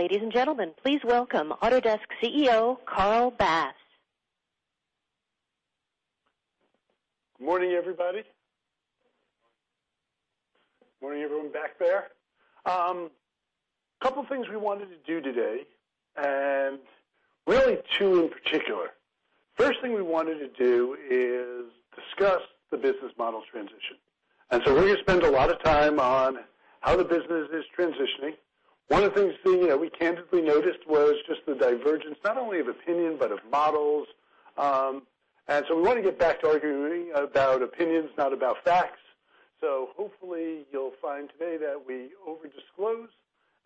Ladies and gentlemen, please welcome Autodesk CEO, Carl Bass. Good morning, everybody. Good morning, everyone back there. A couple of things we wanted to do today, and really two in particular. First thing we wanted to do is discuss the business model transition. We're going to spend a lot of time on how the business is transitioning. One of the things we candidly noticed was just the divergence, not only of opinion, but of models. We want to get back to arguing about opinions, not about facts. Hopefully you'll find today that we over-disclose,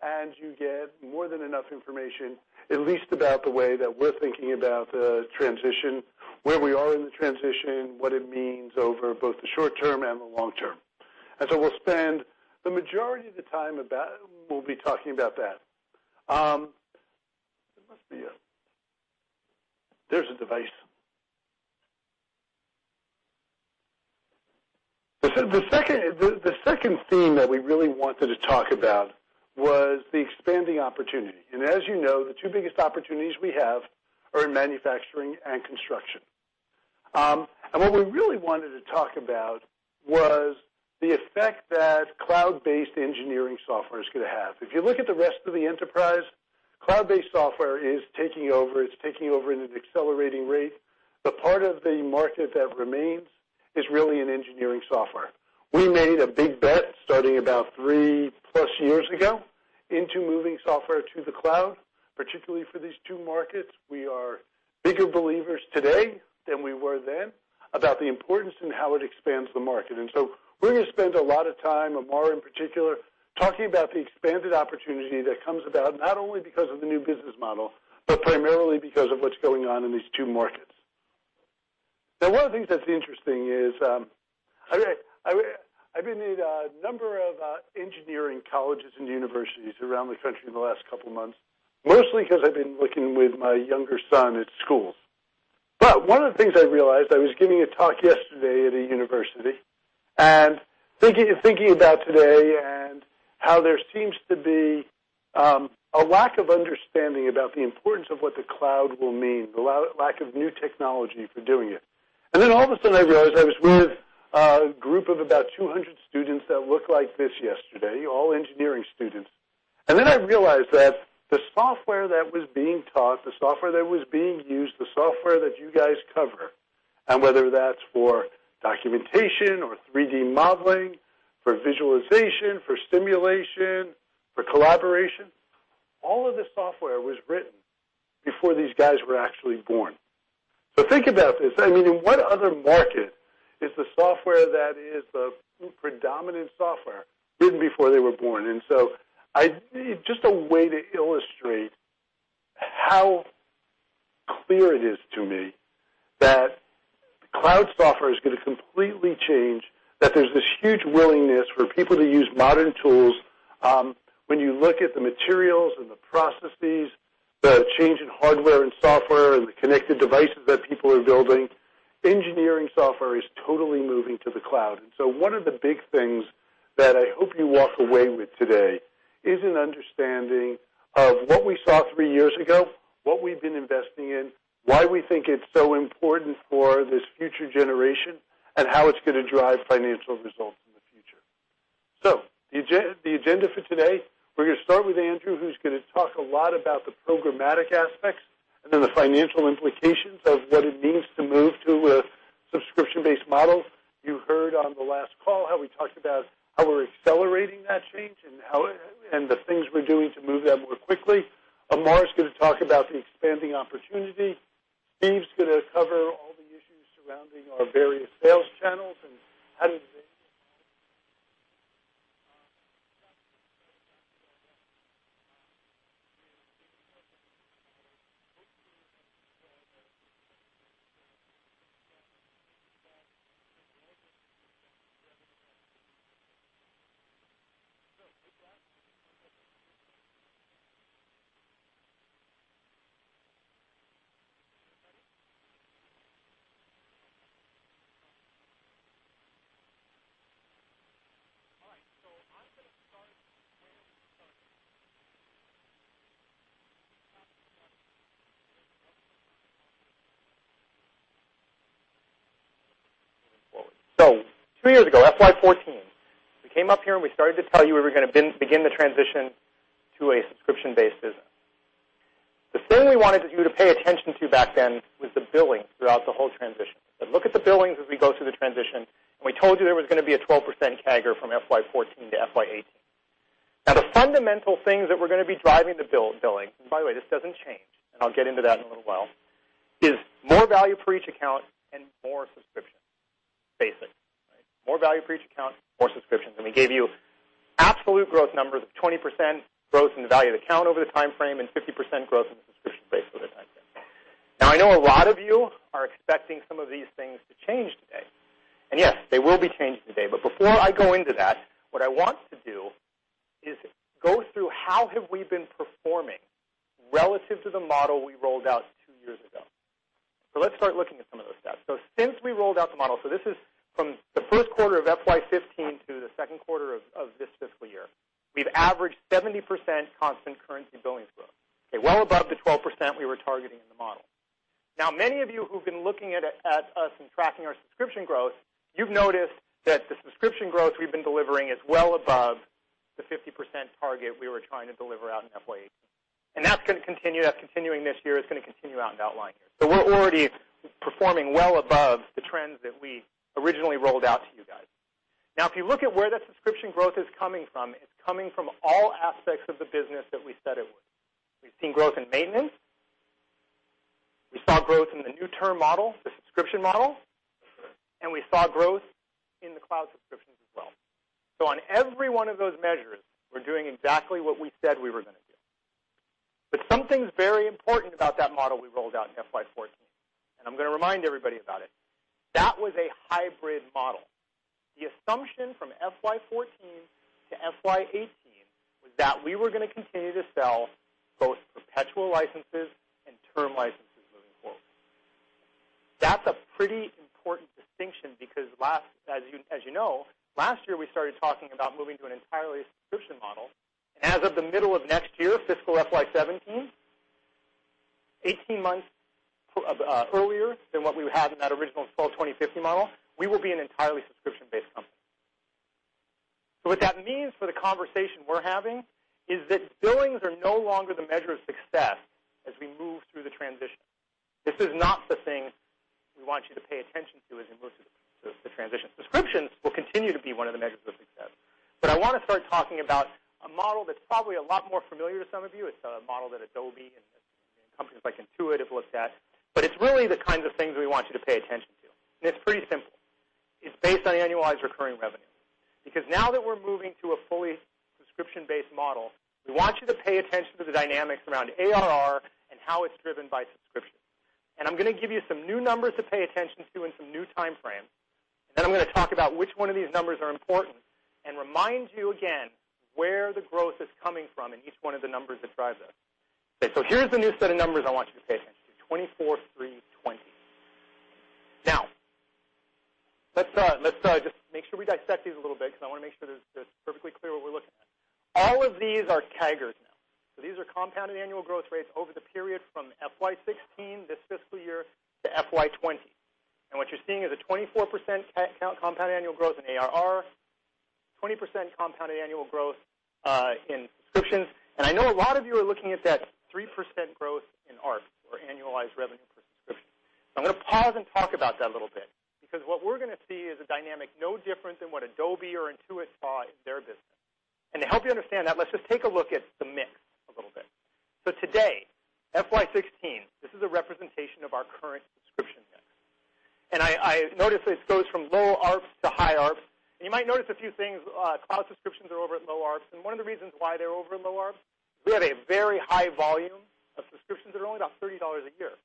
and you get more than enough information, at least about the way that we're thinking about the transition, where we are in the transition, what it means over both the short term and the long term. We'll spend the majority of the time, we'll be talking about that. There's a device. The second theme that we really wanted to talk about was the expanding opportunity. As you know, the two biggest opportunities we have are in manufacturing and construction. What we really wanted to talk about was the effect that cloud-based engineering software is going to have. If you look at the rest of the enterprise, cloud-based software is taking over. It's taking over at an accelerating rate. The part of the market that remains is really in engineering software. We made a big bet starting about three-plus years ago into moving software to the cloud, particularly for these two markets. We are bigger believers today than we were then about the importance and how it expands the market. We're going to spend a lot of time, Amar in particular, talking about the expanded opportunity that comes about not only because of the new business model, but primarily because of what's going on in these two markets. One of the things that's interesting is, I've been to a number of engineering colleges and universities around the country in the last couple of months, mostly because I've been looking with my younger son at schools. One of the things I realized, I was giving a talk yesterday at a university and thinking about today and how there seems to be a lack of understanding about the importance of what the cloud will mean, the lack of new technology for doing it. All of a sudden, I realized I was with a group of about 200 students that looked like this yesterday, all engineering students. I realized that the software that was being taught, the software that was being used, the software that you guys cover, whether that's for documentation or 3D modeling, for visualization, for simulation, for collaboration, all of the software was written before these guys were actually born. Think about this. In what other market is the software that is the predominant software written before they were born? Just a way to illustrate how clear it is to me that cloud software is going to completely change, that there's this huge willingness for people to use modern tools. When you look at the materials and the processes, the change in hardware and software, and the connected devices that people are building, engineering software is totally moving to the cloud. One of the big things that I hope you walk away with today is an understanding of what we saw three years ago, what we've been investing in, why we think it's so important for this future generation, and how it's going to drive financial results in the future. The agenda for today, we're going to start with Andrew, who's going to talk a lot about the programmatic aspects and then the financial implications of what it means to move to a subscription-based model. You heard on the last call how we talked about how we're accelerating that change and the things we're doing to move that more quickly. Amar's going to talk about the expanding opportunity. Steve's going to cover all the issues surrounding our various sales channels. All right. I'm going to start where we started moving forward. Two years ago, FY 2014, we came up here, and we started to tell you we were going to begin the transition to a subscription-based business. The thing we wanted you to pay attention to back then was the billing throughout the whole transition, and look at the billings as we go through the transition. We told you there was going to be a 12% CAGR from FY 2014 to FY 2018. The fundamental things that we're going to be driving the billing, and by the way, this doesn't change, and I'll get into that in a little while, is more value for each account and more subscriptions. Basic. More value for each account, more subscriptions. We gave you absolute growth numbers of 20% growth in the value of the account over the timeframe and 50% growth in the subscription base over the timeframe. I know a lot of you are expecting some of these things to change today. Yes, they will be changing today. Before I go into that, what I want to do is go through how have we been performing relative to the model we rolled out two years ago. Let's start looking at some of those stats. Since we rolled out the model, this is from the first quarter of FY 2015 to the second quarter of this fiscal year, we've averaged 70% constant currency billings growth. Okay? Well above the 12% we were targeting in the model. Many of you who've been looking at us and tracking our subscription growth, you've noticed that the subscription growth we've been delivering is well above the 50% target we were trying to deliver out in FY 2018. That's going to continue. That's continuing this year. It's going to continue out in outlying years. We're already performing well above the trends that we originally rolled out to you guys. If you look at where that subscription growth is coming from, it's coming from all aspects of the business that we said it would. We've seen growth in maintenance. We saw growth in the new term model, the subscription model. We saw growth in the cloud subscriptions as well. On every one of those measures, we're doing exactly what we said we were going to do. Something's very important about that model we rolled out in FY 2014, and I'm going to remind everybody about it. That was a hybrid model. The assumption from FY 2014 to FY 2018 was that we were going to continue to sell both perpetual licenses and term licenses moving forward. That's a pretty important distinction because as you know, last year we started talking about moving to an entirely subscription model. As of the middle of next year, fiscal FY 2017, 18 months earlier than what we had in that original 12, 20, 50 model, we will be an entirely subscription-based company. What that means for the conversation we're having is that billings are no longer the measure of success as we move through the transition. This is not the thing we want you to pay attention to as we move through the transition. Subscriptions will continue to be one of the measures of success, I want to start talking about a model that's probably a lot more familiar to some of you. It's a model that Adobe and companies like Intuit have looked at, it's really the kinds of things we want you to pay attention to. It's pretty simple. It's based on annualized recurring revenue. Now that we're moving to a fully subscription-based model, we want you to pay attention to the dynamics around ARR and how it's driven by subscription. I'm going to give you some new numbers to pay attention to and some new time frames. Then I'm going to talk about which one of these numbers are important and remind you again where the growth is coming from in each one of the numbers that drive those. Here's the new set of numbers I want you to pay attention to, 24, 3, 20. Let's just make sure we dissect these a little bit because I want to make sure that it's perfectly clear what we're looking at. All of these are CAGRs now. These are compounded annual growth rates over the period from FY 2016, this fiscal year, to FY 2020. What you're seeing is a 24% compound annual growth in ARR, 20% compounded annual growth in subscriptions. I know a lot of you are looking at that 3% growth in ARPS or annualized revenue per subscription. I'm going to pause and talk about that a little bit, because what we're going to see is a dynamic no different than what Adobe or Intuit saw in their business. To help you understand that, let's just take a look at the mix a little bit. Today, FY 2016, this is a representation of our current subscription mix. I notice this goes from low ARPS to high ARPS. You might notice a few things. Cloud subscriptions are over at low ARPS, and one of the reasons why they're over in low ARPS, we have a very high volume of subscriptions that are only about $30 a year.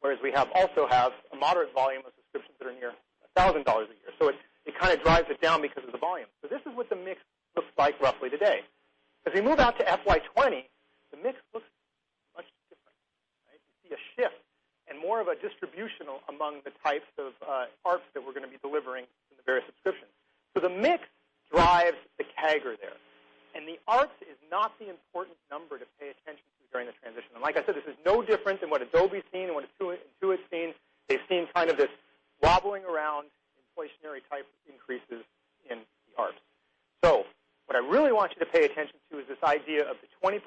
Whereas we also have a moderate volume of subscriptions that are near $1,000 a year. It kind of drives it down because of the volume. This is what the mix looks like roughly today. As we move out to FY 2020, the mix looks much different. Right? You see a shift and more of a distribution among the types of ARPS that we're going to be delivering from the various subscriptions. The mix drives the CAGR there, and the ARPS is not the important number to pay attention to during the transition. Like I said, this is no different than what Adobe's seen and what Intuit's seen. They've seen kind of this wobbling around inflationary-type increases in the ARPS. What I really want you to pay attention to is this idea of the 20%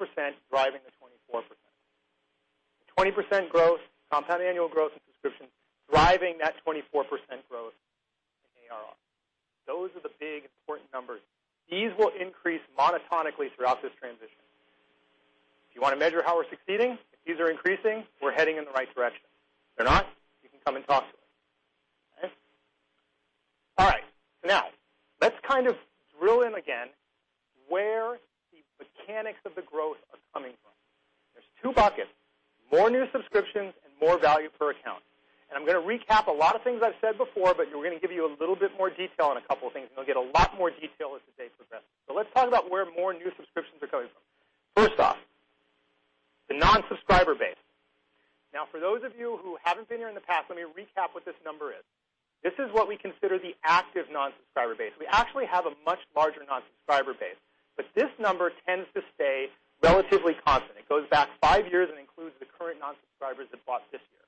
driving the 24%. The 20% growth, compound annual growth and subscription, driving that 24% growth in ARR. Those are the big, important numbers. These will increase monotonically throughout this transition. If you want to measure how we're succeeding, if these are increasing, we're heading in the right direction. If they're not, you can come and talk to us. Okay? All right. Now let's kind of drill in again where the mechanics of the growth are coming from. There's two buckets, more new subscriptions and more value per account. I'm going to recap a lot of things I've said before, but we're going to give you a little bit more detail on a couple of things, and you'll get a lot more detail as the day progresses. Let's talk about where more new subscriptions are coming from. First off, the non-subscriber base. For those of you who haven't been here in the past, let me recap what this number is. This is what we consider the active non-subscriber base. We actually have a much larger non-subscriber base, but this number tends to stay relatively constant. It goes back 5 years and includes the current non-subscribers that bought this year.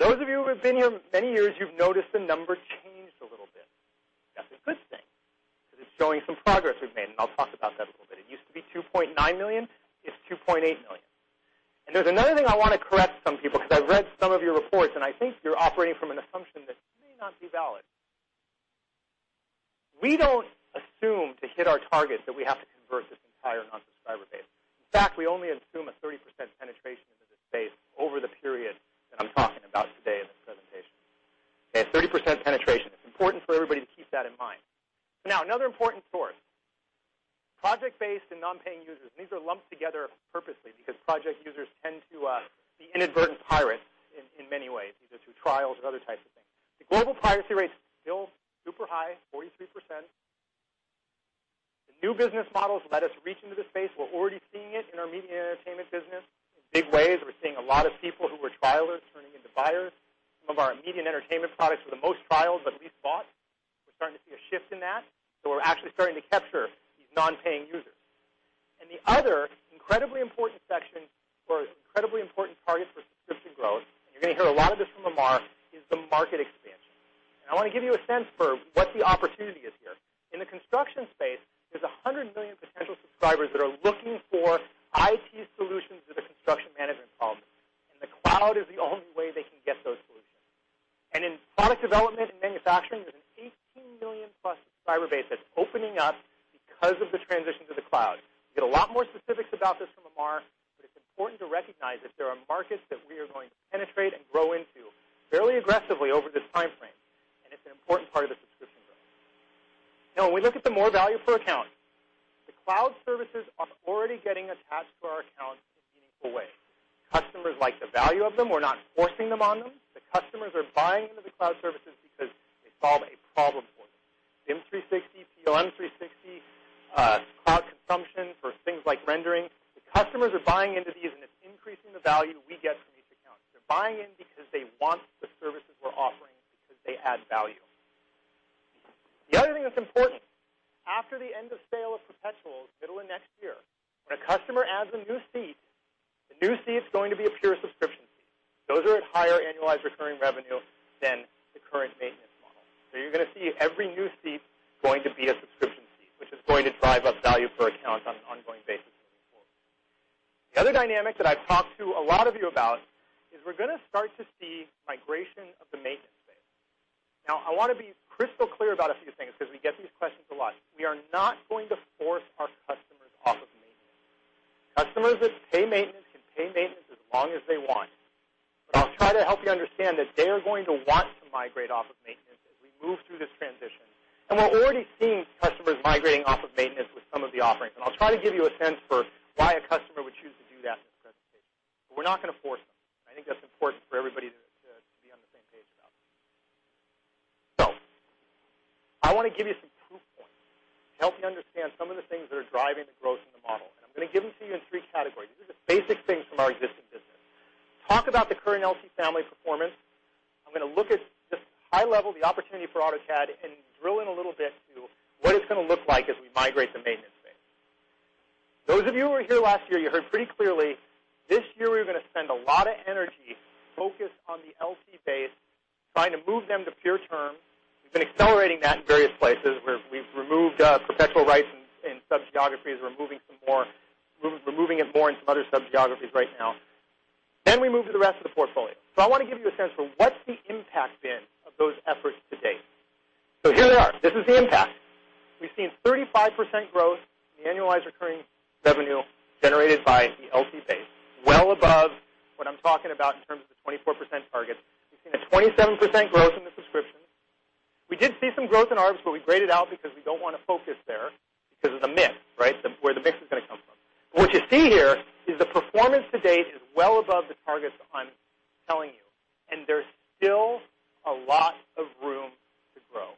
Those of you who have been here many years, you've noticed the number changed a little bit. That's a good thing because it's showing some progress we've made, and I'll talk about that a little bit. It used to be 2.9 million. It's 2.8 million. There's another thing I want to correct some people because I've read some of your reports, and I think you're operating from an assumption that may not be valid. We don't assume to hit our targets that we have to convert this entire non-subscriber base. In fact, we only assume a 30% penetration into this space over the period that I'm talking about today in this presentation. Okay, a 30% penetration. It's important for everybody to keep that in mind. Now another important source, project-based and non-paying users. These are lumped together purposely because project users tend to be inadvertent pirates in many ways, either through trials or other types of things. The global piracy rate is still super high, 43%. The new business models let us reach into the space. We're already seeing it in our media and entertainment business in big ways. We're seeing a lot of people who were trialers turning into buyers. Some of our immediate entertainment products were the most trialed, but least bought. We're starting to see a shift in that. We're actually starting to capture these non-paying users. The other incredibly important section, or incredibly important target for subscription growth, and you're going to hear a lot of this from Amar, is the market expansion. I want to give you a sense for what the opportunity is here. In the construction space, there's 100 million potential subscribers that are looking for IT solutions to their construction management problems, and the cloud is the only way they can get those solutions. In product development and manufacturing, there's an 18 million-plus subscriber base that's opening up because of the transition to the cloud. You'll get a lot more specifics about this from Amar, but it's important to recognize that there are markets that we are going to penetrate and grow into fairly aggressively over this timeframe, and it's an important part of the subscription growth. When we look at the more value per account, the cloud services are already getting attached to our accounts in a meaningful way. Customers like the value of them. We're not forcing them on them. The customers are buying into the cloud services because they solve a problem for them. BIM 360, PLM 360, cloud consumption for things like rendering. The customers are buying into these, and it's increasing the value we get from each account. They're buying in because they want the services we're offering because they add value. The other thing that's important, after the end of sale of perpetuals, middle of next year, when a customer adds a new seat, the new seat's going to be a pure subscription seat. Those are at higher annualized recurring revenue than the current maintenance model. You're going to see every new seat going to be a subscription seat, which is going to drive up value per account on an ongoing basis going forward. The other dynamic that I've talked to a lot of you about is we're going to start to see migration of the maintenance base. I want to be crystal clear about a few things because we get these questions a lot. We are not going to force our customers off of maintenance. Customers that pay maintenance can pay maintenance as long as they want. I'll try to help you understand that they are going to want to migrate off of maintenance as we move through this transition, and we're already seeing customers migrating off of maintenance with some of the offerings. I'll try to give you a sense for why a customer would choose to do that in this presentation. We're not going to force them. I think that's important for everybody to be on the same page about. I want to give you some proof points to help you understand some of the things that are driving the growth in the model, and I'm going to give them to you in 3 categories. These are the basic things from our existing business. Talk about the current LT family performance. I'm going to look at just high level, the opportunity for AutoCAD, and drill in a little bit to what it's going to look like as we migrate the maintenance base. Those of you who were here last year, you heard pretty clearly this year we're going to spend a lot of energy focused on the LT base, trying to move them to pure term. We've been accelerating that in various places, where we've removed perpetual rights in sub-geographies. We're moving it more in some other sub-geographies right now. We move to the rest of the portfolio. I want to give you a sense for what's the impact been of those efforts to date. Here they are. This is the impact. We've seen 35% growth in the annualized recurring revenue generated by the LT base, well above what I'm talking about in terms of the 24% target. We've seen a 27% growth in the subscriptions. We did see some growth in ARPS, but we grayed it out because we don't want to focus there because of the mix, right? Where the mix is going to come from. What you see here is the performance to date is well above the targets I'm telling you, and there's still a lot of room to grow.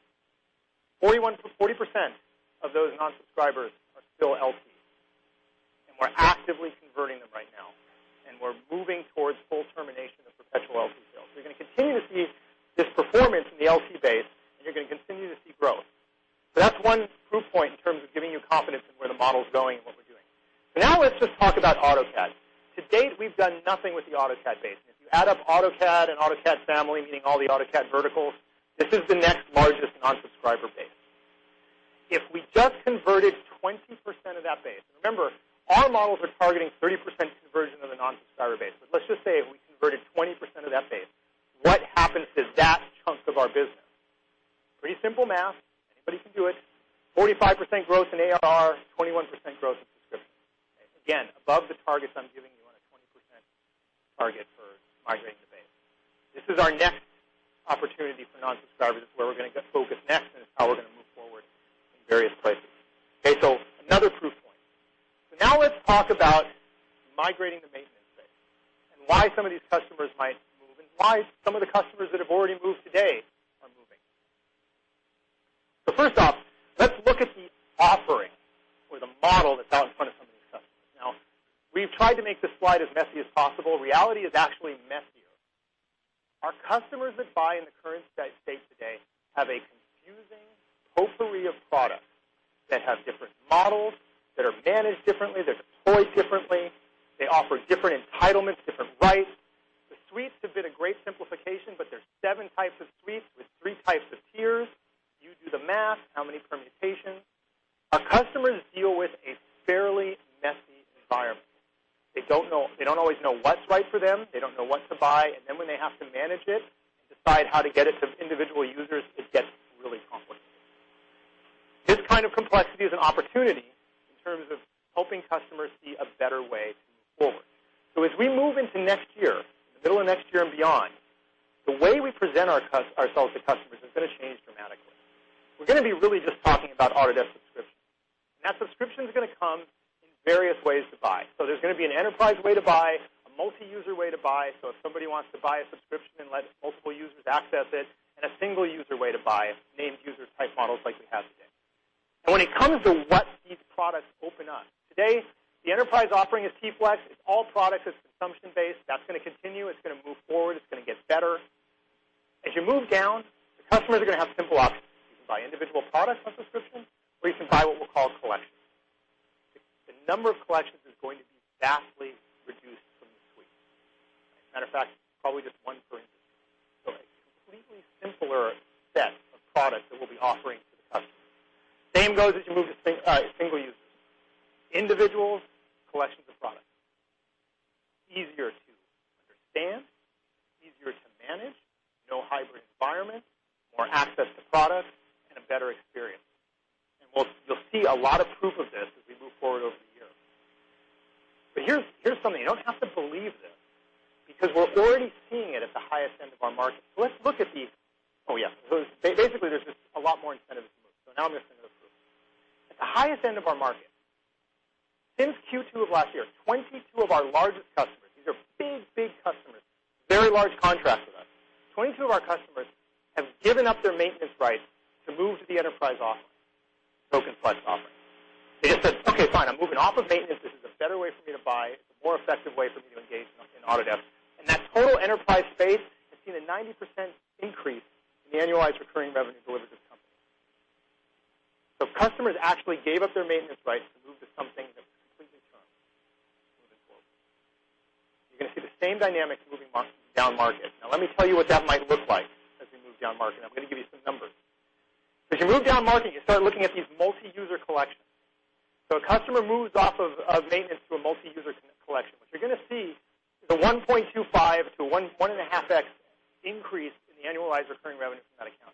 40% of those non-subscribers are still LTs, and we're actively converting them right now, and we're moving towards full termination of perpetual LT sales. You're going to continue to see this performance in the LT base, and you're going to continue to see growth. That's one proof point in terms of giving you confidence in where the model's going and what we're doing. Now let's just talk about AutoCAD. To date, we've done nothing with the AutoCAD base. If you add up AutoCAD and AutoCAD family, meaning all the AutoCAD verticals, this is the next largest non-subscriber base. If we just converted 20% of that base, remember, our models are targeting 30% conversion of the non-subscriber base. Let's just say if we converted 20% of that base, what happens to that chunk of our business? Pretty simple math. Anybody can do it. 45% growth in ARR, 21% growth in subscriptions. Again, above the targets I'm giving you on a 20% target for migrating the base. This is our next opportunity for non-subscribers. This is where we're going to focus next, and it's how we're going to move forward in various places. Okay, another proof point. Now let's talk about migrating the maintenance base and why some of these customers might move, and why some of the customers that have already moved today are moving. First off, let's look at the offering or the model that's out in front of some of these customers. We've tried to make this slide as messy as possible. Reality is actually messier. Our customers that buy in the current state today have a confusing potpourri of products that have different models, that are managed differently, they're deployed differently, they offer different entitlements, different rights. The suites have been a great simplification, but there's 7 types of suites with 3 types of tiers. You do the math, how many permutations. Our customers deal with a fairly messy environment. They don't always know what's right for them. They don't know what to buy. Then when they have to manage it and decide how to get it to individual users, it gets really complicated. This kind of complexity is an opportunity in terms of helping customers see a better way to move forward. As we move into next year, the middle of next year and beyond, the way we present ourselves to customers is going to change dramatically. We're going to be really just talking about Autodesk Subscription. That subscription's going to come. Various ways to buy. There's going to be an enterprise way to buy, a multi-user way to buy, so if somebody wants to buy a subscription and let multiple users access it, and a single-user way to buy it, named user type models like we have today. When it comes to what these products open up, today, the enterprise offering is T-FLEX. It's all product, it's consumption-based. That's going to continue, it's going to move forward, it's going to get better. As you move down, the customers are going to have simple options. You can buy individual products on subscription, or you can buy what we'll call collections. The number of collections is going to be vastly reduced from this week. As a matter of fact, probably just one per industry. A completely simpler set of products that we'll be offering to the customer. Same goes as you move to single users. Individuals, collections of products. Easier to understand, easier to manage, no hybrid environment, more access to products, and a better experience. You'll see a lot of proof of this as we move forward over the years. Here's something. You don't have to believe this, because we're already seeing it at the highest end of our market. Let's look at these. Oh, yes. Basically, there's just a lot more incentive to move. Now I'm going to send it over to you. At the highest end of our market, since Q2 of last year, 22 of our largest customers, these are big customers, very large contracts with us. 22 of our customers have given up their maintenance rights to move to the enterprise offering, Token Flex offering. They just said, "Okay, fine, I'm moving off of maintenance. This is a better way for me to buy. It's a more effective way for me to engage in Autodesk. That total enterprise space has seen a 90% increase in annualized recurring revenue delivered to the company. Customers actually gave up their maintenance rights to move to something that was completely different moving forward. You're going to see the same dynamics moving downmarket. Let me tell you what that might look like as we move downmarket. I'm going to give you some numbers. As you move downmarket, you start looking at these multi-user collections. A customer moves off of maintenance to a multi-user collection. What you're going to see is a 1.25x-1.5x increase in the annualized recurring revenue from that account.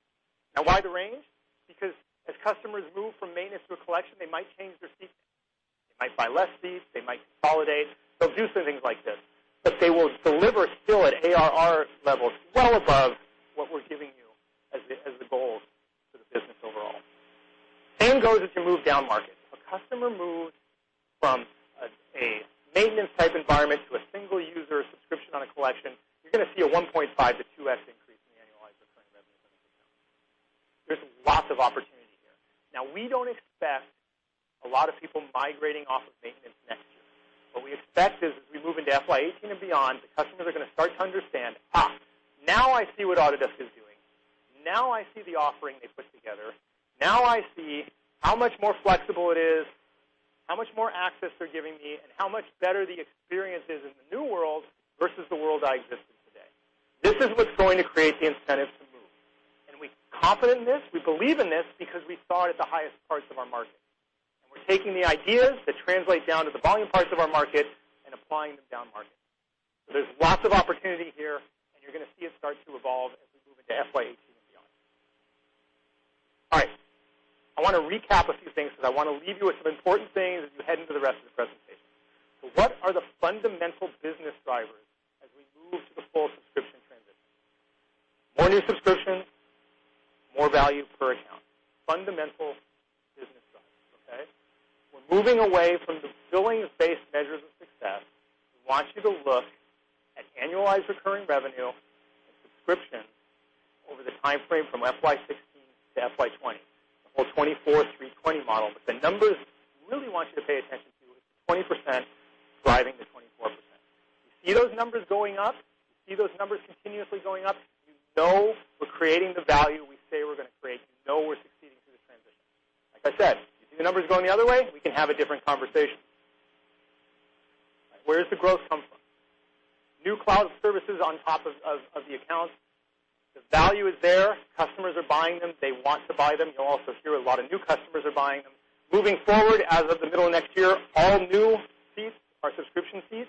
Why the range? As customers move from maintenance to a collection, they might change their seats. They might buy less seats, they might consolidate. They'll do some things like this, but they will deliver still at ARR levels well above what we're giving you as the goals for the business overall. Same goes as you move downmarket. If a customer moves from a maintenance type environment to a single user subscription on a collection, you're going to see a 1.5x to 2x increase in the annualized recurring revenue from that account. There's lots of opportunity here. We don't expect a lot of people migrating off of maintenance next year. What we expect is, as we move into FY 2018 and beyond, the customers are going to start to understand, now I see what Autodesk is doing. Now I see the offering they put together. I see how much more flexible it is, how much more access they're giving me, and how much better the experience is in the new world versus the world I exist in today. This is what's going to create the incentive to move. We're confident in this, we believe in this because we saw it at the highest parts of our market. We're taking the ideas that translate down to the volume parts of our market and applying them downmarket. There's lots of opportunity here, and you're going to see it start to evolve as we move into FY 2018 and beyond. I want to recap a few things because I want to leave you with some important things as we head into the rest of the presentation. What are the fundamental business drivers as we move to the full subscription transition? More new subscriptions, more value per account. Fundamental business drivers, okay? We're moving away from the billing and space measures of success. We want you to look at annualized recurring revenue and subscription over the time frame from FY 2016 to FY 2020. The whole 24, 3, 20 model, but the numbers we really want you to pay attention to is the 20% driving the 24%. You see those numbers going up? You see those numbers continuously going up? You know we're creating the value we say we're going to create. You know we're succeeding through the transition. Like I said, if you see the numbers going the other way, we can have a different conversation. Where does the growth come from? New cloud services on top of the accounts. The value is there. Customers are buying them. They want to buy them. You'll also hear a lot of new customers are buying them. Moving forward, as of the middle of next year, all new fees are subscription fees.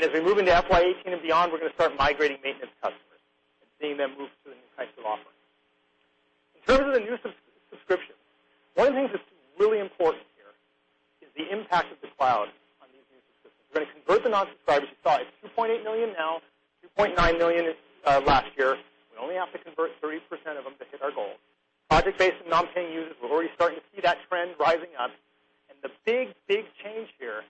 As we move into FY 2018 and beyond, we're going to start migrating maintenance customers and seeing them move to the new types of offerings. In terms of the new subscriptions, one of the things that's really important here is the impact of the cloud on these new subscriptions. We're going to convert the non-subscribers. You saw it's $2.8 million now, $2.9 million last year. We only have to convert 30% of them to hit our goals. Project-based and non-paying users, we're already starting to see that trend rising up. The big change here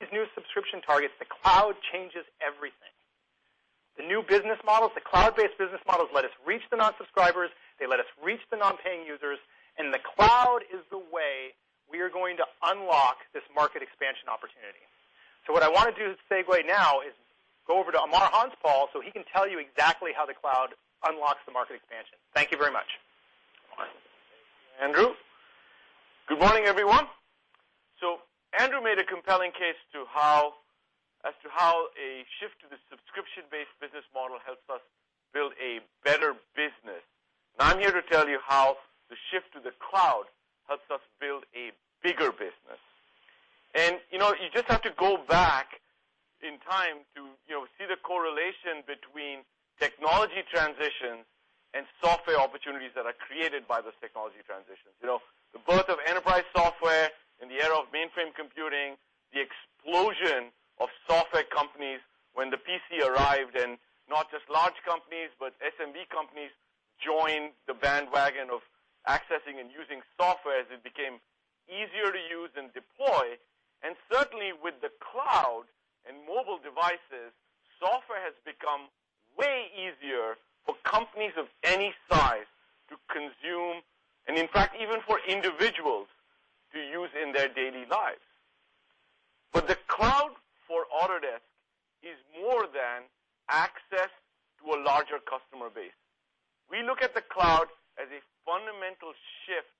is new subscription targets. The cloud changes everything. The new business models, the cloud-based business models let us reach the non-subscribers, they let us reach the non-paying users. The cloud is the way we are going to unlock this market expansion opportunity. What I want to do as a segue now is go over to Amar Hanspal so he can tell you exactly how the cloud unlocks the market expansion. Thank you very much. Amar. Thank you, Andrew. Good morning, everyone. Andrew made a compelling case as to how a shift to the subscription-based business model helps us build a better business. Now, I'm here to tell you how the shift to the cloud helps us build a bigger business. You just have to go back in time to see the correlation between technology transition and software opportunities that are created by those technology transitions. The birth of enterprise software in the era of mainframe computing, companies when the PC arrived, and not just large companies, but SMB companies joined the bandwagon of accessing and using software as it became easier to use and deploy. Certainly, with the cloud and mobile devices, software has become way easier for companies of any size to consume, and in fact, even for individuals to use in their daily lives. The cloud for Autodesk is more than access to a larger customer base. We look at the cloud as a fundamental shift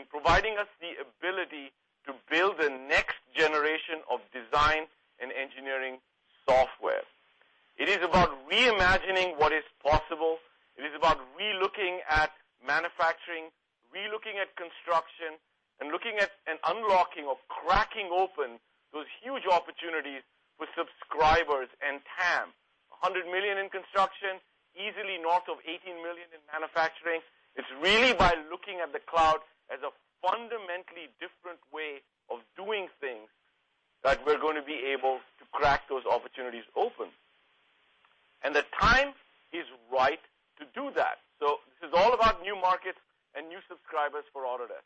in providing us the ability to build the next generation of design and engineering software. It is about reimagining what is possible. It is about re-looking at manufacturing, re-looking at construction, and looking at an unlocking or cracking open those huge opportunities with subscribers and TAM. $100 million in construction, easily north of $18 million in manufacturing. It's really by looking at the cloud as a fundamentally different way of doing things that we're going to be able to crack those opportunities open. The time is right to do that. This is all about new markets and new subscribers for Autodesk.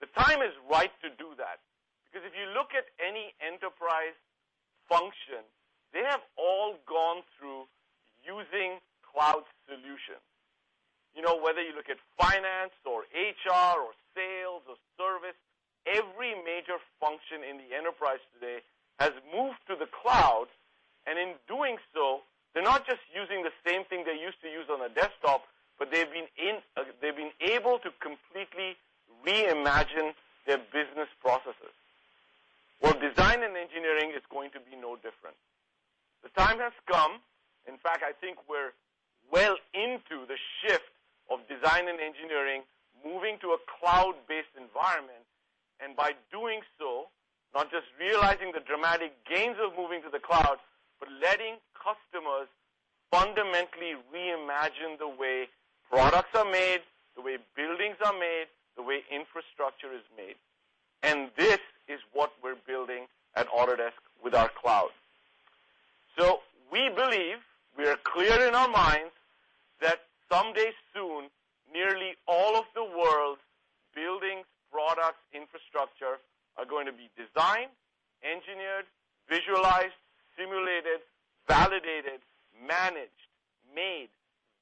The time is right to do that because if you look at any enterprise function, they have all gone through using cloud solutions. Whether you look at finance or HR or sales or service, every major function in the enterprise today has moved to the cloud. In doing so, they're not just using the same thing they used to use on a desktop, but they've been able to completely reimagine their business processes. Well, design and engineering is going to be no different. The time has come. In fact, I think we're well into the shift of design and engineering moving to a cloud-based environment. By doing so, not just realizing the dramatic gains of moving to the cloud, but letting customers fundamentally reimagine the way products are made, the way buildings are made, the way infrastructure is made. This is what we're building at Autodesk with our cloud. We believe, we are clear in our minds, that someday soon, nearly all of the world's buildings, products, infrastructure are going to be designed, engineered, visualized, simulated, validated, managed, made,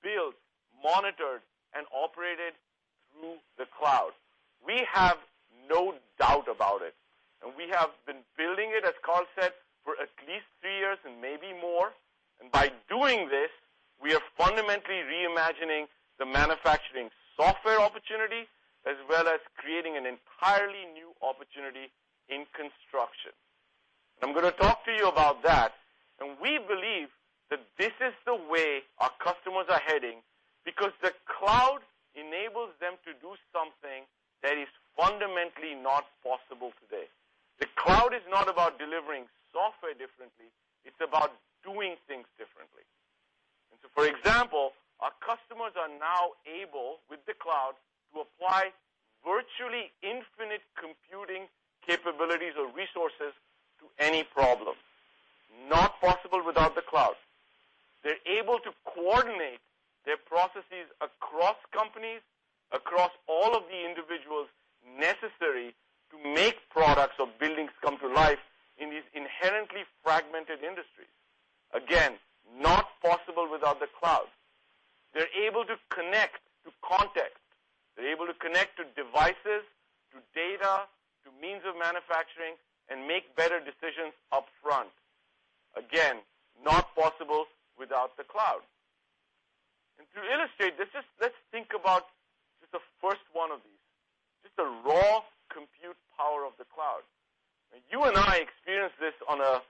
built, monitored, and operated through the cloud. We have no doubt about it. We have been building it, as Carl said, for at least three years and maybe more. By doing this, we are fundamentally reimagining the manufacturing software opportunity, as well as creating an entirely new opportunity in construction. I'm going to talk to you about that. We believe that this is the way our customers are heading because the cloud enables them to do something that is fundamentally not possible today. The cloud is not about delivering software differently, it's about doing things differently. For example, our customers are now able, with the cloud, to apply virtually infinite computing capabilities or resources to any problem. Not possible without the cloud. They're able to coordinate their processes across companies, across all of the individuals necessary to make products or buildings come to life in these inherently fragmented industries. Again, not possible without the cloud. They're able to connect to context. They're able to connect to devices, to data, to means of manufacturing, and make better decisions upfront. Again, not possible without the cloud. To illustrate this, let's think about just the first one of these, just the raw compute power of the cloud. You and I experience this on a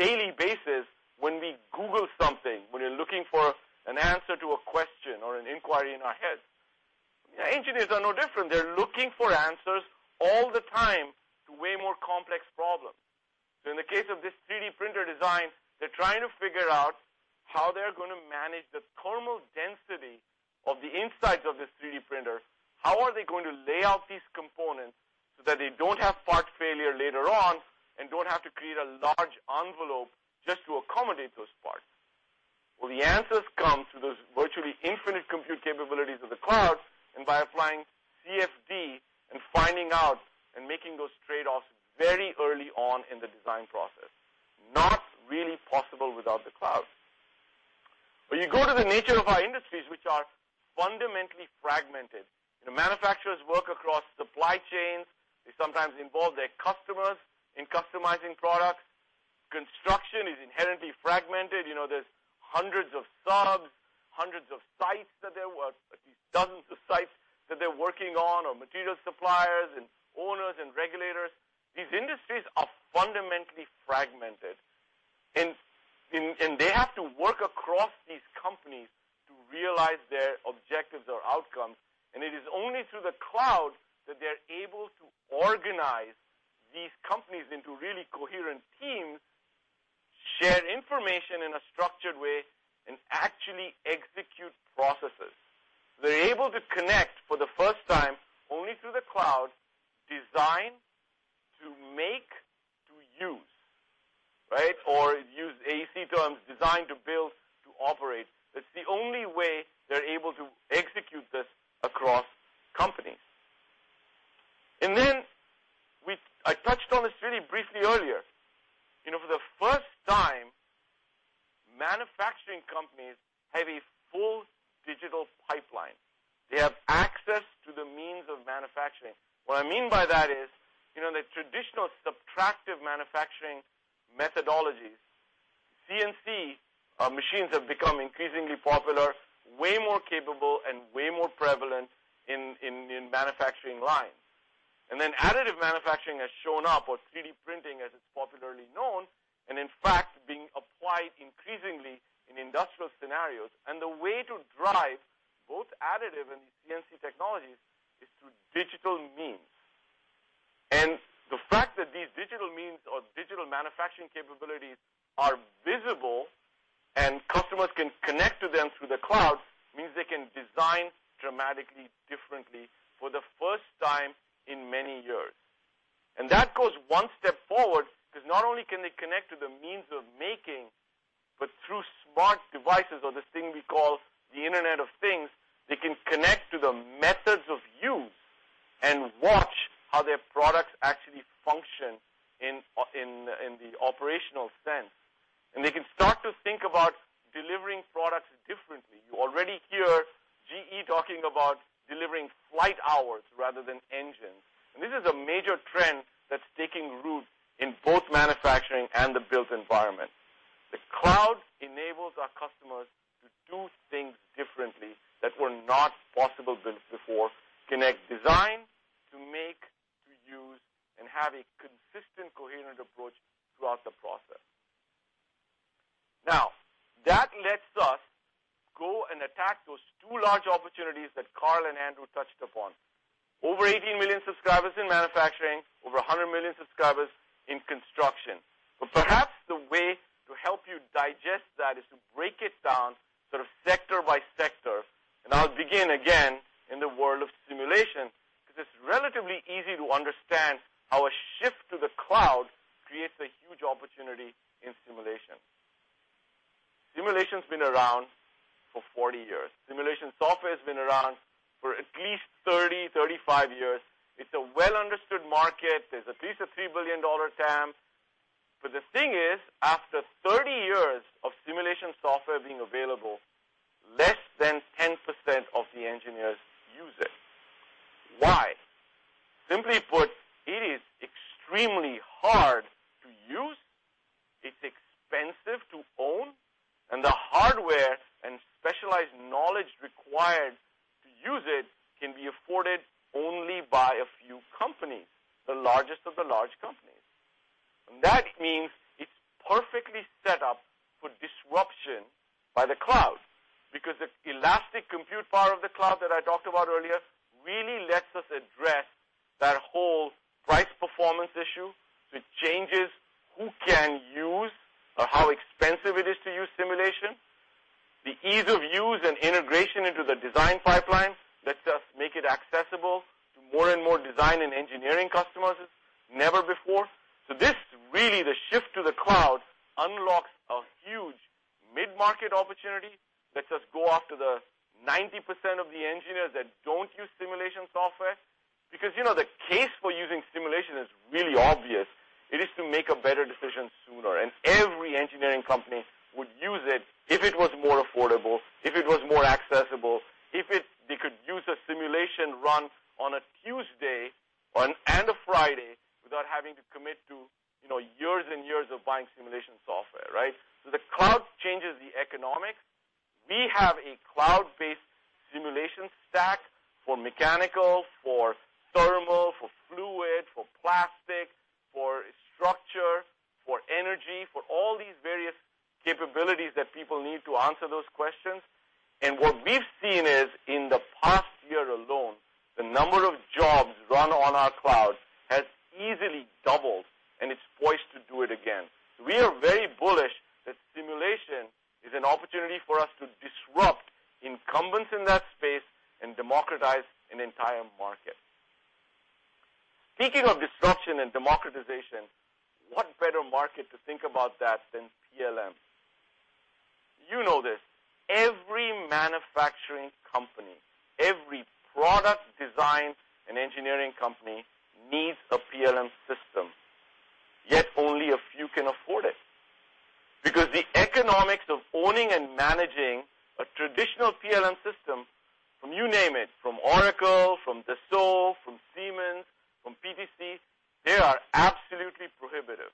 daily basis when we Google something, when we're looking for an answer to a question or an inquiry in our head. Engineers are no different. They're looking for answers all the time to way more complex problems. In the case of this 3D printer design, they're trying to figure out how they're going to manage the thermal density of the insides of this 3D printer. How are they going to lay out these components so that they don't have part failure later on and don't have to create a large envelope just to accommodate those parts? The answers come through those virtually infinite compute capabilities of the cloud and by applying CFD and finding out and making those trade-offs very early on in the design process. Not really possible without the cloud. You go to the nature of our industries, which are fundamentally fragmented. The manufacturers work across supply chains. They sometimes involve their customers in customizing products. Construction is inherently fragmented. There's hundreds of subs, hundreds of sites that they work, dozens of sites that they're working on, or material suppliers and owners and regulators. These industries are fundamentally fragmented, and they have to work across these companies to realize their objectives or outcomes. It is only through the cloud that they're able to organize these companies into really coherent teams, share information in a structured way, and actually execute processes. They're able to connect for the first time only through the cloud, design to make to use. Or use AEC terms, design to build to operate. That's the only way they're able to execute this across companies. Then I touched on this really briefly earlier. For the first time, manufacturing companies have a full digital pipeline. They have access to the means of manufacturing. What I mean by that is, the traditional subtractive manufacturing methodologies, CNC machines have become increasingly popular, way more capable, and way more prevalent in manufacturing lines. Additive manufacturing has shown up, or 3D printing, as it's popularly known, and in fact, being applied increasingly in industrial scenarios. The way to drive both additive and CNC technologies is through digital means. The fact that these digital means or digital manufacturing capabilities are visible and customers can connect to them through the cloud means they can design dramatically differently for the first time in many years. That goes one step forward because not only can they connect to the means of making, but through smart devices or this thing we call the Internet of Things, they can connect to the methods of use and watch how their products actually function in the operational sense. They can start to think about delivering products differently. You already hear GE talking about delivering flight hours rather than engines. This is a major trend that's taking root in both manufacturing and the built environment. The cloud enables our customers to do things differently that were not possible before, connect design to make to use, and have a consistent, coherent approach throughout the process. That lets us go and attack those two large opportunities that Carl and Andrew touched upon. Over 18 million subscribers in manufacturing, over 100 million subscribers in construction. Perhaps the way to help you digest that is to break it down sort of sector by sector, and I'll begin again in the world of simulation, because it's relatively easy to understand how a shift to the cloud creates a huge opportunity in simulation. Simulation's been around for 40 years. Simulation software has been around for at least 30, 35 years. It's a well-understood market. There's at least a $3 billion TAM. The thing is, after 30 years of simulation software being available, less than 10% of the engineers use it. Why? Simply put, it is extremely hard to use, it's expensive to own, and the hardware and specialized knowledge required to use it can be afforded only by a few companies, the largest of the large companies. That means it's perfectly set up for disruption by the cloud, because the elastic compute power of the cloud that I talked about earlier really lets us address that whole price-performance issue, which changes who can use or how expensive it is to use simulation. The ease of use and integration into the design pipeline lets us make it accessible to more and more design and engineering customers than ever before. This, really, the shift to the cloud unlocks a huge mid-market opportunity that says go after the 90% of the engineers that don't use simulation software. The case for using simulation is really obvious. It is to make a better decision sooner, and every engineering company would use it if it was more affordable, if it was more accessible, if they could use a simulation run on a Tuesday and a Friday without having to commit to years and years of buying simulation software, right? The cloud changes the economics. We have a cloud-based simulation stack for mechanical, for thermal, for fluid, for plastic, for structure, for energy, for all these various capabilities that people need to answer those questions. What we've seen is in the past year alone, the number of jobs run on our cloud has easily doubled, and it's poised to do it again. We are very bullish that simulation is an opportunity for us to disrupt incumbents in that space and democratize an entire market. Speaking of disruption and democratization, what better market to think about that than PLM? You know this. Every manufacturing company, every product design and engineering company needs a PLM system. Yet only a few can afford it. Because the economics of owning and managing a traditional PLM system from, you name it, from Oracle, from Dassault, from Siemens, from PTC, they are absolutely prohibitive.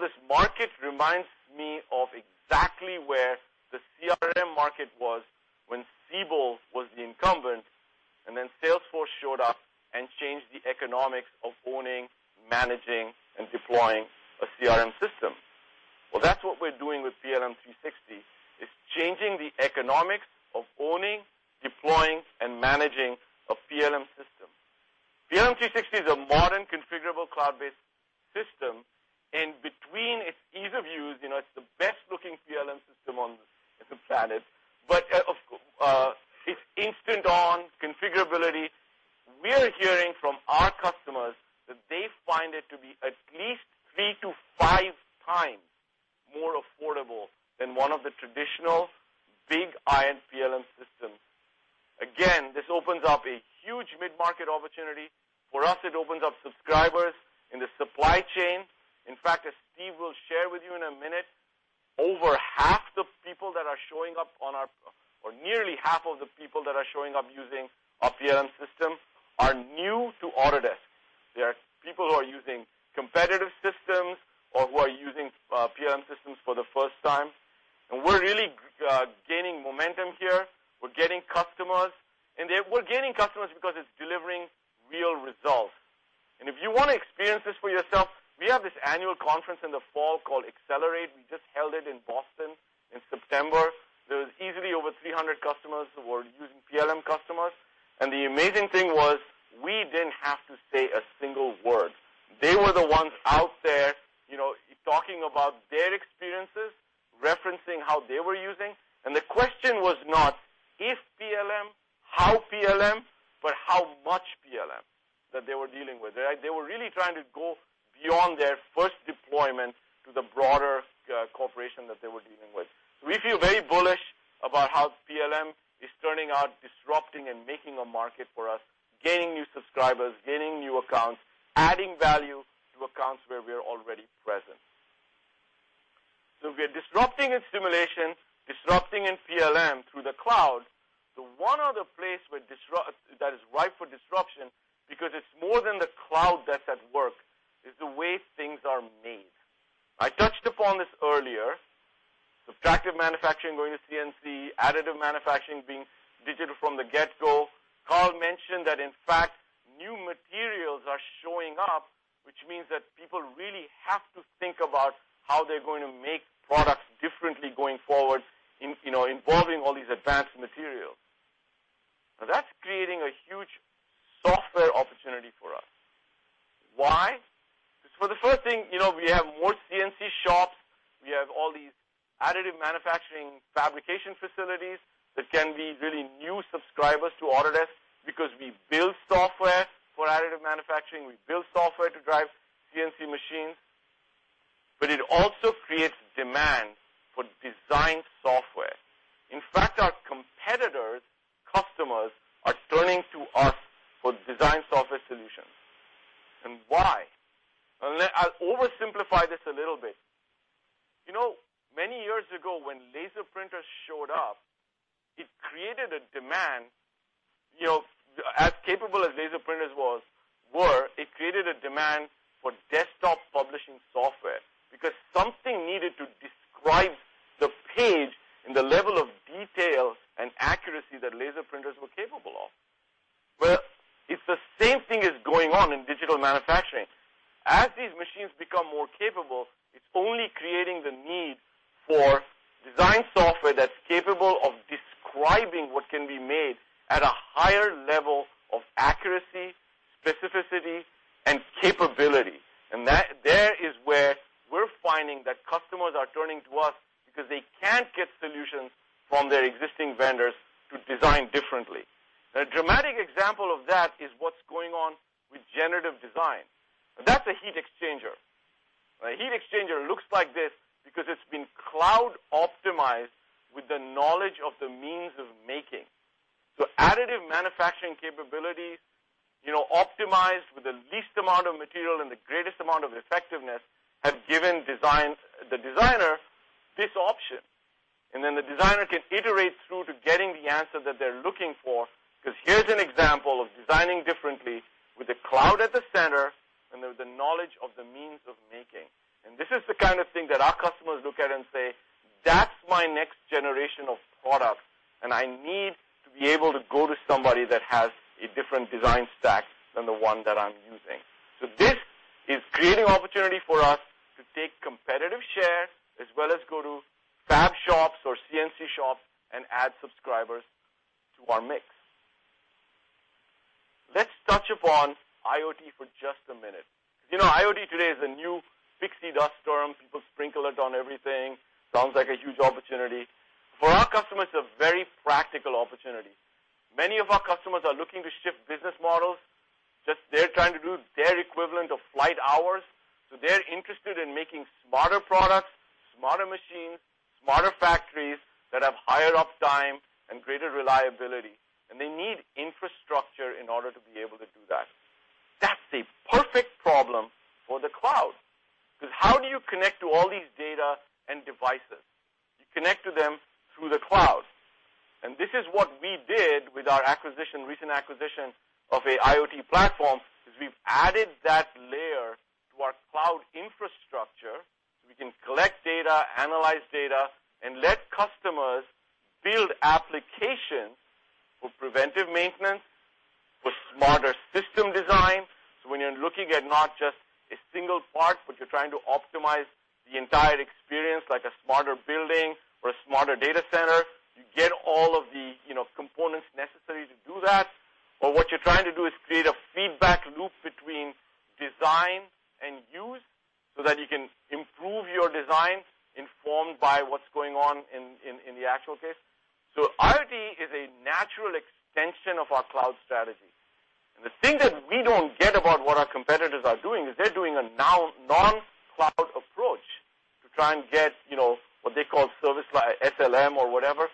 This market reminds me of exactly where the CRM market was when Siebel was the incumbent, and then Salesforce showed up and changed the economics of owning, managing, and deploying a CRM system. That's what we're doing with PLM 360, is changing the economics of owning, deploying, and managing a PLM system. PLM 360 is a modern configurable cloud-based system, and between its ease of use, it's the best-looking PLM system on the planet. It's instant on configurability. We're hearing from our customers that they find it to be at least three to five times more affordable than one of the traditional big iron PLM systems. This opens up a huge mid-market opportunity. For us, it opens up subscribers in the supply chain. As Steve will share with you in a minute, over half the people that are showing up on our or nearly half of the people that are showing up using our PLM system are new to Autodesk. They are people who are using competitive systems or who are using PLM systems for the first time. We're really gaining momentum here. We're getting customers, and we're gaining customers because it's delivering real results. If you want to experience this for yourself, we have this annual conference in the fall called Accelerate. We just held it in Boston in September. There was easily over 300 customers who were using PLM customers. The amazing thing was we didn't have to say a single word. They were the ones out there talking about their experiences, referencing how they were using. The question was not if PLM, how PLM, but how much PLM that they were dealing with, right? They were really trying to go beyond their first deployment to the broader corporation that they were dealing with. We feel very bullish about how PLM is turning out, disrupting and making a market for us, gaining new subscribers, gaining new accounts, adding value to accounts where we are already present. We are disrupting in simulation, disrupting in PLM through the cloud. The one other place that is ripe for disruption because it's more than the cloud that's at work, is the way things are made. I touched upon this earlier. Subtractive manufacturing going to CNC, additive manufacturing being digital from the get-go. Carl mentioned that, in fact, new materials are showing up, which means that people really have to think about how they're going to make products differently going forward involving all these advanced materials. That's creating a huge software opportunity for us. Why? Because for the first thing, we have more CNC shops. We have all these additive manufacturing fabrication facilities that can be really new subscribers to Autodesk because we build software for additive manufacturing, we build software to drive CNC machines. It also creates demand for design software. In fact, our competitors' customers are turning to us for design software solutions. Why? I'll oversimplify this a little bit. Many years ago, when laser printers showed up, it created a demand. As capable as laser printers were, it created a demand for desktop publishing software because something needed to describe the page in the level of detail and accuracy that laser printers were capable of. It's the same thing is going on in digital manufacturing. As these machines become more capable, it's only creating the need for design software that's capable of describing what can be made at a higher level of accuracy, specificity, and capability. There is where we're finding that customers are turning to us because they can't get solutions from their existing vendors to design differently. A dramatic example of that is what's going on with generative design. That's a heat exchanger. A heat exchanger looks like this because it's been cloud-optimized with the knowledge of the means of making. Additive manufacturing capabilities optimized with the least amount of material and the greatest amount of effectiveness have given the designer this option. Then the designer can iterate through to getting the answer that they're looking for. Here's an example of designing differently with the cloud at the center and with the knowledge of the means of making. This is the kind of thing that our customers look at and say, "That's my next generation of products, and I need to be able to go to somebody that has a different design stack than the one that I'm using." This is creating opportunity for us to take competitive share, as well as go to fab shops or CNC shops and add subscribers to our mix. Let's touch upon IoT for just a minute. You know, IoT today is a new pixie dust term. People sprinkle it on everything. Sounds like a huge opportunity. For our customers, it's a very practical opportunity. Many of our customers are looking to shift business models. Just they're trying to do their equivalent of flight hours. They're interested in making smarter products, smarter machines, smarter factories that have higher uptime and greater reliability. They need infrastructure in order to be able to do that. That's a perfect problem for the cloud. How do you connect to all these data and devices? You connect to them through the cloud. This is what we did with our recent acquisition of an IoT platform, is we've added that layer to our cloud infrastructure so we can collect data, analyze data, and let customers build applications for preventive maintenance, for smarter system design. When you're looking at not just a single part, but you're trying to optimize the entire experience like a smarter building or a smarter data center. You get all of the components necessary to do that. What you're trying to do is create a feedback loop between design and use so that you can improve your designs informed by what's going on in the actual case. IoT is a natural extension of our cloud strategy. The thing that we don't get about what our competitors are doing is they're doing a non-cloud approach to try and get what they call service, like SLM or whatever.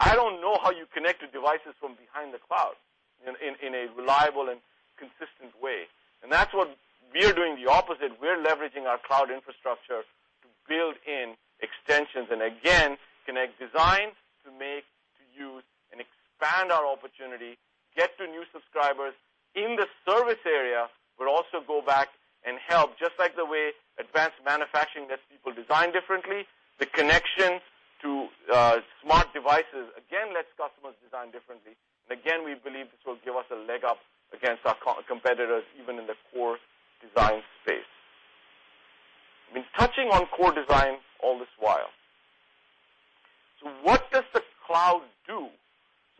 I don't know how you connect to devices from behind the cloud in a reliable and consistent way. That's what we're doing, the opposite. We're leveraging our cloud infrastructure to build in extensions, and again, connect design to make, to use, and expand our opportunity, get to new subscribers in the service area, but also go back and help. Just like the way advanced manufacturing lets people design differently, the connection to smart devices, again, lets customers design differently. Again, we believe this will give us a leg up against our competitors, even in the core design space. We've been touching on core design all this while. What does the cloud do?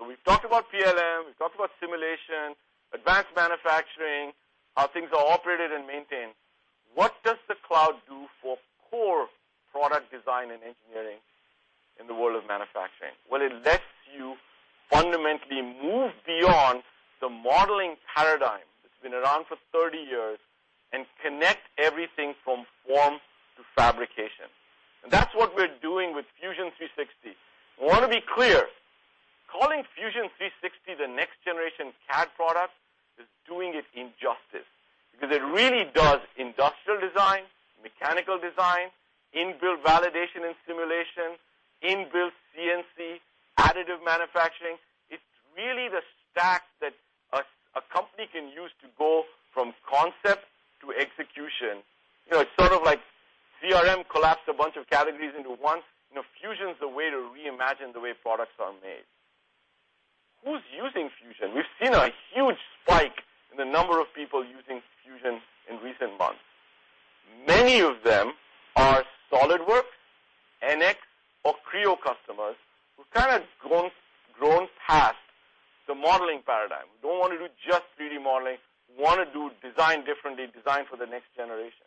We've talked about PLM, we've talked about simulation, advanced manufacturing, how things are operated and maintained. What does the cloud do for core product design and engineering in the world of manufacturing? Well, it lets you fundamentally move beyond the modeling paradigm that's been around for 30 years and connect everything from form to fabrication. That's what we're doing with Fusion 360. I want to be clear, calling Fusion 360 the next generation CAD product is doing it injustice because it really does industrial design, mechanical design, in-built validation and simulation, in-built CNC, additive manufacturing. It's really the stack that a company can use to go from concept to execution. It's sort of like CRM collapsed a bunch of categories into one. Fusion is the way to reimagine the way products are made. Who's using Fusion? We've seen a huge spike in the number of people using Fusion in recent months. Many of them are SolidWorks, NX, or Creo customers who've kind of grown past the modeling paradigm. Don't want to do just 3D modeling, want to do design differently, design for the next generation.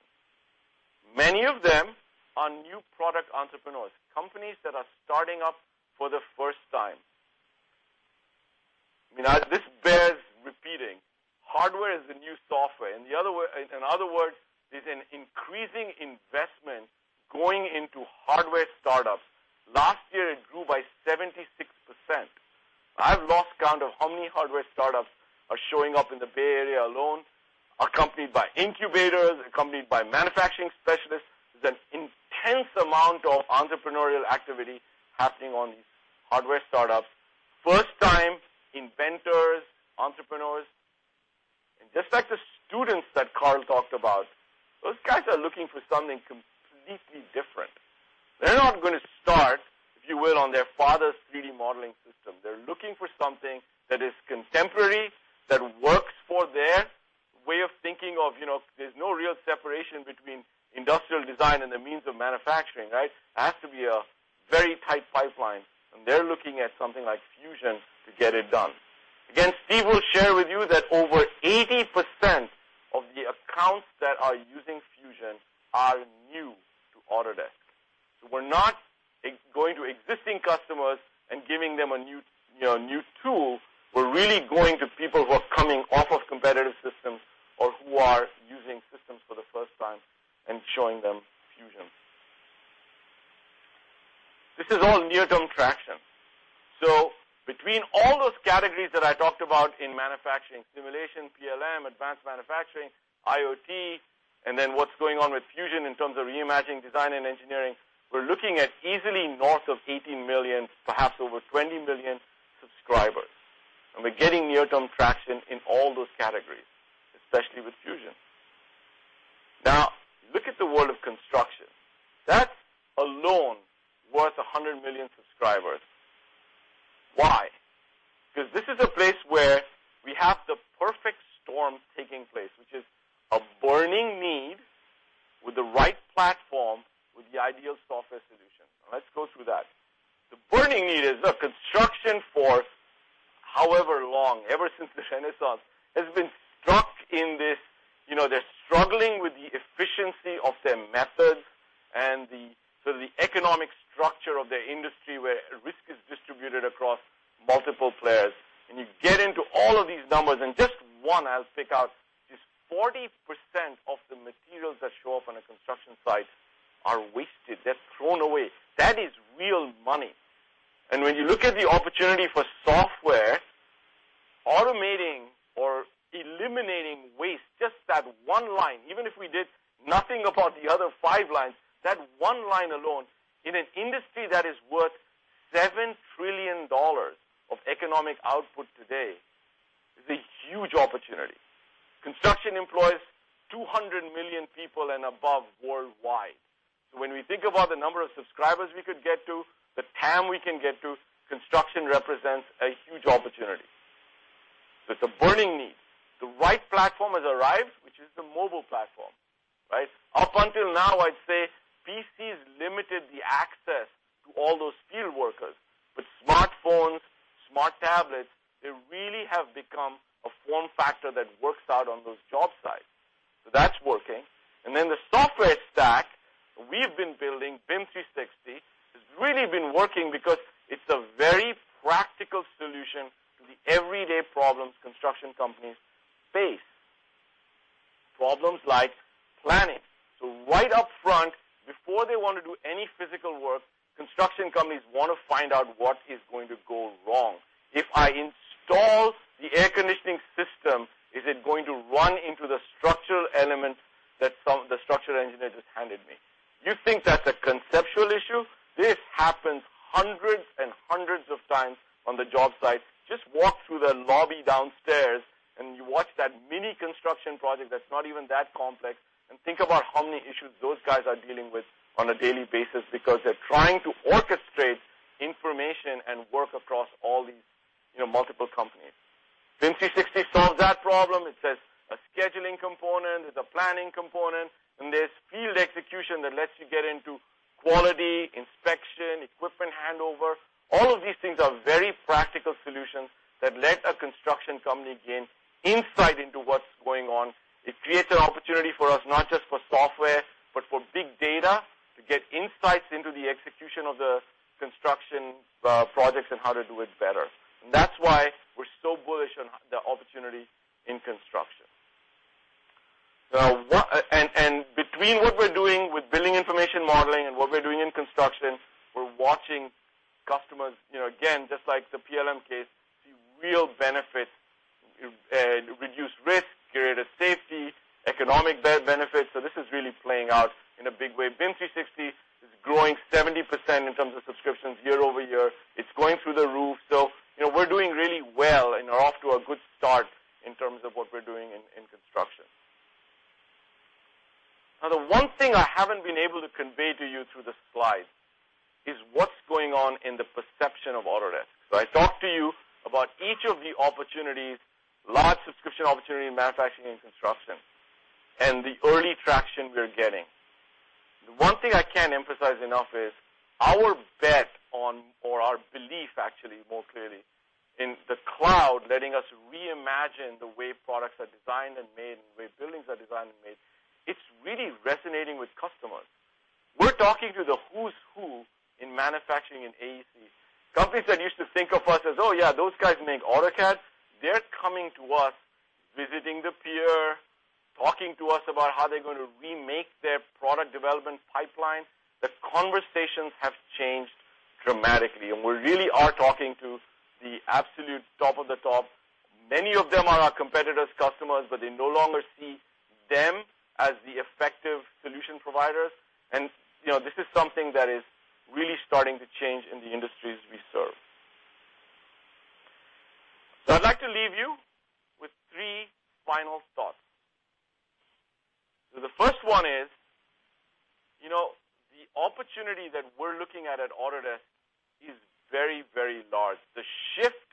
Many of them are new product entrepreneurs, companies that are starting up for the first time. This bears repeating. Hardware is the new software. In other words, there's an increasing investment going into hardware startups. Last year, it grew by 76%. I've lost count of how many hardware startups are showing up in the Bay Area alone, accompanied by incubators, accompanied by manufacturing specialists. There's an intense amount of entrepreneurial activity happening on these hardware startups. First time inventors, entrepreneurs. Just like the students that Carl talked about, those guys are looking for something completely different. They're not going to start, if you will, on their father's 3D modeling system. They're looking for something that is contemporary, that works for their way of thinking of, there's no real separation between industrial design and the means of manufacturing. It has to be a very tight pipeline, they're looking at something like Fusion to get it done. Again, Steve will share with you that over 80% of the accounts that are using Fusion are new to Autodesk. We're not going to existing customers and giving them a new tool. We're really going to people who are coming off of competitive systems or who are using systems for the first time and showing them Fusion. This is all near-term traction. Between all those categories that I talked about in manufacturing, simulation, PLM, advanced manufacturing, IoT, then what's going on with Fusion in terms of reimagining design and engineering, we're looking at easily north of 18 million, perhaps over 20 million subscribers. We're getting near-term traction in all those categories, especially with Fusion. Look at the world of construction. That alone worth 100 million subscribers. Why? Because this is a place where we have the perfect storm taking place, which is a burning need with the right platform, with the ideal software solution. Let's go through that. The burning need is, look, construction for however long, ever since the Renaissance, has been stuck in this. They're struggling with the efficiency of their methods and the economic structure of their industry, where risk is distributed across multiple players. You get into all of these numbers, just one I'll pick out is 40% of the materials that show up on a construction site are wasted. They're thrown away. That is real money. When you look at the opportunity for software automating or eliminating waste, just that one line, even if we did nothing about the other five lines, that one line alone in an industry that is worth $7 trillion of economic output today, is a huge opportunity. Construction employs 200 million people and above worldwide. When we think about the number of subscribers we could get to, the TAM we can get to, construction represents a huge opportunity. It's a burning need. The right platform has arrived, which is the mobile platform. Up until now, I'd say PCs limited the access to all those field workers. Smartphones, smart tablets, they really have become a form factor that works out on those job sites. That's working. The software stack we've been building, BIM 360, has really been working because it's a very practical solution to the everyday problems construction companies face. Problems like planning. Right upfront, before they want to do any physical work, construction companies want to find out what is going to go wrong. If I install the air conditioning system, is it going to run into the structural element that the structural engineer just handed me? You think that's a conceptual issue? This happens hundreds and hundreds of times on the job site. Just walk through the lobby downstairs, you watch that mini construction project that's not even that complex, think about how many issues those guys are dealing with on a daily basis because they're trying to orchestrate information and work across all these multiple companies. BIM 360 solves that problem. It has a scheduling component, it's a planning component, there's field execution that lets you get into quality, inspection, equipment handover. All of these things are very practical solutions that let a construction company gain insight into what's going on. It creates an opportunity for us, not just for software, but for big data, to get insights into the execution of the construction projects and how to do it better. That's why we're so bullish on the opportunity in construction. Between what we're doing with building information modeling and what we're doing in construction, we're watching customers, again, just like the PLM case, see real benefit, reduced risk, greater safety, economic benefits. This is really playing out in a big way. BIM 360 is growing 70% in terms of subscriptions year-over-year. It's going through the roof. We're doing really well and are off to a good start in terms of what we're doing in construction. Now, the one thing I haven't been able to convey to you through the slides is what's going on in the perception of Autodesk. I talked to you about each of the opportunities, large subscription opportunity in manufacturing and construction, and the early traction we're getting. The one thing I can't emphasize enough is our bet on, or our belief actually, more clearly, in the cloud letting us reimagine the way products are designed and made, and the way buildings are designed and made. It's really resonating with customers. We're talking to the who's who in manufacturing and AEC. Companies that used to think of us as, "Oh, yeah, those guys make AutoCAD," they're coming to us, visiting the pier, talking to us about how they're going to remake their product development pipeline. The conversations have changed dramatically, we really are talking to the absolute top of the top. Many of them are our competitors' customers, they no longer see them as the effective solution providers. This is something that is really starting to change in the industries we serve. I'd like to leave you with three final thoughts. The first one is, the opportunity that we're looking at at Autodesk is very, very large. The shift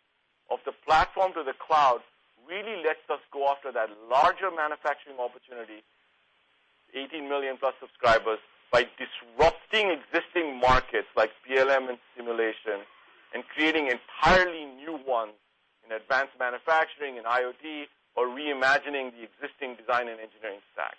of the platform to the cloud really lets us go after that larger manufacturing opportunity, 18 million+ subscribers, by disrupting existing markets like PLM and simulation and creating entirely new ones in advanced manufacturing and IoT or reimagining the existing design and engineering stack.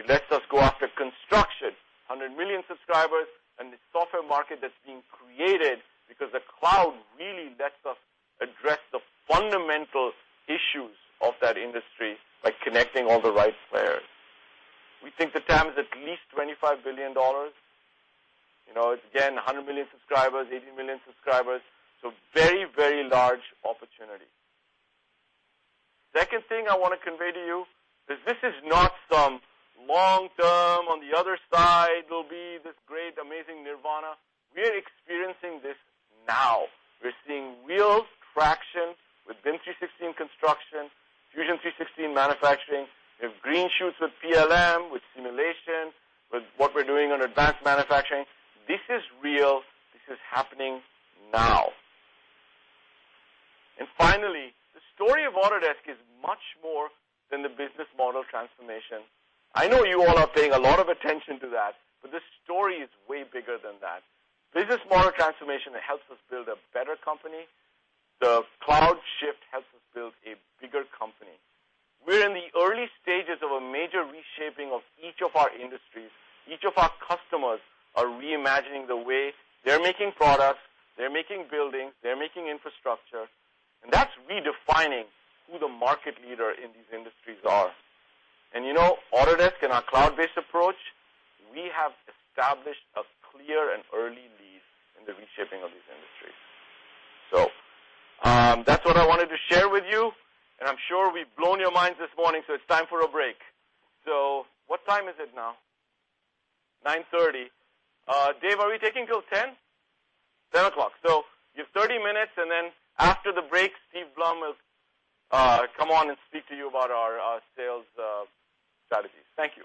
It lets us go after construction, 100 million subscribers, and the software market that's being created because the cloud really lets us address the fundamental issues of that industry by connecting all the right players. We think the TAM is at least $25 billion. It's, again, 100 million subscribers, 80 million subscribers. Very large opportunity. Second thing I want to convey to you is this is not some long term, on the other side, there'll be this great, amazing nirvana. We are experiencing this now. We're seeing real traction with BIM 360 Construction, Fusion 360 manufacturing. We have green shoots with PLM, with simulation, with what we're doing on advanced manufacturing. This is real. This is happening now. Finally, the story of Autodesk is much more than the Business Model Transformation. I know you all are paying a lot of attention to that, this story is way bigger than that. Business Model Transformation helps us build a better company. The cloud shift helps us build a bigger company. We're in the early stages of a major reshaping of each of our industries. Each of our customers are reimagining the way they're making products, they're making buildings, they're making infrastructure. That's redefining who the market leader in these industries are. Autodesk and our cloud-based approach, we have established a clear and early lead in the reshaping of these industries. That's what I wanted to share with you, and I'm sure we've blown your minds this morning, so it's time for a break. What time is it now? 9:30. Dave, are we taking till 10:00? 10:00 o'clock. You have 30 minutes, and then after the break, Steve Blum will come on and speak to you about our sales strategies. Thank you.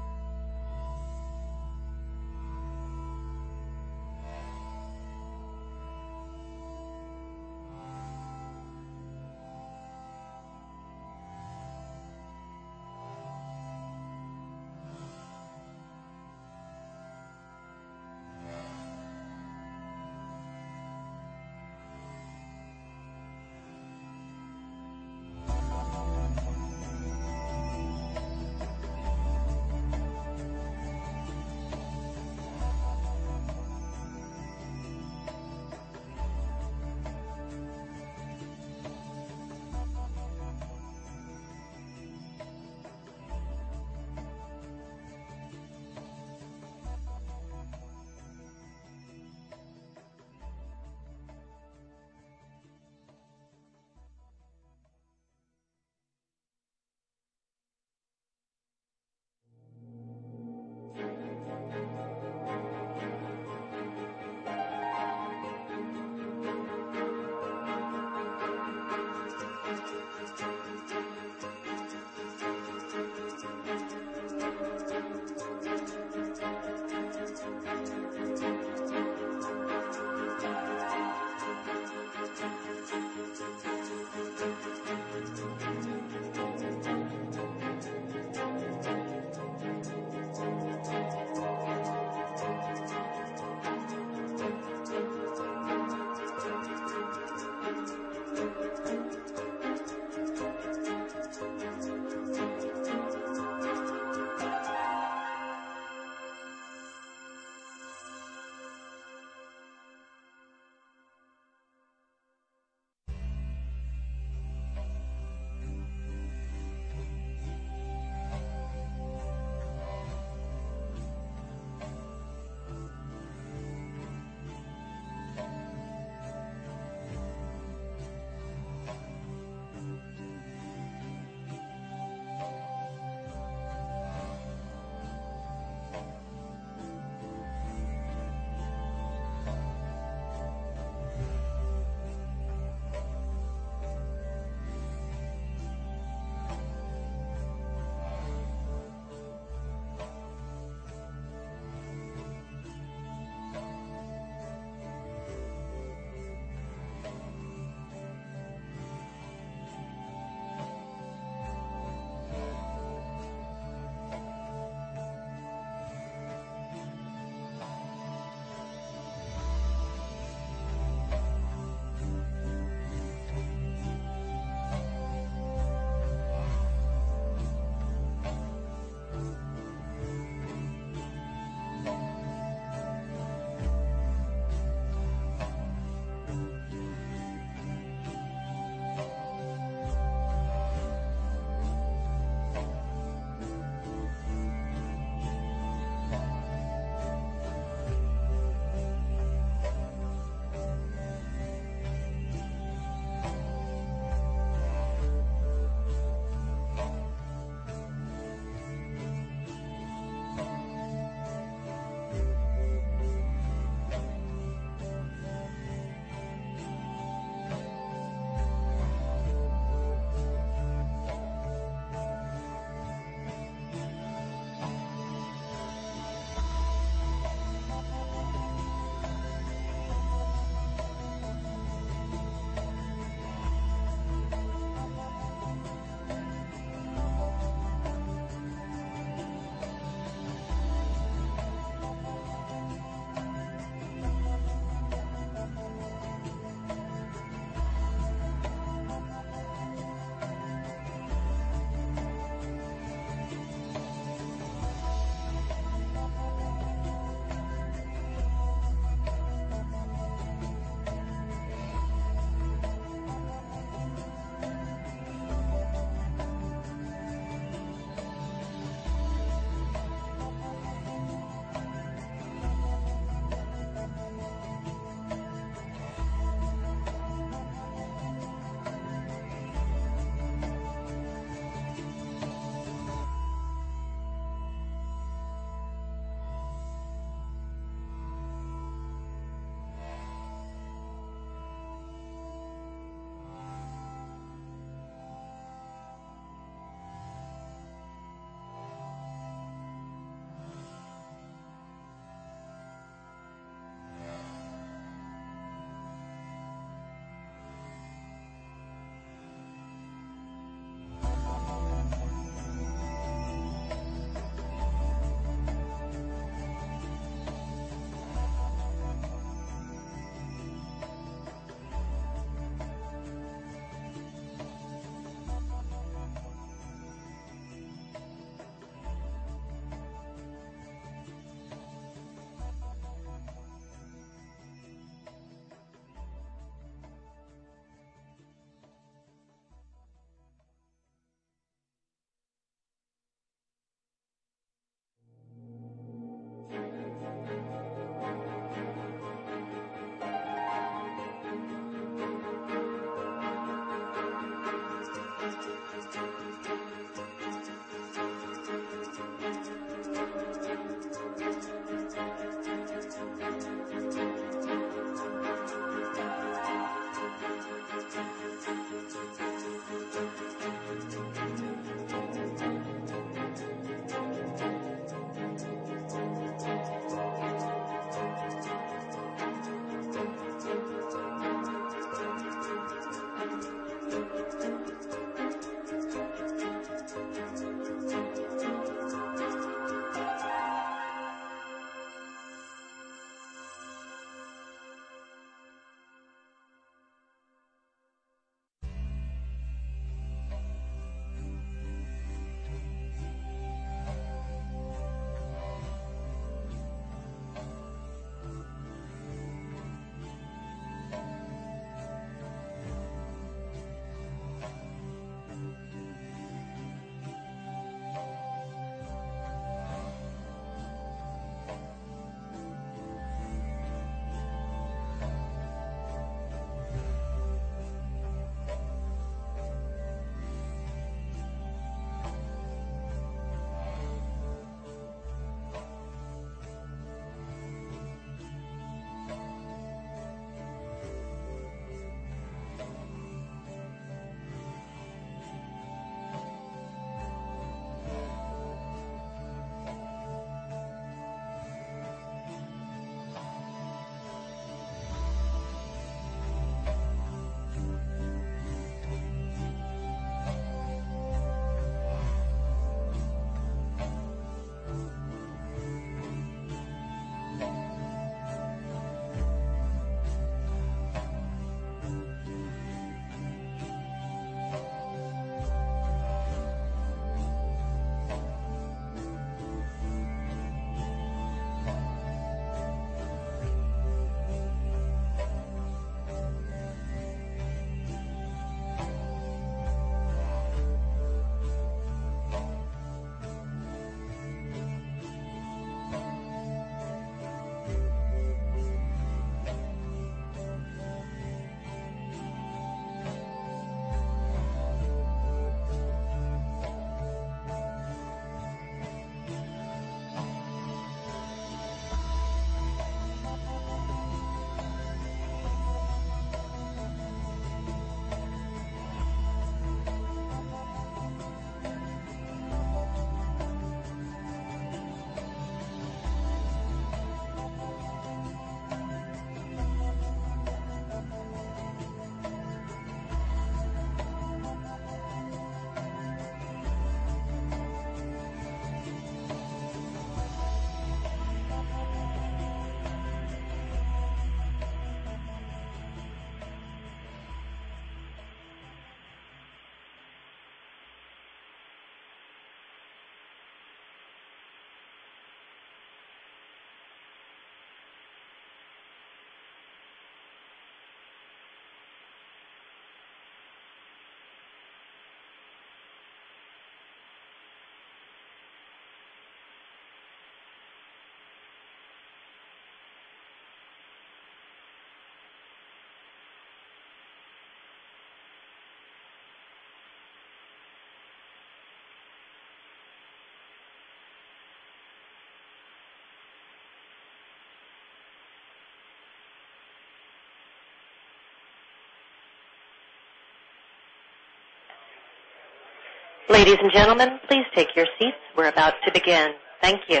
Ladies and gentlemen, please take your seats. We're about to begin. Thank you.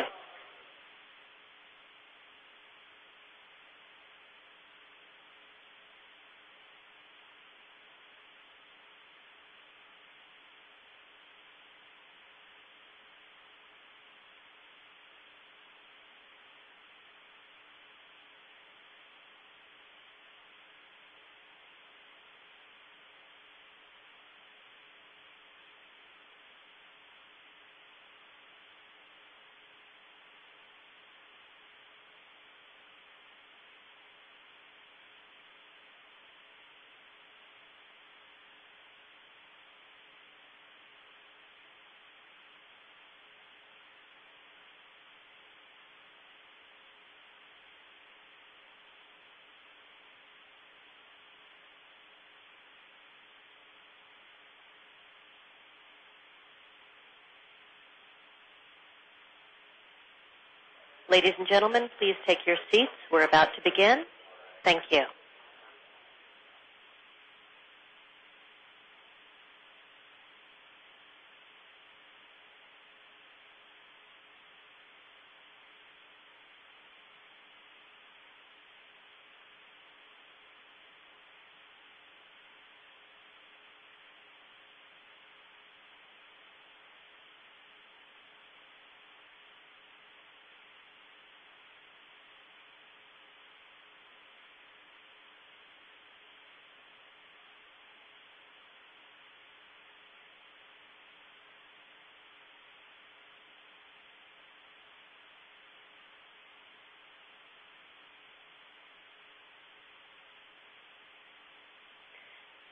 Ladies and gentlemen, please take your seats. We're about to begin. Thank you.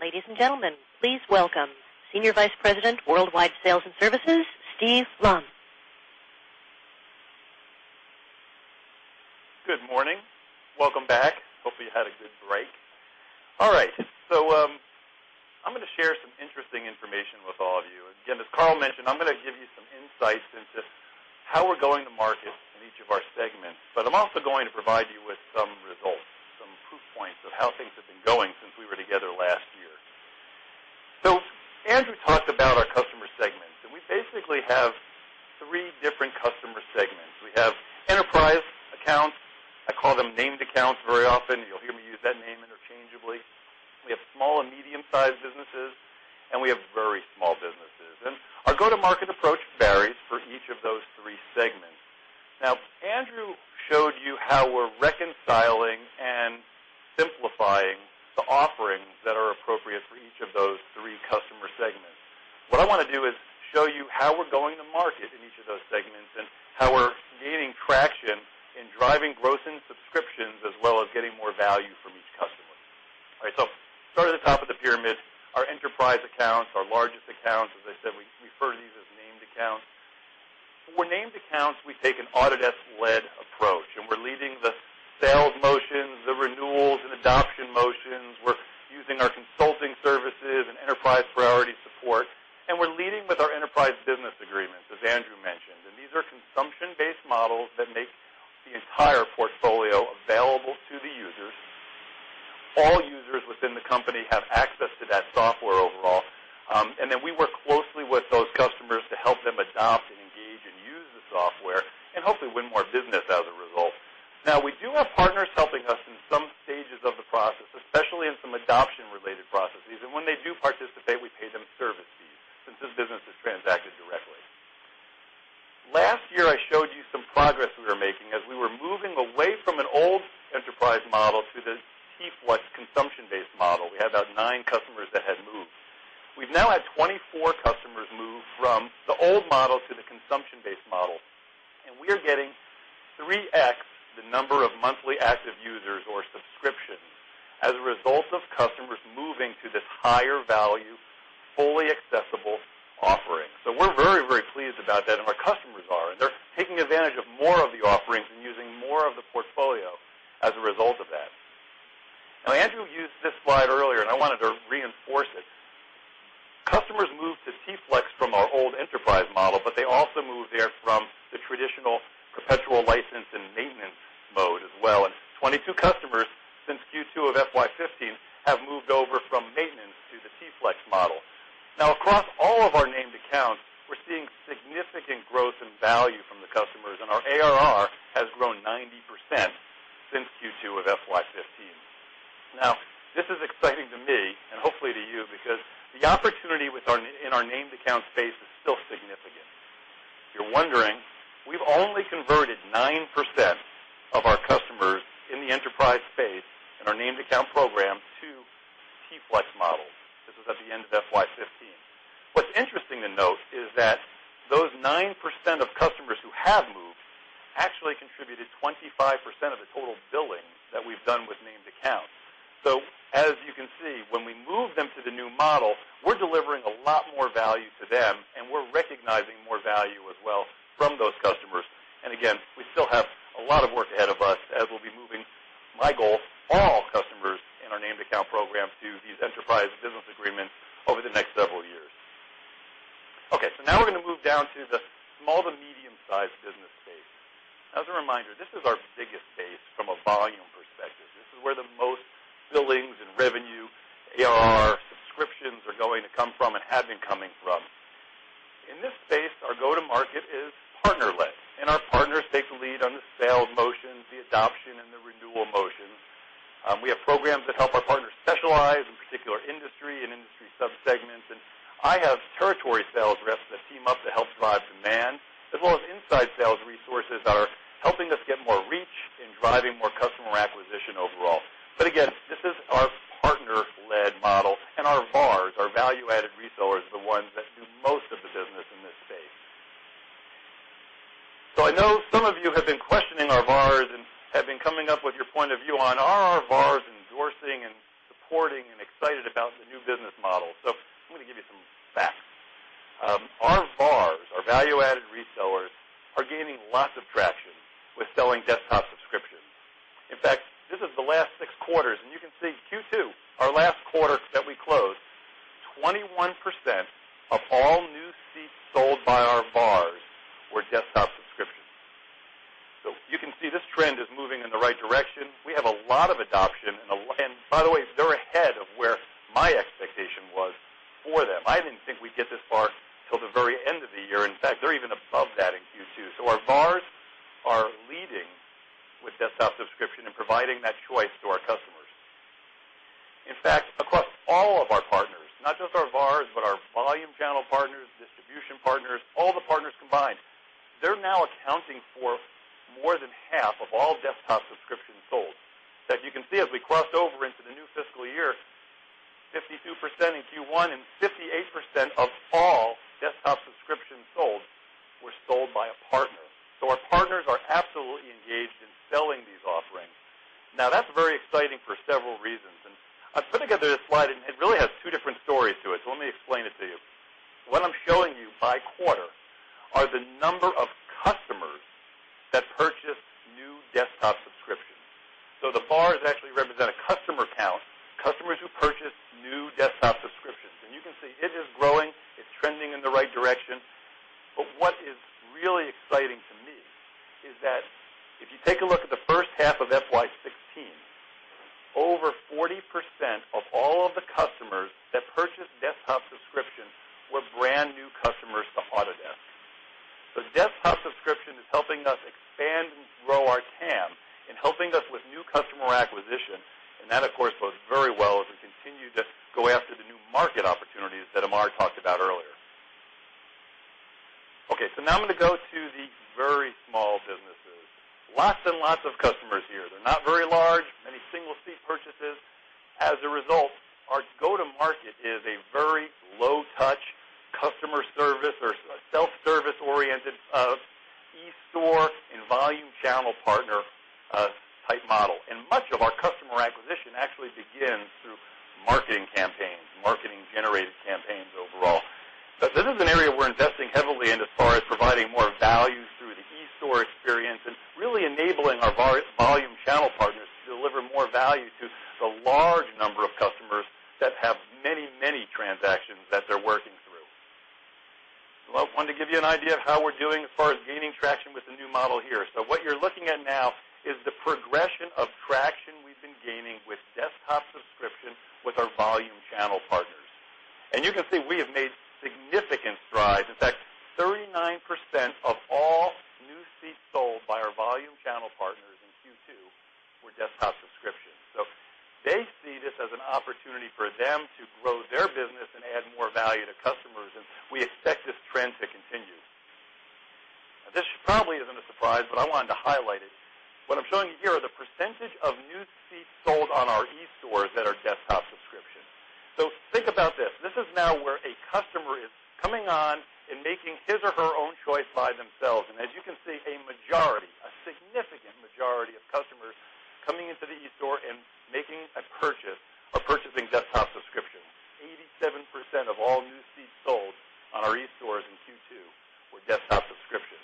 Ladies and gentlemen, please welcome Senior Vice President, Worldwide Sales and Services, Steve Blum. Good morning. Welcome back. Hopefully, you had a good break. All right. I'm going to share some interesting information with all of you. Again, as Carl mentioned, I'm going to give you some insights into how we're going to market in each of our segments, but I'm also going to provide you with some results, some proof points of how things have been going since we were together last year. Andrew talked about our customer segments, and we basically have three different customer segments. We have enterprise accounts. I call them named accounts very often. You'll hear me use that name interchangeably. We have small and medium-sized businesses, and we have very small businesses. Our go-to-market approach varies for each of those three segments. Now, Andrew showed you how we're reconciling and simplifying the offerings that are appropriate for each of those three customer segments. What I want to do is show you how we're going to market in each of those segments and how we're gaining traction in driving growth in subscriptions, as well as getting more value from each customer. All right. Start at the top of the pyramid, our enterprise accounts, our largest accounts. As I said, we refer to these as named accounts. For named accounts, we take an Autodesk-led approach, and we're leading the sales motions, the renewals, and adoption motions. We're using our consulting services and enterprise priority support, and we're leading with our Enterprise Business Agreements, as Andrew mentioned. These are consumption-based models that make the entire portfolio available to the users. All users within the company have access to that software overall. We work closely with those customers to help them adopt and engage and use the software and hopefully win more business as a result. We do have partners helping us in some stages of the process, especially in some adoption-related processes. When they do participate, we pay them service fees since this business is transacted directly. Last year, I showed you some progress we were making as we were moving away from an old enterprise model to the T-Flex consumption-based model. We had about nine customers that had moved. We've now had 24 customers move from the old model to the consumption-based model, and we are getting 3x the number of monthly active users or subscriptions as a result of customers moving to this higher-value, fully accessible offering. We're very, very pleased about that, and our customers are, and they're taking advantage of more of the offerings and using more of the portfolio as a result of that. Andrew used this slide earlier, and I wanted to reinforce it. Customers moved to T-Flex from our old enterprise model, but they also moved there from the traditional perpetual license and maintenance mode as well. 22 customers since Q2 of FY 2015 have moved over from maintenance to the T-Flex model. Across all of our named accounts, we're seeing significant growth in value from the customers, and our ARR has grown 90% since Q2 of FY 2015. This is exciting to me, and hopefully to you, because the opportunity in our named account space is still significant. If you're wondering, we've only converted 9% of our customers in the enterprise space in our named account program to T-Flex models. This was at the end of FY 2015. What's interesting to note is that those 9% of customers who have moved actually contributed 25% of the total billing that we've done with named accounts. As you can see, when we move them to the new model, we're delivering a lot more value to them, and we're recognizing more value as well from those customers. Again, we still have a lot of work ahead of us as we'll be moving, my goal, all customers in our named account program to these Enterprise Business Agreements over the next several years. We're going to move down to the small to medium-sized business space. As a reminder, this is our biggest space from a volume perspective. This is where the most billings and revenue, ARR, subscriptions are going to come from and have been coming from. In this space, our go-to-market is partner-led, and our partners take the lead on the sales motions, the adoption, and the renewal motions. We have programs that help our partners specialize in particular industry and industry subsegments. I have territory sales reps that team up to help drive demand, as well as inside sales resources that are helping us get more reach in driving more customer acquisition overall. Again, this is our partner-led model, and our VARs, our Value-Added Resellers, are the ones that do most of the business in this space. I know some of you have been questioning our VARs and have been coming up with your point of view on are our VARs endorsing and supporting and excited about the new business model? I'm going to give you some facts. Our VARs, our value-added resellers, are gaining lots of traction with selling Desktop Subscriptions. In fact, this is the last 6 quarters, and you can see Q2, our last quarter that we closed, 21% of all new seats sold by our VARs were Desktop Subscriptions. You can see this trend is moving in the right direction. We have a lot of adoption, and by the way, they're ahead of where my expectation was for them. I didn't think we'd get this far till the very end of the year. In fact, they're even above that in Q2. Our VARs are leading with Desktop Subscription and providing that choice to our customers. In fact, across all of our partners, not just our VARs, but our volume channel partners, distribution partners, all the partners combined, they're now accounting for more than half of all Desktop Subscriptions sold. That you can see as we cross over into the new fiscal year, 52% in Q1 and 58% of all Desktop Subscriptions sold were sold by a partner. Our partners are absolutely engaged in selling these offerings. That's very exciting for several reasons, and I put together this slide, and it really has two different stories to it, let me explain it to you. What I'm showing you by quarter are the number of customers that purchased new Desktop Subscriptions. The bars actually represent a customer count, customers who purchased new Desktop Subscriptions. You can see it is growing. It's trending in the right direction. What is really exciting to me is that if you take a look at the first half of FY 2016, over 40% of all of the customers that purchased Desktop Subscriptions were brand-new customers to Autodesk. Desktop Subscription is helping us expand and grow our TAM and helping us with new customer acquisition, and that, of course, bodes very well as we continue to go after the new market opportunities that Amar talked about earlier. Now I'm going to go to the very small businesses. Lots and lots of customers here. They're not very large, many single-seat purchases. As a result, our go-to market is a very low-touch customer service or self-service-oriented eStore and volume channel partner type model. Much of our customer acquisition actually begins through marketing campaigns, marketing-generated campaigns overall. This is an area we're investing heavily in as far as providing more value through the eStore experience and really enabling our volume channel partners to deliver more value to the large number of customers that have many transactions that they're working through. I wanted to give you an idea of how we're doing as far as gaining traction with the new model here. What you're looking at now is the progression of traction we've been gaining with Desktop Subscription with our volume channel partners. You can see we have made significant strides. In fact, 39% of all new seats sold by our volume channel partners in Q2 were Desktop Subscriptions. They see this as an opportunity for them to grow their business and add more value to customers, and we expect this trend to continue. This probably isn't a surprise, but I wanted to highlight it. What I'm showing you here are the percentage of new seats sold on our eStores that are Desktop Subscription. Think about this. This is now where a customer is coming on and making his or her own choice by themselves. As you can see, a majority, a significant majority of customers coming into the eStore and making a purchase are purchasing Desktop Subscription. 87% of all new seats sold on our eStores in Q2 were Desktop Subscription.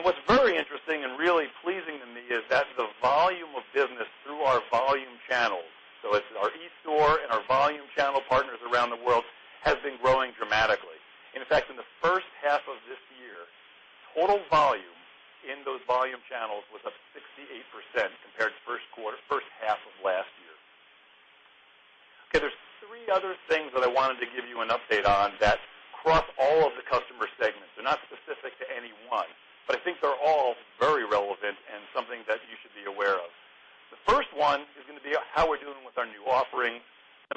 What's very interesting and really pleasing to me is that the volume of business through our volume channels, so it's our eStore and our volume channel partners around the world, has been growing dramatically. In fact, in the first half of this year, total volume in those volume channels was up 68% compared to first half of last year. There's three other things that I wanted to give you an update on that cross all of the customer segments. They're not specific to any one, but I think they're all very relevant and something that you should be aware of. The first one is going to be how we're doing with our new offerings,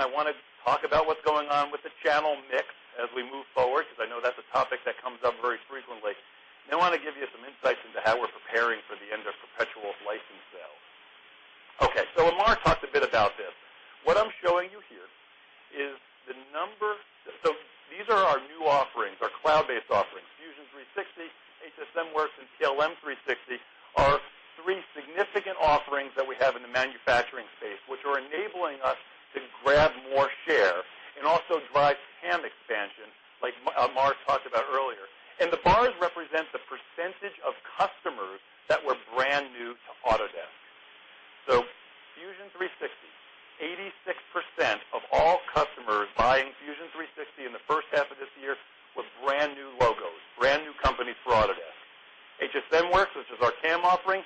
I want to talk about what's going on with the channel mix as we move forward because I know that's a topic that comes up very frequently. I want to give you some insights into how we're preparing for the end of perpetual license sales. Amar talked a bit about this. What I'm showing you here are our new offerings, our cloud-based offerings. Fusion 360, HSMWorks, and PLM 360 are three significant offerings that we have in the manufacturing space, which are enabling us to grab more share and also drive TAM expansion, like Amar talked about earlier. The bars represent the percentage of customers that were brand new to Autodesk. Fusion 360, 86% of all customers buying Fusion 360 in the first half of this year were brand-new logos, brand-new companies for Autodesk. HSMWorks, which is our CAM offering,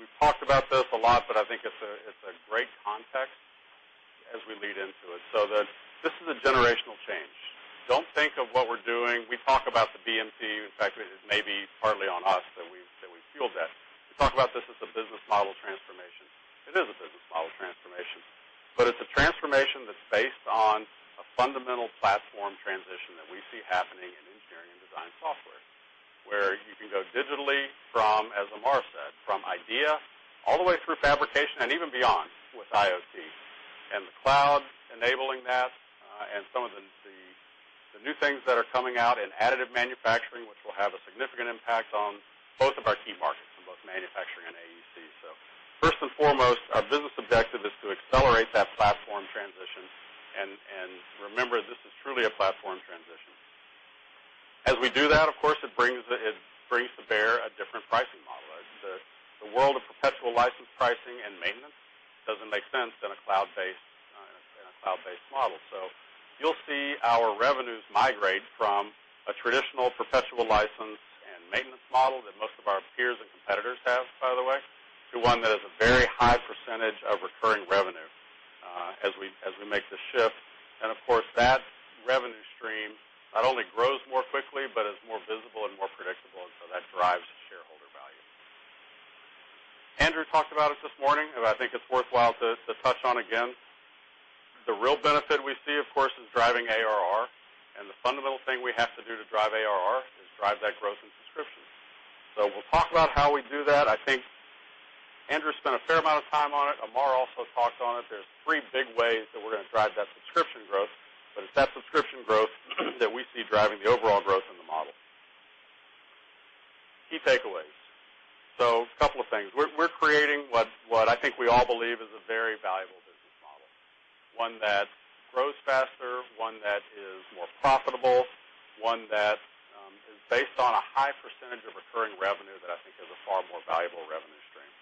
we've talked about this a lot, but I think it's a great context as we lead into it. This is a generational change. Don't think of what we're doing. We talk about the BMT. In fact, it is maybe partly on us that we fueled that. We talk about this as the business model transformation. It is a business model transformation, but it's a transformation that's based on a fundamental platform transition that we see happening in engineering and design software, where you can go digitally from, as Amar said, from idea all the way through fabrication and even beyond with IoT. The cloud enabling that, and some of the new things that are coming out in additive manufacturing, which will have a significant impact on both of our key markets, on both manufacturing and AEC. First and foremost, our business objective is to accelerate that platform transition, and remember, this is truly a platform transition. As we do that, of course, it brings to bear a different pricing model. The world of perpetual license pricing and maintenance doesn't make sense in a cloud-based model. You'll see our revenues migrate from a traditional perpetual license and maintenance model that most of our peers and competitors have, by the way, to one that has a very high percentage of recurring revenue as we make the shift. Of course, that revenue stream not only grows more quickly but is more visible and more predictable, and that drives shareholder value. Andrew talked about it this morning, and I think it's worthwhile to touch on again. The real benefit we see, of course, is driving ARR. The fundamental thing we have to do to drive ARR is drive that growth in subscriptions. We'll talk about how we do that. I think Andrew spent a fair amount of time on it. Amar also talked on it. There's three big ways that we're going to drive that subscription growth, but it's that subscription growth that we see driving the overall growth in the model. Key takeaways. A couple of things. We're creating what I think we all believe is a very valuable business model, one that grows faster, one that is more profitable, one that is based on a high percentage of recurring revenue that I think is a far more valuable revenue stream.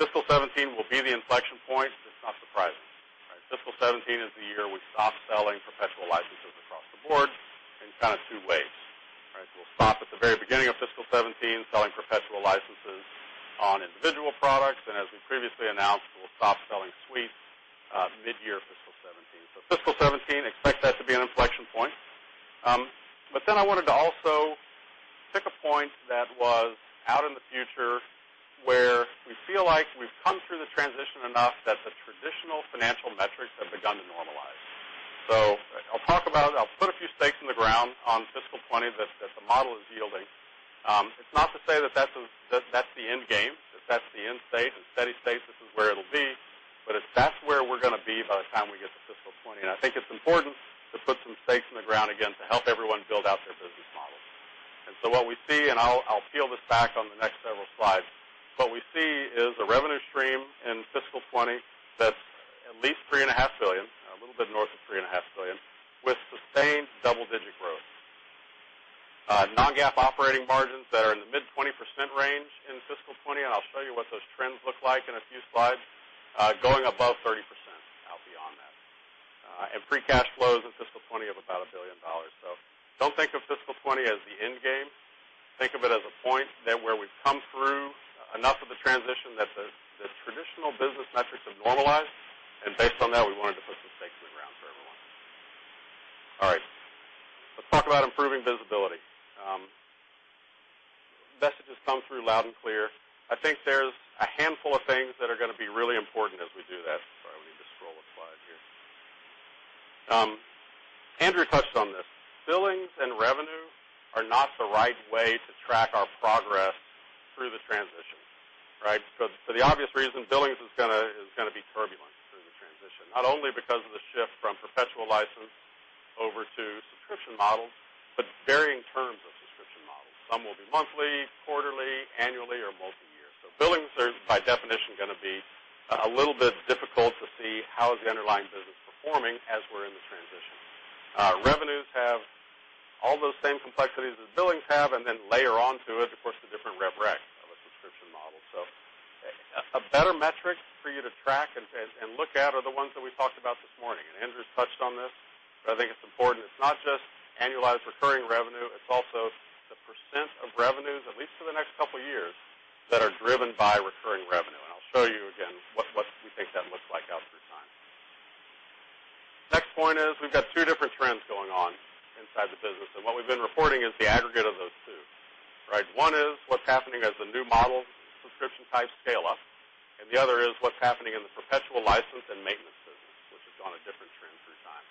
Fiscal 2017 will be the inflection point. It's not surprising. Right? Fiscal 2017 is the year we stop selling perpetual licenses across the board in kind of two waves. Right? We'll stop at the very beginning of fiscal 2017 selling perpetual licenses on individual products. As we previously announced, we'll stop selling suites mid-year fiscal 2017. Fiscal 2017, expect that to be an inflection point. I wanted to also pick a point that was out in the future where we feel like we've come through the transition enough that the traditional financial metrics have begun to normalize. I'll talk about it. I'll put a few stakes in the ground on fiscal 2020 that the model is yielding. It's not to say that's the end game, that that's the end state and steady state, this is where it'll be, but that's where we're going to be by the time we get to fiscal 2020. I think it's important to put some stakes in the ground again to help everyone build out their business model. What we see, and I'll peel this back on the next several slides, what we see is a revenue stream in fiscal 2020 that's at least $3.5 billion, a little bit north of $3.5 billion, with sustained double-digit growth. Non-GAAP operating margins that are in the mid-20% range in fiscal 2020, and I'll show you what those trends look like in a few slides, going above 30% out beyond that. Free cash flows in fiscal 2020 of about $1 billion. Don't think of fiscal 2020 as the end game. Think of it as a point where we've come through enough of the transition that the traditional business metrics have normalized, and based on that, we wanted to put some stakes in the ground for everyone. All right. Let's talk about improving visibility. Message has come through loud and clear. I think there's a handful of things that are going to be really important as we do that. Sorry, we need to scroll a slide here. Andrew touched on this. Billings and revenue are not the right way to track our progress through the transition, right? For the obvious reason, billings is going to be turbulent through the transition, not only because of the shift from perpetual license over to subscription models, but varying terms of subscription models. Some will be monthly, quarterly, annually, or multi-year. Billings are, by definition, going to be a little bit difficult to see how the underlying business is performing as we're in the transition. Revenues have all those same complexities that billings have, and then layer onto it, of course, the different rev rec of a subscription model. A better metric for you to track and look at are the ones that we talked about this morning. Andrew's touched on this, but I think it's important. It's not just annualized recurring revenue, it's also the % of revenues, at least for the next couple of years, that are driven by recurring revenue. I'll show you again what we think that looks like out through time. Next point is we've got two different trends going on inside the business, and what we've been reporting is the aggregate of those two, right? One is what's happening as the new model subscription types scale up, and the other is what's happening in the perpetual license and maintenance business, which is on a different trend through time.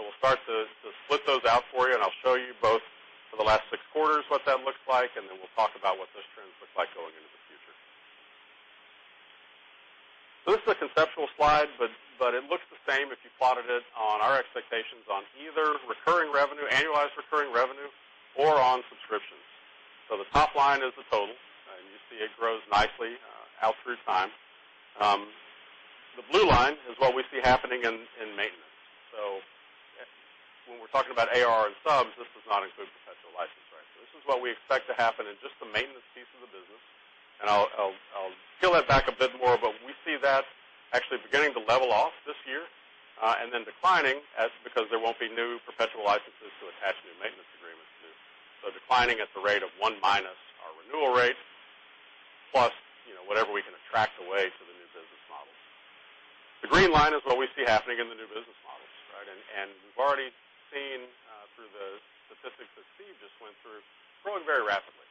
We'll start to split those out for you, and I'll show you both for the last six quarters what that looks like, and then we'll talk about what those trends look like going into the future. This is a conceptual slide, but it looks the same if you plotted it on our expectations on either recurring revenue, annualized recurring revenue, or on subscriptions. The top line is the total, and you see it grows nicely out through time. The blue line is what we see happening in maintenance. When we're talking about ARR and subs, this does not include perpetual license, right? This is what we expect to happen in just the maintenance piece of the business. I'll peel that back a bit more, but we see that actually beginning to level off this year, and then declining because there won't be new perpetual licenses to attach new maintenance agreements to. Declining at the rate of one minus our renewal rate, plus whatever we can attract away to the new business. The green line is what we see happening in the new business models. We've already seen through the statistics that Steve just went through, growing very rapidly.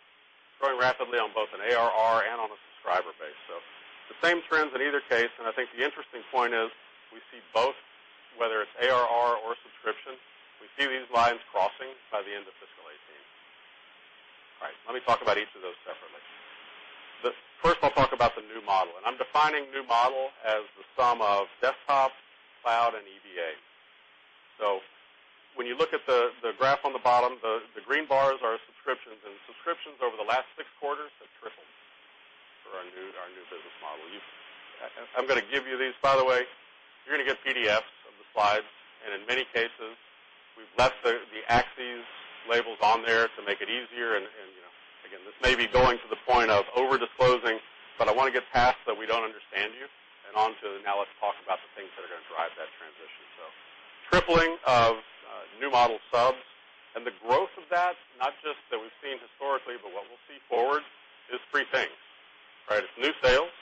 Growing rapidly on both an ARR and on a subscriber base. The same trends in either case, and I think the interesting point is we see both, whether it's ARR or subscription, we see these lines crossing by the end of fiscal 2018. All right, let me talk about each of those separately. First, I'll talk about the new model, and I'm defining new model as the sum of desktop, cloud, and EDA. When you look at the graph on the bottom, the green bars are subscriptions, and subscriptions over the last six quarters have tripled for our new business model. I'm going to give you these, by the way. You're going to get PDFs of the slides, and in many cases, we've left the axes labels on there to make it easier. Again, this may be going to the point of over-disclosing, but I want to get past the we don't understand you, and onto now let's talk about the things that are going to drive that transition. Tripling of new model subs, the growth of that, not just that we've seen historically, but what we'll see forward, is three things. It's new sales.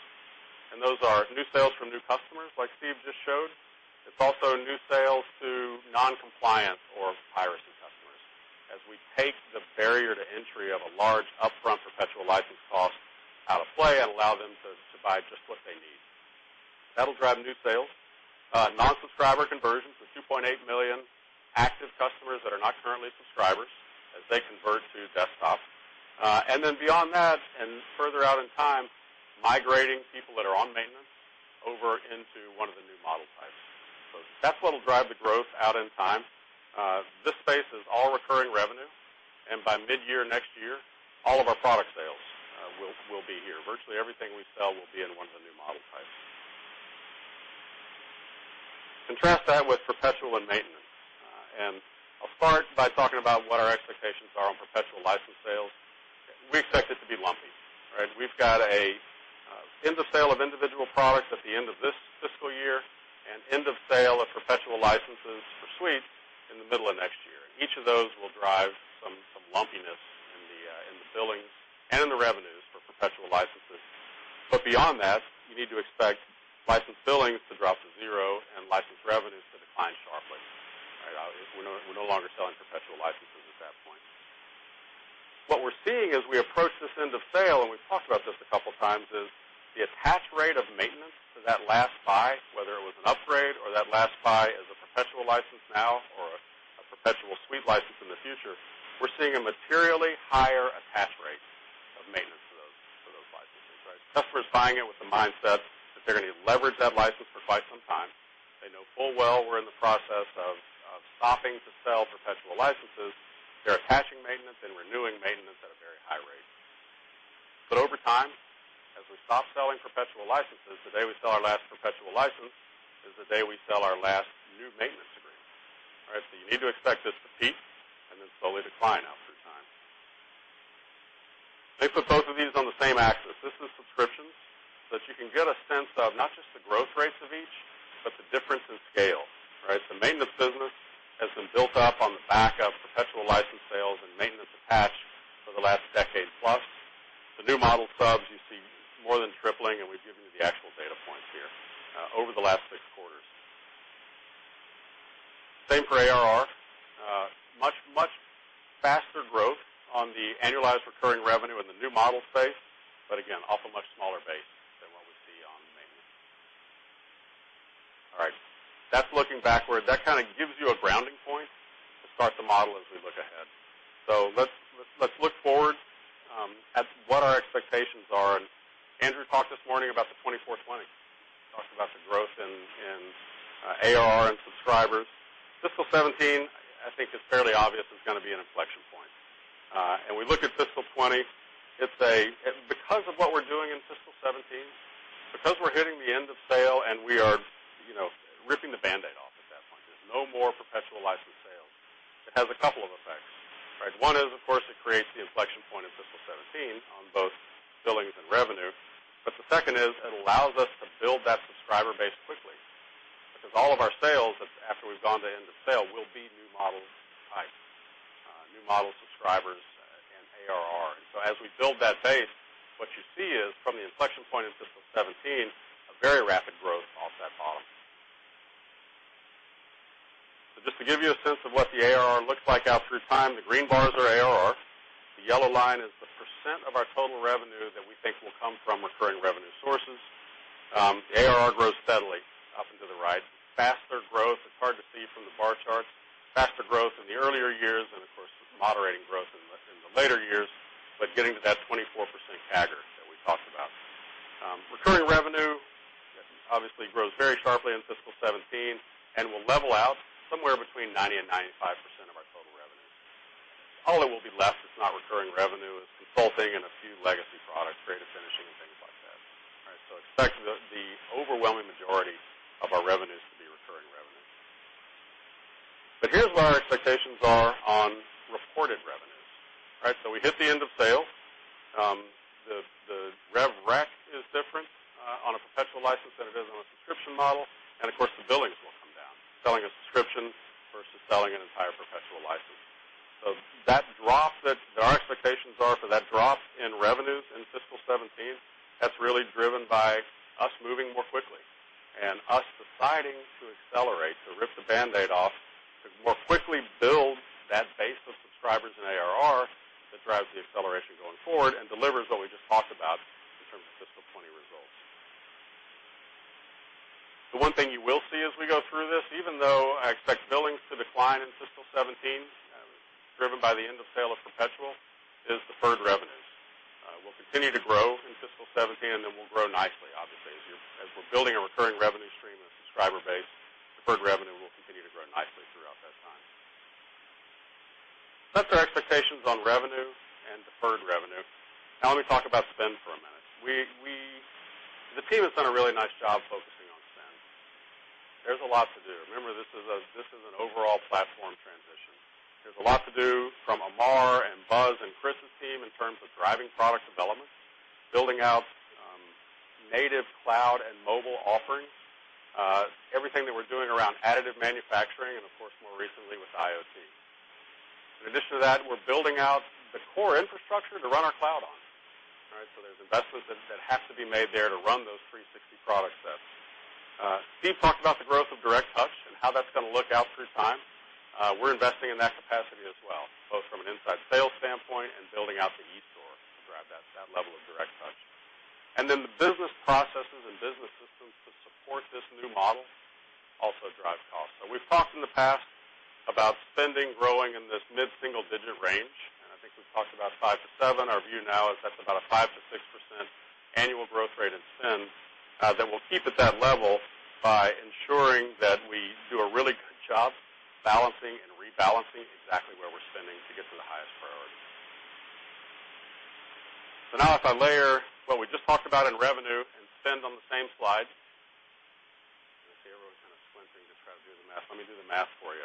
Those are new sales from new customers like Steve just showed. It's also new sales to non-compliant or pirating customers, as we take the barrier to entry of a large upfront perpetual license cost out of play and allow them to buy just what they need. That'll drive new sales. Non-subscriber conversions with 2.8 million active customers that are not currently subscribers as they convert to desktop. Beyond that, further out in time, migrating people that are on maintenance over into one of the new model types. That's what'll drive the growth out in time. This space is all recurring revenue, by mid-year next year, all of our product sales will be here. Virtually everything we sell will be in one of the new model types. Contrast that with perpetual and maintenance. I'll start by talking about what our expectations are on perpetual license sales. We expect it to be lumpy. We've got an end-of-sale of individual products at the end of this fiscal year, an end of sale of perpetual licenses for suite in the middle of next year. Each of those will drive some lumpiness in the billings and in the revenues for perpetual licenses. Beyond that, you need to expect license billings to drop to zero and license revenues to decline sharply. We're no longer selling perpetual licenses at that point. What we're seeing as we approach this end of sale, we've talked about this a couple of times, is the attach rate of maintenance to that last buy, whether it was an upgrade or that last buy is a perpetual license now or a perpetual suite license in the future, we're seeing a materially higher attach rate of maintenance for those licenses. Customers buying it with the mindset that they're going to leverage that license for quite some time. They know full well we're in the process of stopping to sell perpetual licenses. They're attaching maintenance and renewing maintenance at a very high rate. Over time, as we stop selling perpetual licenses, the day we sell our last perpetual license is the day we sell our last new maintenance agreement. You need to expect this to peak and then slowly decline out through time. I put both of these on the same axis. This is subscriptions, so that you can get a sense of not just the growth rates of each, but the difference in scale. Maintenance business has been built up on the back of perpetual license sales and maintenance attached for the last decade plus. The new model subs, you see more than tripling, and we've given you the actual data points here over the last six quarters. Same for ARR. Much faster growth on the annualized recurring revenue in the new model space, but again, off a much smaller base than what we see on maintenance. All right. That's looking backward. That kind of gives you a grounding point to start to model as we look ahead. Let's look forward at what our expectations are. Andrew talked this morning about the 2420. He talked about the growth in ARR and subscribers. Fiscal 2017, I think it's fairly obvious, is going to be an inflection point. We look at Fiscal 2020, because of what we're doing in Fiscal 2017, because we're hitting the end of sale and we are ripping the Band-Aid off at that point. There's no more perpetual license sales. It has a couple of effects. One is, of course, it creates the inflection point in Fiscal 2017 on both billings and revenue. The second is it allows us to build that subscriber base quickly. All of our sales after we've gone to end of sale will be new model type, new model subscribers and ARR. As we build that base, what you see is from the inflection point in Fiscal 2017, a very rapid growth off that bottom. Just to give you a sense of what the ARR looks like out through time, the green bars are ARR. The yellow line is the % of our total revenue that we think will come from recurring revenue sources. The ARR grows steadily up and to the right. Faster growth, it's hard to see from the bar charts, faster growth in the earlier years and, of course, moderating growth in the later years, but getting to that 24% CAGR that we talked about. Recurring revenue obviously grows very sharply in Fiscal 2017 and will level out somewhere between 90%-95% of our total revenue. All that will be left that's not recurring revenue is consulting and a few legacy products, creative finishing and things like that. Expect the overwhelming majority of our revenues to be recurring revenue. Here's what our expectations are on reported revenues. We hit the end of sale. The rev rec is different on a perpetual license than it is on a subscription model. Selling a subscription versus selling an entire perpetual license. Our expectations are for that drop in revenues in Fiscal 2017, that's really driven by us moving more quickly, and us deciding to accelerate, to rip the Band-Aid off, to more quickly build that base of subscribers and ARR that drives the acceleration going forward and delivers what we just talked about in terms of Fiscal 2020 results. The one thing you will see as we go through this, even though I expect billings to decline in Fiscal 2017, driven by the end of sale of perpetual, is deferred revenues. We'll continue to grow in Fiscal 2017, and then we'll grow nicely, obviously. As we're building a recurring revenue stream and subscriber base, deferred revenue will continue to grow nicely throughout that time. That's our expectations on revenue and deferred revenue. Let me talk about spend for a minute. The team has done a really nice job focusing on spend. There's a lot to do. Remember, this is an overall platform transition. There's a lot to do from Amar and Buzz and Chris's team in terms of driving product development, building out native cloud and mobile offerings, everything that we're doing around additive manufacturing, and of course, more recently with IoT. In addition to that, we're building out the core infrastructure to run our cloud on. There's investments that have to be made there to run those 360 product sets. Steve talked about the growth of direct touch and how that's going to look out through time. We're investing in that capacity as well, both from an inside sales standpoint and building out the eStore to drive that level of direct touch. The business processes and business systems to support this new model also drive cost. We've talked in the past about spending growing in this mid-single-digit range, and I think we've talked about 5%-7%. Our view now is that's about a 5%-6% annual growth rate in spend, that we'll keep at that level by ensuring that we do a really good job balancing and rebalancing exactly where we're spending to get to the highest priorities. If I layer what we just talked about in revenue and spend on the same slide. I see everyone's kind of squinting to try to do the math. Let me do the math for you.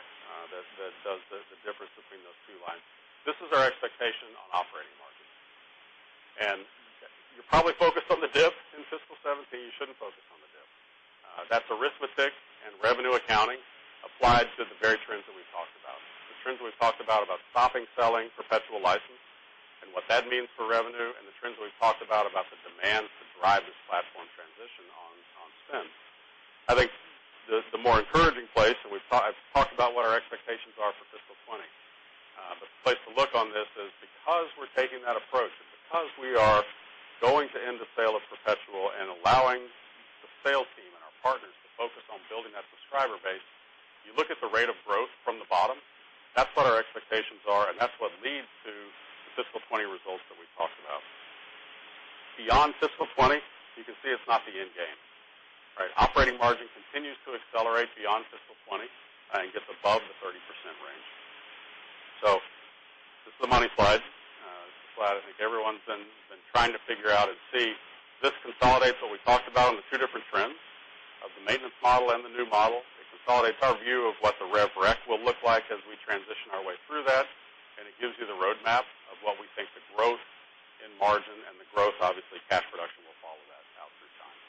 That does the difference between those two lines. This is our expectation on operating margin. You're probably focused on the dip in fiscal 2017. You shouldn't focus on the dip. That's arithmetic and revenue accounting applied to the very trends that we've talked about. The trends we've talked about stopping selling perpetual license and what that means for revenue, and the trends we've talked about the demand to drive this platform transition on spend. I think the more encouraging place, and I've talked about what our expectations are for fiscal 2020. The place to look on this is because we're taking that approach and because we are going to end the sale of perpetual and allowing the sales team and our partners to focus on building that subscriber base. You look at the rate of growth from the bottom, that's what our expectations are, and that's what leads to the fiscal 2020 results that we've talked about. Beyond fiscal 2020, you can see it's not the end game. Operating margin continues to accelerate beyond fiscal 2020, and gets above the 30% range. This is the money slide. This is the slide I think everyone's been trying to figure out and see. This consolidates what we talked about on the two different trends of the maintenance model and the new model. It consolidates our view of what the rev rec will look like as we transition our way through that, and it gives you the roadmap of what we think the growth in margin, and the growth, obviously, cash production will follow that out through time.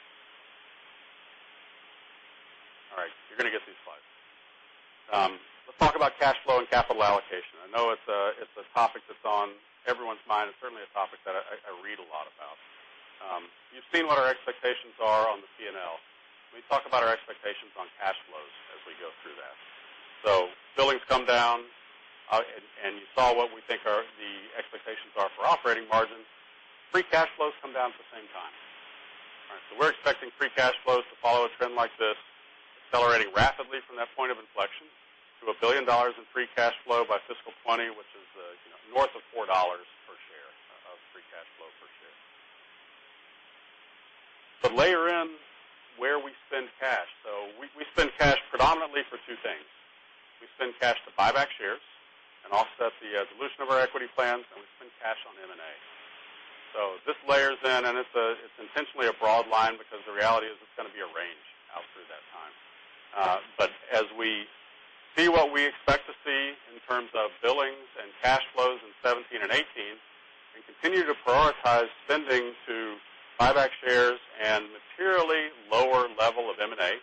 All right, you're going to get these slides. Let's talk about cash flow and capital allocation. I know it's a topic that's on everyone's mind. It's certainly a topic that I read a lot about. You've seen what our expectations are on the P&L. Let me talk about our expectations on cash flows as we go through that. Billings come down, and you saw what we think the expectations are for operating margin. Free cash flows come down at the same time. We're expecting free cash flows to follow a trend like this, accelerating rapidly from that point of inflection to $1 billion in free cash flow by fiscal 2020, which is north of $4 per share of free cash flow per share. Layer in where we spend cash. We spend cash predominantly for two things. We spend cash to buy back shares and offset the dilution of our equity plans, and we spend cash on M&A. This layers in, and it's intentionally a broad line because the reality is it's going to be a range out through that time. As we see what we expect to see in terms of billings and cash flows in 2017 and 2018, and continue to prioritize spending to buy back shares and materially lower level of M&A,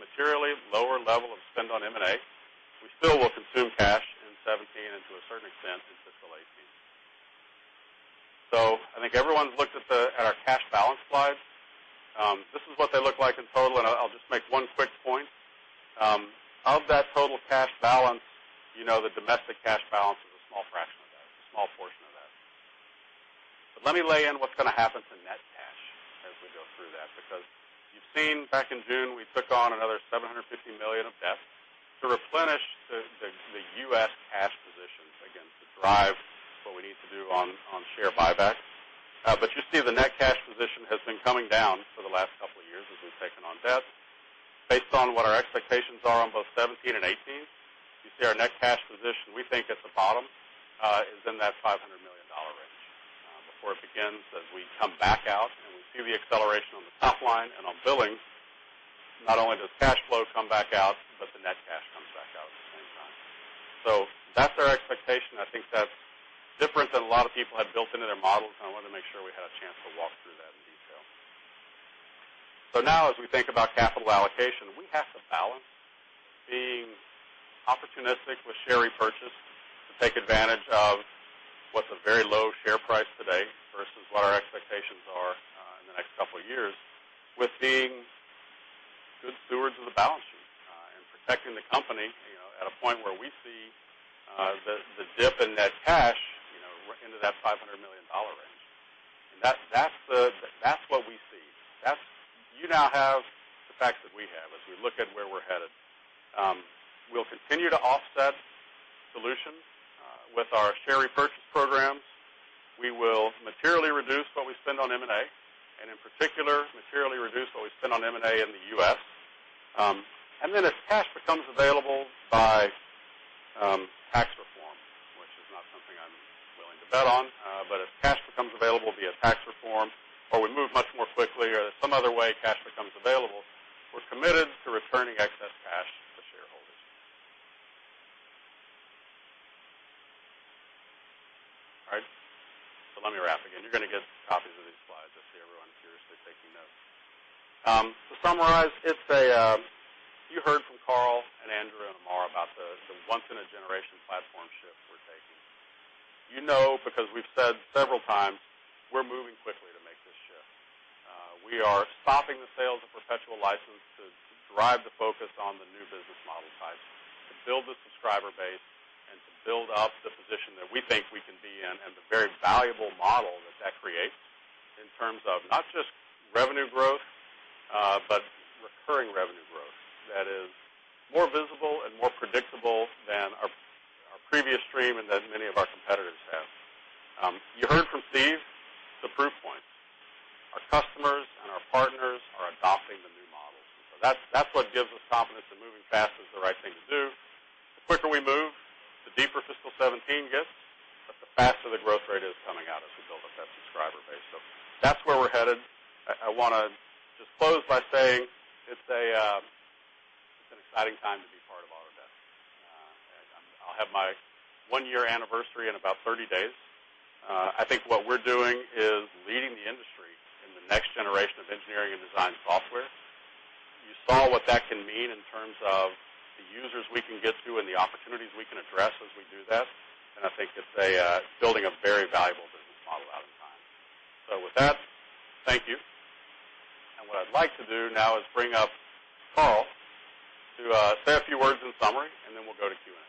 materially lower level of spend on M&A, we still will consume cash in 2017 and to a certain extent in fiscal 2018. I think everyone's looked at our cash balance slide. This is what they look like in total, and I'll just make one quick point. Of that total cash balance, the domestic cash balance is a small fraction of that, a small portion of that. Let me lay in what's going to happen to net cash as we go through that, because you've seen back in June, we took on another $750 million of debt to replenish the U.S. cash position, again, to drive what we need to do on share buybacks. You see the net cash position has been coming down for the last couple of years as we've taken on debt. Based on what our expectations are on both 2017 and 2018, you see our net cash position, we think at the bottom, is in that $500 million range. Before it begins, as we come back out and we see the acceleration on the top line and on billings, not only does cash flow come back out, but the net cash That's our expectation. I think that's different than a lot of people had built into their models, and I wanted to make sure we had a chance to walk through that in detail. Now as we think about capital allocation, we have to balance being opportunistic with share repurchase to take advantage of what's a very low share price today versus what our expectations are in the next couple of years with being good stewards of the balance sheet and protecting the company at a point where we see the dip in net cash into that $500 million range. That's what we see. You now have the facts that we have as we look at where we're headed. We'll continue to offset dilution with our share repurchase programs. We will materially reduce what we spend on M&A, and in particular, materially reduce what we spend on M&A in the U.S. As cash becomes available by tax reform, which is not something I'm willing to bet on, if cash becomes available via tax reform, or we move much more quickly or there's some other way cash becomes available, we're committed to returning excess cash to shareholders. All right. Let me wrap. Again, you're going to get copies of these slides. I see everyone furiously taking notes. To summarize, you heard from Carl and Andrew and Amar about the once-in-a-generation platform shift we're taking. You know, we've said several times, we're moving quickly to make this shift. We are stopping the sales of perpetual licenses to drive the focus on the new business model types, to build the subscriber base, and to build up the position that we think we can be in and the very valuable model that that creates in terms of not just revenue growth, but recurring revenue growth that is more visible and more predictable than our previous stream and than many of our competitors have. You heard from Steve the proof points. Our customers and our partners are adopting the new models. That's what gives us confidence that moving fast is the right thing to do. The quicker we move, the deeper fiscal 2017 gets, but the faster the growth rate is coming out as we build up that subscriber base. That's where we're headed. I want to just close by saying it's an exciting time to be part of Autodesk. I'll have my one-year anniversary in about 30 days. I think what we're doing is leading the industry in the next generation of engineering and design software. You saw what that can mean in terms of the users we can get to and the opportunities we can address as we do that. I think it's building a very valuable business model out in time. With that, thank you. What I'd like to do now is bring up Carl to say a few words in summary, then we'll go to Q&A.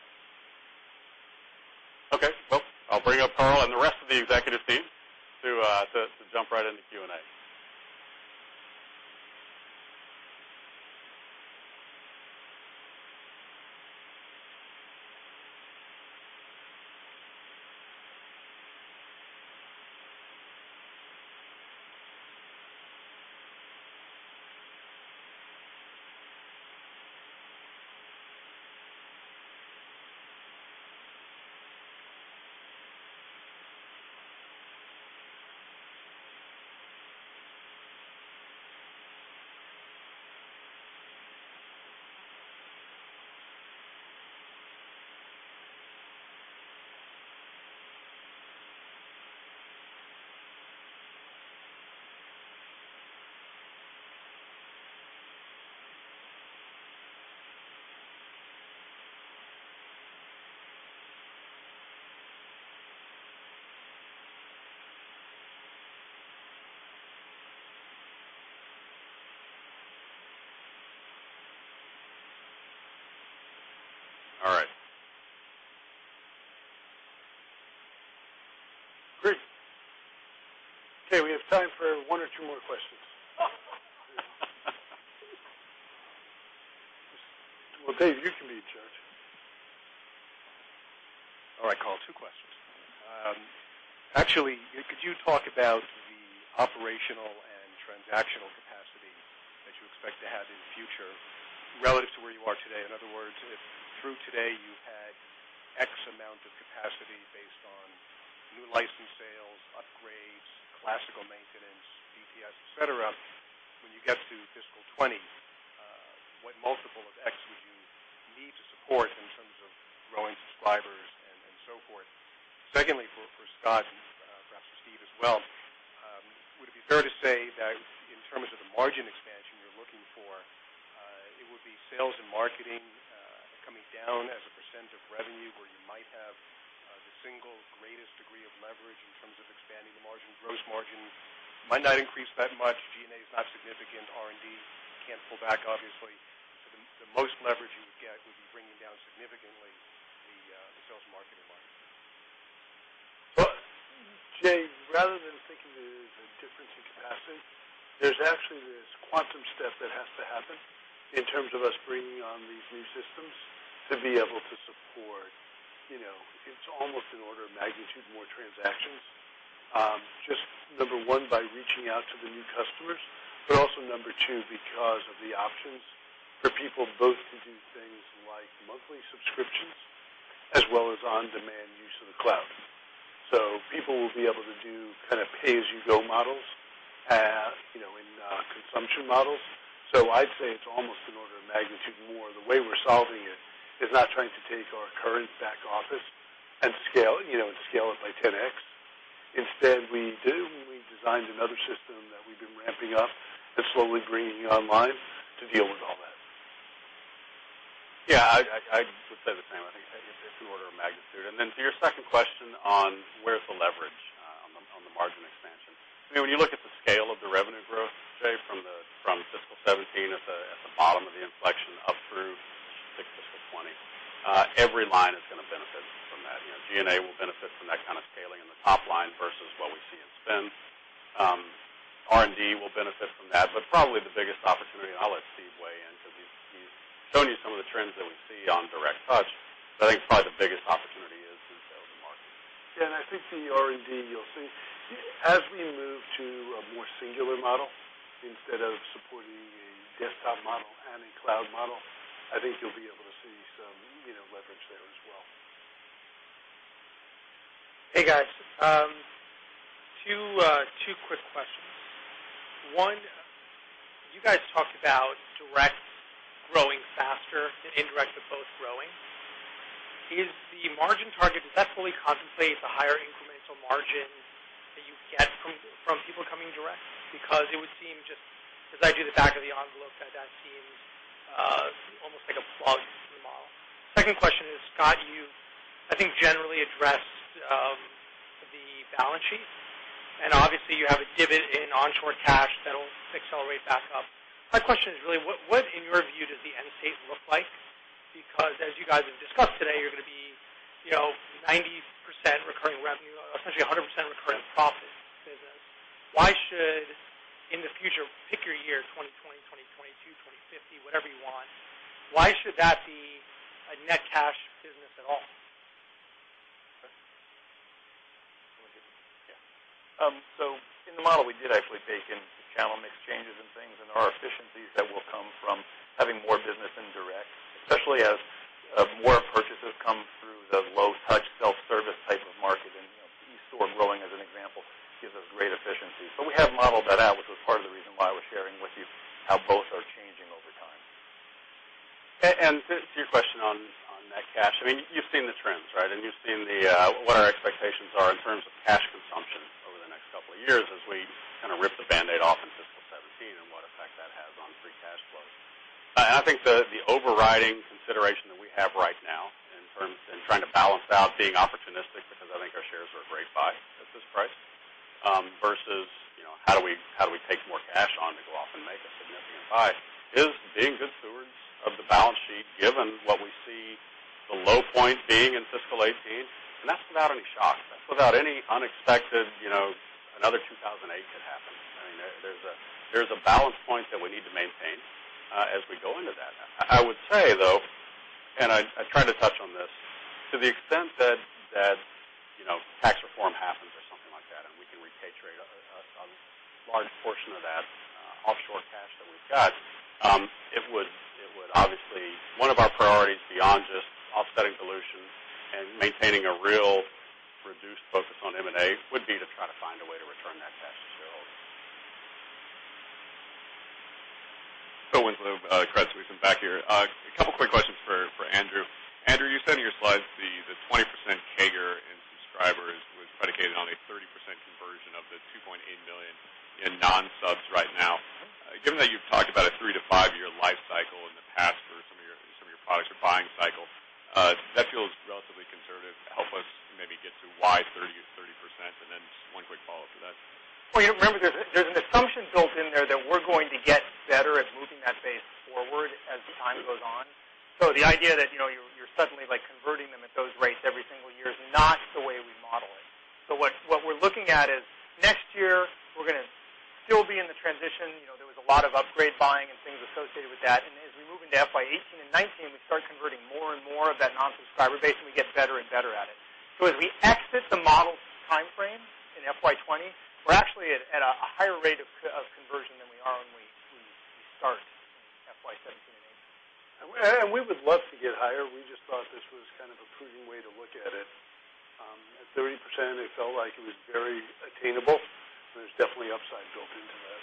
Okay, well, I'll bring up Carl and the rest of the executive team to jump right into Q&A. All right. Great. Okay, we have time for one or two more questions. Well, Dave, you can be in charge. All right, Carl, two questions. Actually, could you talk about the operational and transactional capacity that you expect to have in the future relative to where you are today? In other words, if through today you've had X amount of capacity based on new license sales, upgrades, classical maintenance, DTS, et cetera, when you get to fiscal 2020, what multiple of X would you need to support in terms of growing subscribers and so forth? Secondly, for Scott and perhaps for Steve as well, would it be fair to say that in terms of the margin expansion you're looking for, it would be sales and marketing coming down as a percent of revenue where you might have the single greatest degree of leverage in terms of expanding the margin. Gross margin might not increase that much. G&A is not significant. R&D can't pull back, obviously. The most leverage you would get would be bringing down significantly the sales and marketing line. Well, Dave, rather than thinking of it as a difference in capacity, there's actually this quantum step that has to happen in terms of us bringing on these new systems to be able to support, it's almost an order of magnitude more transactions. Just number 1, by reaching out to the new customers, also number 2, because of the options for people both to do things like monthly subscriptions as well as on-demand use of the cloud. People will be able to do pay-as-you-go models in consumption models. I'd say it's almost an order of magnitude more. The way we're solving it is not trying to take our current back office and scale it by 10X. We designed another system that we've been ramping up and slowly bringing online to deal with all that. Yeah, I would say the same. I think it's an order of magnitude. Then to your second question on where's the leverage on the margin expansion. When you look at the scale of the revenue growth, Jay, from fiscal 2017 at the bottom of the inflection up through, I think, fiscal 2020, every line is going to benefit from that. G&A will benefit from that kind of scaling in the top line versus what we see in spend. R&D will benefit from that. Probably the biggest opportunity, and I'll let Steve weigh in because he's shown you some of the trends that we see on direct touch, I think probably the biggest opportunity is in sales and marketing. I think the R&D, you'll see, as we move to a more singular model instead of supporting a desktop model and a cloud model, I think you'll be able to see some leverage there as well. Hey, guys. Two quick questions. You guys talked about direct growing faster and indirect, but both growing. Is the margin target, does that fully contemplate the higher incremental margin that you get from people coming direct? It would seem just as I do the back of the envelope, that seems almost like a plug model. Second question is, Scott, you I think generally addressed the balance sheet, and obviously, you have a divot in onshore cash that'll accelerate back up. My question is really what in your view does the end state look like? As you guys have discussed today, you're going to be 90% recurring revenue, essentially 100% recurring profit business. Why should, in the future, pick your year, 2020, 2022, 2050, whatever you want, why should that be a net cash business at all? You want me to get this? In the model, we did actually bake in channel mix changes and things and our efficiencies that will come from having more business in direct, especially as more purchases come through the low-touch, self-service type of market. eStore growing, as an example, gives us great efficiency. We have modeled that out, which was part of the reason why we're sharing with you how both are changing over time. To your question on net cash, you've seen the trends, right? You've seen what our expectations are in terms of cash consumption over the next couple of years as we kind of rip the Band-Aid off in fiscal 2017 and what effect that has on free cash flow. I think the overriding consideration that we have right now in trying to balance out being opportunistic, because I think our shares are a great buy at this price, versus how do we take more cash on to go off and make a significant buy, is being good stewards of the balance sheet given what we see the low point being in fiscal 2018. That's without any shocks. That's without any unexpected another 2008 could happen. There's a balance point that we need to maintain as we go into that. I would say, though, I tried to touch on this, to the extent that tax reform happens or something like that, we can repatriate a large portion of that offshore cash that we've got, obviously one of our priorities beyond just offsetting dilution and maintaining a real reduced focus on M&A would be to try to find a way to return that cash to shareholders. Phil Winslow, Credit Suisse. I'm back here. A couple quick questions for Andrew. Andrew, you said in your slides the 20% CAGR in subscribers was predicated on a 30% conversion of the 2.8 million in non-subs right now. Given that you've talked about a three to five-year life cycle in the past for some of your products or buying cycle, does that feel relatively conservative? Help us maybe get to why 30%. Just one quick follow-up to that. Well, remember, there's an assumption built in there that we're going to get better at moving that base forward as time goes on. The idea that you're suddenly converting them at those rates every single year is not the way we model it. What we're looking at is next year we're going to still be in the transition. There was a lot of upgrade buying and things associated with that. As we move into FY 2018 and 2019, we start converting more and more of that non-subscriber base, and we get better and better at it. As we exit the model timeframe in FY 2020, we're actually at a higher rate of conversion than we are when we start in FY 2017 and 2018. We would love to get higher. We just thought this was kind of a prudent way to look at it. At 30%, it felt like it was very attainable, there's definitely upside built into that.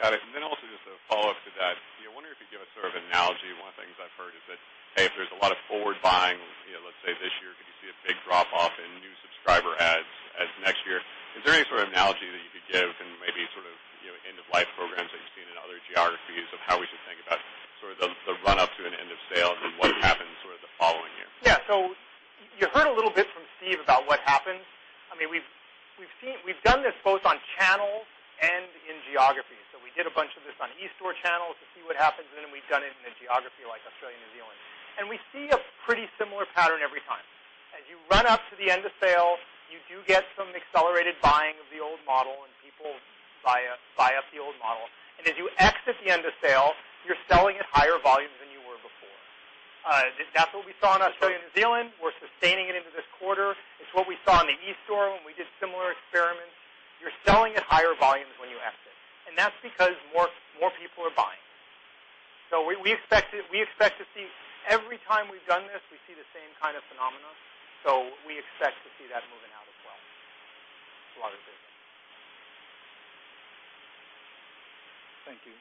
Got it. Also just a follow-up to that. I wonder if you could give a sort of analogy. One of the things I've heard is that, hey, if there's a lot of forward buying, let's say this year, could you see a big drop-off in new subscriber adds as next year? Is there any sort of analogy that you could give and maybe sort of end-of-life programs that you've seen in other geographies of how we should think about sort of the run-up to an end of sales and what happens sort of the following year? Yeah. You heard a little bit from Steve about what happens. We've done this both on channels and in geographies. We did a bunch of this on eStore channels to see what happens. We've done it in a geography like Australia and New Zealand. We see a pretty similar pattern every time. As you run up to the end of sale, you do get some accelerated buying of the old model. People buy up the old model. As you exit the end of sale, you're selling at higher volumes than you were before. That's what we saw in Australia and New Zealand. We're sustaining it into this quarter. It's what we saw in the eStore when we did similar experiments. You're selling at higher volumes when you exit, and that's because more people are buying. We expect to see every time we've done this, we see the same kind of phenomena. We expect to see that moving out as well. It's a lot of data. Thank you.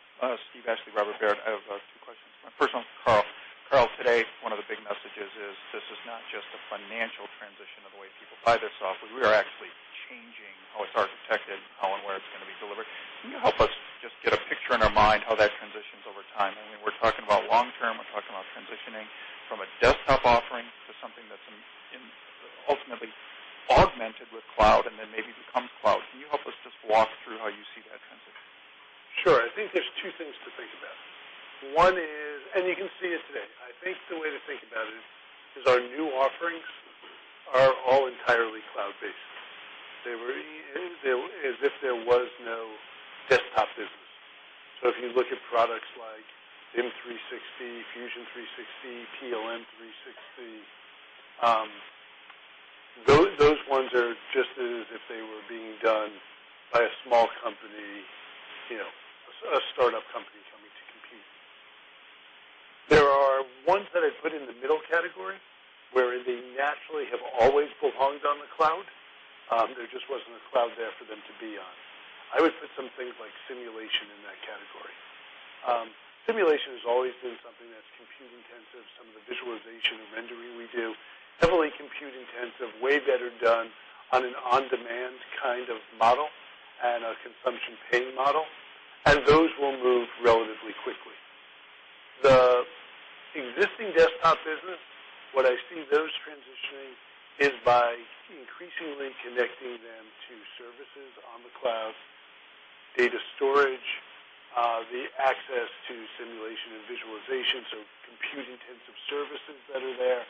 Steve Ashley, Robert W. Baird. I have two questions. One first one for Carl. Carl, today, one of the big messages is this is not just a financial transition of the way people buy their software. We are actually changing how it's architected, how, and where it's going to be delivered. Can you help us just get a picture in our mind how that transitions over time? We're talking about long term, we're talking about transitioning from a desktop offering to something that's ultimately augmented with cloud and then maybe becomes cloud. Can you help us just walk through how you see that transition? Sure. I think there's two things to think about. One is, you can see it today, I think the way to think about it is our new offerings are all entirely cloud-based, as if there was no desktop business. If you look at products like A360, Fusion 360, PLM 360, those ones are just as if they were being done by a small company, a startup company coming to compete. There are ones that I put in the middle category, wherein they naturally have always belonged on the cloud. There just wasn't a cloud there for them to be on. I would put some things like simulation in that category. Simulation has always been something that's compute intensive. Some of the visualization and rendering we do, heavily compute intensive, way better done on an on-demand kind of model and a consumption pay model, those will move relatively quickly. The existing desktop business, what I see those transitioning is by increasingly connecting them to services on the cloud, data storage, the access to simulation and visualization, so compute-intensive services that are there,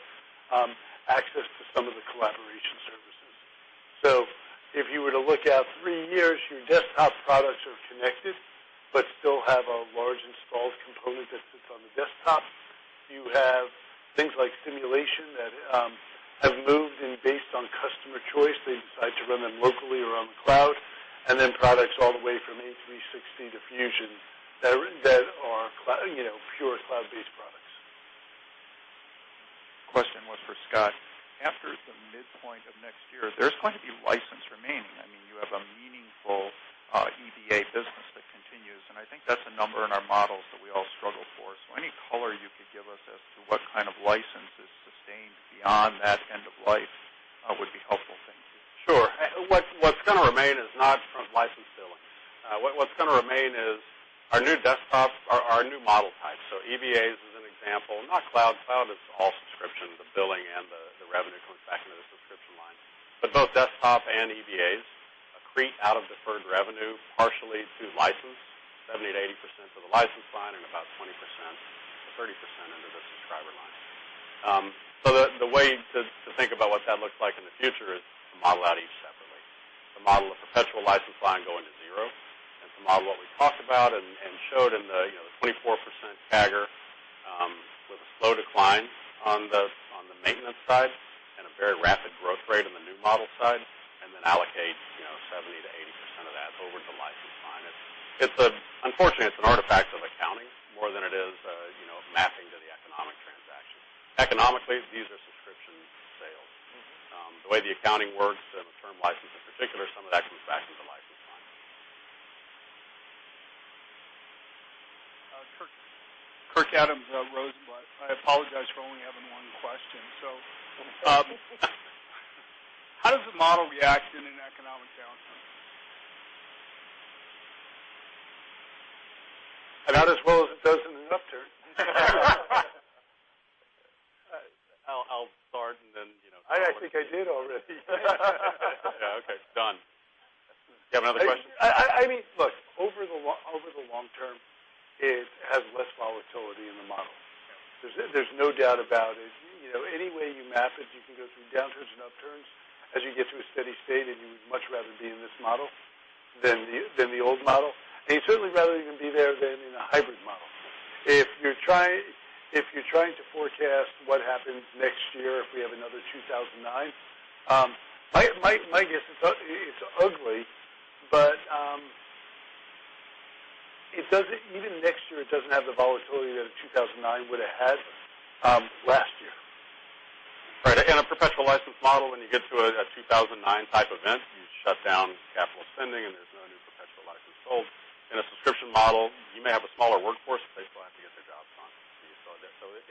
access to some of the collaboration services. If you were to look out three years, your desktop products are connected, but still have a large installed component that sits on the desktop. You have things like simulation that have moved in based on customer choice. They decide to run them locally or on the cloud, then products all the way from A360 to Fusion that are pure cloud-based products. Question was for Scott. After the midpoint of next year, there's going to be license remaining. You have a meaningful EBA business that continues, I think that's a number in our models that we all struggle for. Any color you could give us as to what kind of license is sustained beyond that end of life would be helpful. Thank you. Sure. What's going to remain is not from license billing. What's going to remain is our new desktops are our new model types. EBAs is an example, not cloud. Cloud is all subscription, the billing and the revenue comes back into the subscription line. Both desktop and EBAs accrete out of deferred revenue partially through license, 70%-80% to the license line, and about 20%-30% into the subscriber line. The way to think about what that looks like in the future is to model out each separately. To model a perpetual license line going to zero, to model what we talked about and showed in the 24% CAGR, with a slow decline on the maintenance side and a very rapid growth rate on the new model side, then allocate 70%-80% of that over to the license line. Unfortunately, it's an artifact of accounting more than it is mapping to the economic transaction. Economically, these are subscription sales. The way the accounting works in the term license in particular, some of that comes back into the license line. Kirk Adams, Rosenblatt. I apologize for only having one question. How does the model react in an economic downturn? About as well as it does in an upturn. I'll start and then- I think I did already. Yeah. Okay. Done. Do you have another question? Look, over the long term, it has less volatility in the model. There's no doubt about it. Any way you map it, you can go through downturns and upturns as you get to a steady state, you would much rather be in this model than the old model. You'd certainly rather even be there than in a hybrid model. If you're trying to forecast what happens next year if we have another 2009, my guess, it's ugly, but even next year, it doesn't have the volatility that a 2009 would've had last year. Right. A perpetual license model, when you get to a 2009 type event, you shut down capital spending, and there's no new perpetual license sold. In a subscription model, you may have a smaller workforce, but they still have to get their jobs done.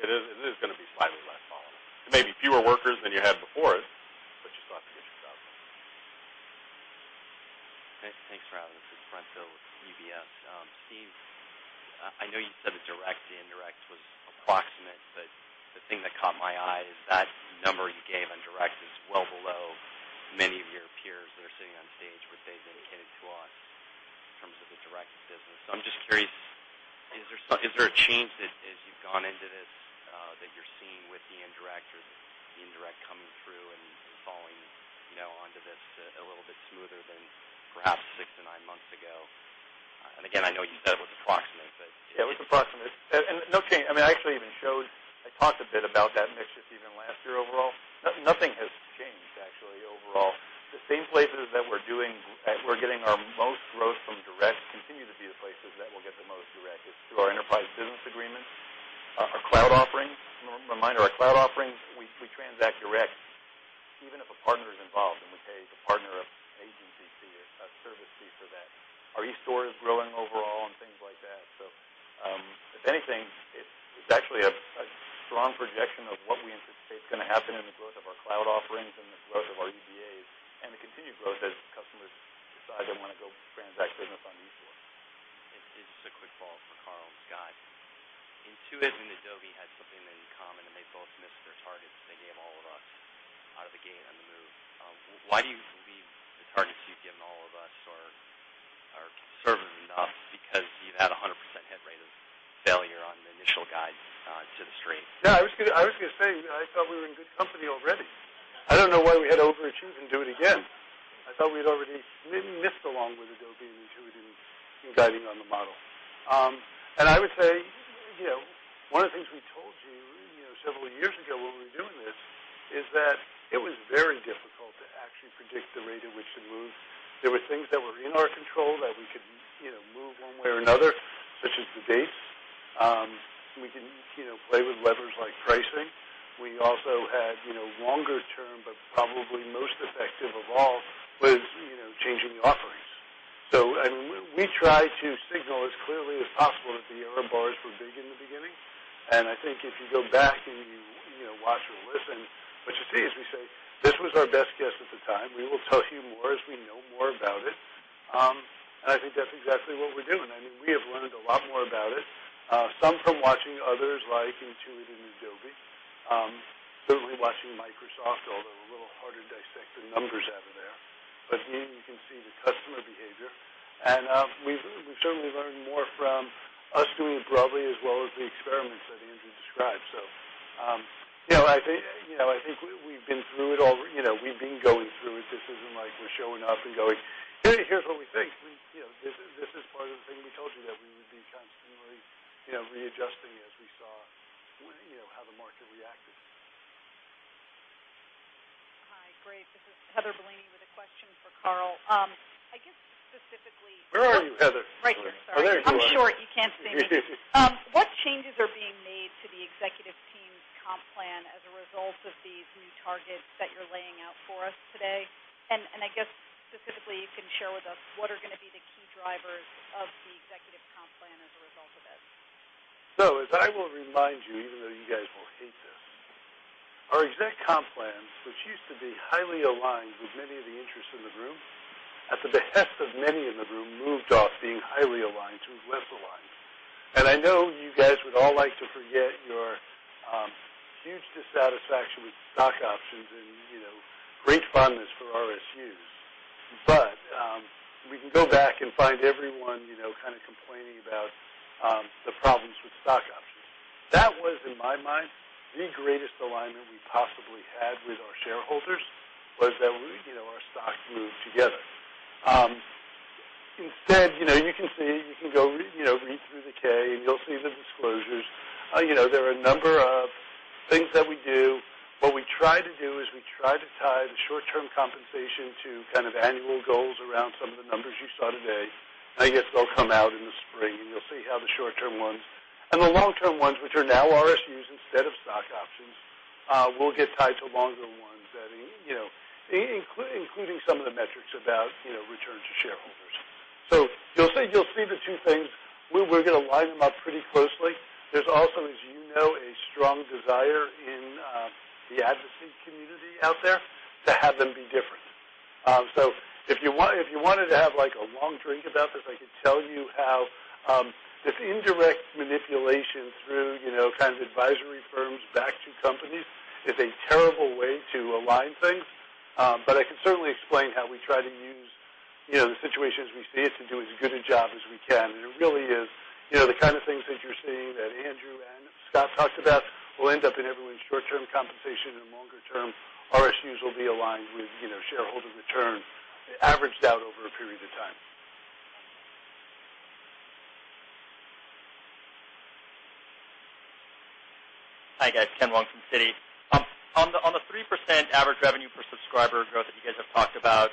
It is going to be slightly less volatile. There may be fewer workers than you had before, but you still have to get your job done. Thanks, Scott. This is Brent Thill with UBS. Steve, I know you said the direct to indirect was approximate, but the thing that caught my eye is that number you gave on direct is well below many of your peers that are sitting on stage what they've indicated to us in terms of the direct business. I'm just curious, is there a change that as you've gone into this, that you're seeing with the indirect or the indirect coming through and falling onto this a little bit smoother than perhaps six to nine months ago? Again, I know you said it was approximate. It was approximate. No change. I actually even showed I talked a bit about that mix shift even last year overall. Nothing has changed actually overall. The same places that we're getting our most growth from direct continue to be the places that will get the most direct. It's through our enterprise business agreements, our cloud offerings. A reminder, our cloud offerings, we transact direct, even if a partner is involved and we pay the partner an agency fee, a service fee for that. Our eStore is growing overall and things like that. If anything, it's actually a strong projection of what we anticipate is going to happen in the growth of our cloud offerings and the growth of our EBAs and the continued growth as customers decide they want to go transact business on the eStore. It's just a quick follow-up for Carl and Scott. Intuit and Adobe had something in common, and they both missed their targets. They gave all of us out of the gate on the move. Why do you believe the targets you've given all of us are conservative enough? You've had 100% hit rate of failure on the initial guide to the street. Yeah, I was going to say, I thought we were in good company already. I don't know why we had to overachieve and do it again. I thought we'd already missed along with Adobe and Intuit in guiding on the model. I would say, one of the things we told you several years ago when we were doing this is that it was very difficult to actually predict the rate at which it moves. There were things that were in our control that we could move one way or another, such as the dates. We can play with levers like pricing. We also had longer term, but probably most effective of all was changing the offerings. We try to signal as clearly as possible that the error bars were big in the beginning. I think if you go back and you watch or listen, what you see is we say, "This was our best guess at the time. We will tell you more as we know more about it." I think that's exactly what we're doing. We have learned a lot more about it, some from watching others like Intuit and Adobe. Certainly watching Microsoft, although they're a little harder to dissect the numbers out of there. Even you can see the customer behavior. We've certainly learned more from us doing it broadly as well as the experiments that Andrew described. I think we've been through it all. We've been going through it. This isn't like we're showing up and going, "Hey, here's what we think." This is part of the thing we told you that we would be constantly readjusting as we saw how the market reacted. Hi, great. This is Heather Bellini with a question for Carl. Where are you, Heather? Right here. Sorry. Oh, there you are. I'm short. You can't see me. What changes are being made to the executive team's comp plan as a result of these new targets that you're laying out for us today? I guess specifically, you can share with us what are going to be the key drivers of the executive comp plan as a result of this. As I will remind you, even though you guys will hate this, our exec comp plans, which used to be highly aligned with many of the interests in the room, at the behest of many in the room, moved off being highly aligned to less aligned. I know you guys would all like to forget your huge dissatisfaction with stock options and great fondness for RSUs. We can go back and find everyone kind of complaining about the problems with stock options. That was, in my mind, the greatest alignment we possibly had with our shareholders was that our stock moved together. Instead, you can see, you can go read through the K, and you'll see the disclosures. There are a number of things that we do. We try to do is we try to tie the short-term compensation to kind of annual goals around some of the numbers you saw today. I guess they'll come out in the spring, and you'll see how the short-term ones and the long-term ones, which are now RSUs instead of stock options, will get tied to longer ones that including some of the metrics about return to shareholders. You'll see the two things. We're going to line them up pretty closely. There's also, as you know, a strong desire in the advocacy community out there to have them be different. If you wanted to have a long drink about this, I could tell you how this indirect manipulation through kind of advisory firms back to companies is a terrible way to align things. I can certainly explain how we try to use the situations we see to do as good a job as we can. It really is the kind of things that you're seeing that Andrew and Scott talked about will end up in everyone's short-term compensation, and longer-term RSUs will be aligned with shareholder return averaged out over a period of time. Hi, guys. Ken Wong from Citi. On the 3% average revenue per subscriber growth that you guys have talked about,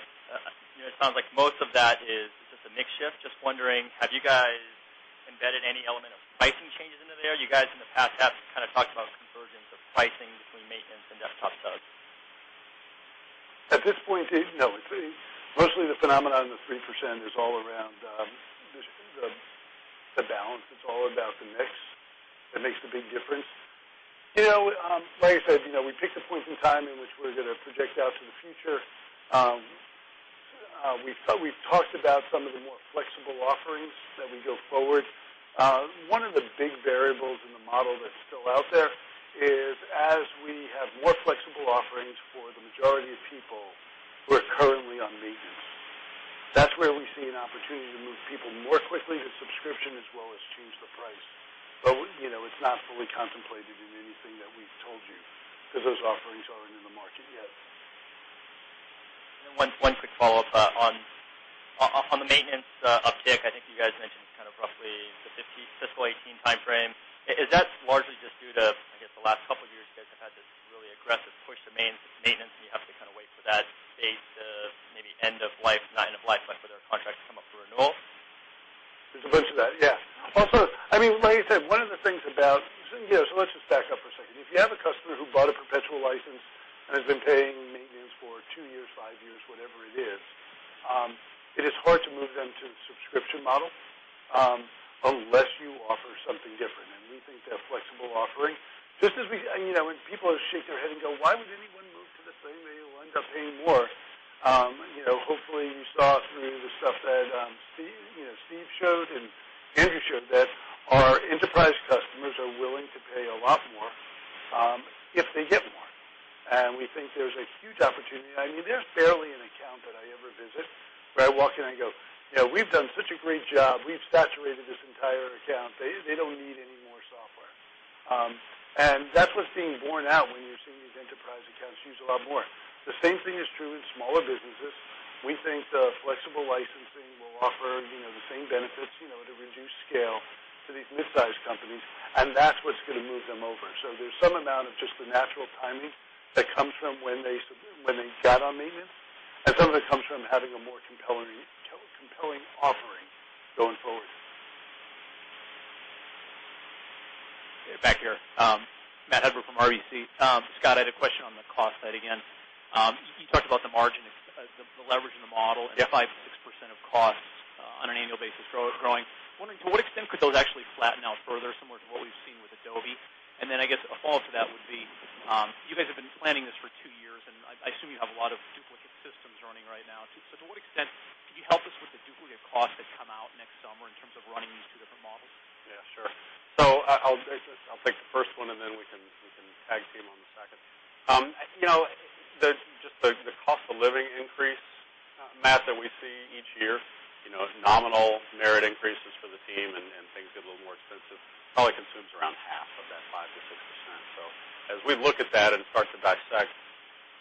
it sounds like most of that is just a mix shift. Just wondering, have you guys embedded any element of pricing changes into there? You guys in the past have kind of talked about convergence of pricing between maintenance and desktop subs. At this point, no. Mostly the phenomenon of 3% is all around the balance. It's all about the mix that makes the big difference. Like I said, we picked a point in time in which we're going to project out to the future. We've talked about some of the more flexible offerings that we go forward. One of the big variables in the model that's still out there is as we have more flexible offerings for the majority of people who are currently on maintenance. That's where we see an opportunity to move people more quickly to subscription as well as change the price. It's not fully contemplated in anything that we've told you because those offerings aren't in the market yet. One quick follow-up on the maintenance uptick. I think you guys mentioned roughly the fiscal 2018 timeframe. Is that largely just due to, I guess, the last couple of years, you guys have had this really aggressive push to maintenance, and you have to kind of wait for that date, maybe end of life, not end of life, but for their contract to come up for renewal? There's a bunch of that, yeah. Like you said, let's just back up for a second. If you have a customer who bought a perpetual license and has been paying maintenance for two years, five years, whatever it is, it is hard to move them to a subscription model, unless you offer something different. We think that flexible offering, just as when people shake their head and go, "Why would anyone move to this thing where you'll end up paying more?" Hopefully, you saw through the stuff that Steve showed and Andrew showed that our enterprise customers are willing to pay a lot more, if they get more. We think there's a huge opportunity. There's barely an account that I ever visit where I walk in, I go, "We've done such a great job. We've saturated this entire account. They don't need any more software." That's what's being borne out when you're seeing these enterprise accounts use a lot more. The same thing is true in smaller businesses. We think the flexible licensing will offer the same benefits, at a reduced scale to these midsize companies, and that's what's going to move them over. There's some amount of just the natural timing that comes from when they got on maintenance, and some of it comes from having a more compelling offering going forward. Back here. Matthew Hedberg from RBC. Scott, I had a question on the cost side again. You talked about the margin, the leverage in the model. Yeah. 5%-6% of costs on an annual basis growing. I'm wondering, to what extent could those actually flatten out further, similar to what we've seen with Adobe? I guess a follow-up to that would be, you guys have been planning this for 2 years, and I assume you have a lot of duplicate systems running right now. To what extent can you help us with the duplicate costs that come out next summer in terms of running these two different models? Yeah, sure. I'll take the first one, then we can tag team on the second. Just the cost of living increase, Matt, that we see each year. Nominal merit increases for the team and things get a little more expensive, probably consumes around half of that 5%-6%. As we look at that and start to dissect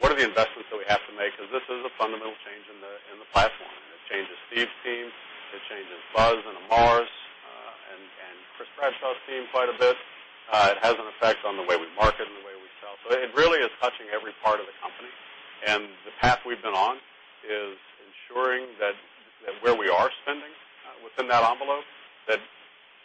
what are the investments that we have to make, because this is a fundamental change in the platform, and it changes Steve's team, it changes Buzz and Amar's, and Chris Bradshaw's team quite a bit. It has an effect on the way we market and the way we sell. It really is touching every part of the company, and the path we've been on is ensuring that where we are spending within that envelope, that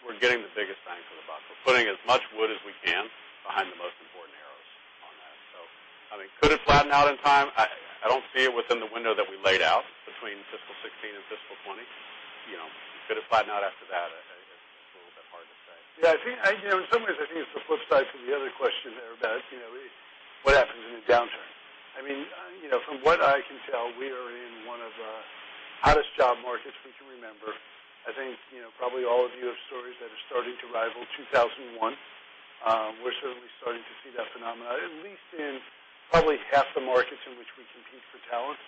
we're getting the biggest bang for the buck. We're putting as much wood as we can behind the most important arrows on that. Could it flatten out in time? I don't see it within the window that we laid out between fiscal 2016 and fiscal 2020. Could it flatten out after that? It's a little bit hard to say. Yeah, in some ways, I think it's the flip side to the other question there about what happens in a downturn. From what I can tell, we are in one of the hottest job markets we can remember. I think probably all of you have stories that are starting to rival 2001. We're certainly starting to see that phenomena, at least in probably half the markets in which we compete for talent.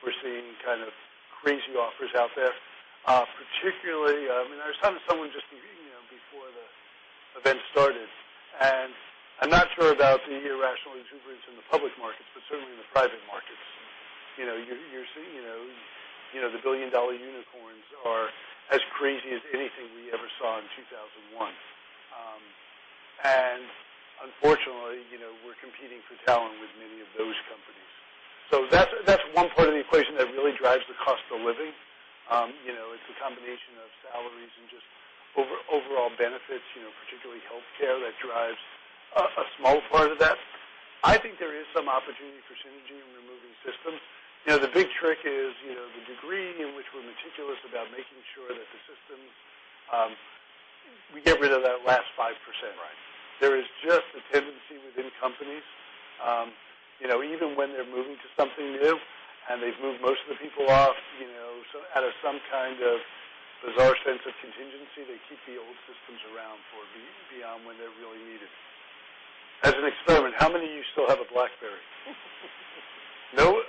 We're seeing kind of crazy offers out there. Particularly, I was talking to someone just before the event started, and I'm not sure about the irrational exuberance in the public markets, but certainly in the private markets. You're seeing the billion-dollar unicorns are as crazy as anything we ever saw in 2001. Unfortunately, we're competing for talent with many of those companies. That's one part of the equation that really drives the cost of living. It's a combination of salaries and just overall benefits, particularly healthcare that drives a small part of that. I think there is some opportunity for synergy in removing systems. The big trick is the degree in which we're meticulous about making sure that the systems, we get rid of that last 5%. Right. There is just a tendency within companies, even when they're moving to something new and they've moved most of the people off, out of some kind of bizarre sense of contingency, they keep the old systems around for beyond when they're really needed. As an experiment, how many of you still have a BlackBerry? No?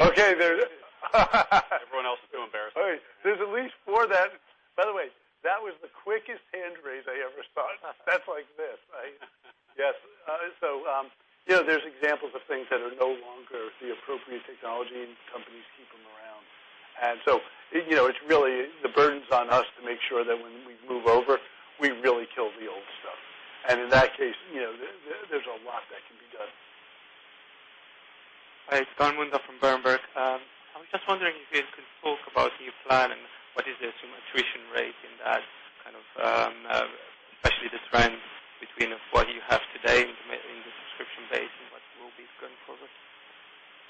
Okay. Everyone else is too embarrassed. All right. There's at least four then. By the way, that was the quickest hand raise I ever saw. That's like this. Yes. There's examples of things that are no longer the appropriate technology. Companies keep them around. It's really the burden's on us to make sure that when we move over, we really kill the old stuff. In that case, there's a lot that can be done. Hi, it's Daud Khan from Berenberg. I was just wondering if you could talk about your plan and what is the assumed attrition rate in that, especially the trend between what you have today in the subscription base and what will be going forward.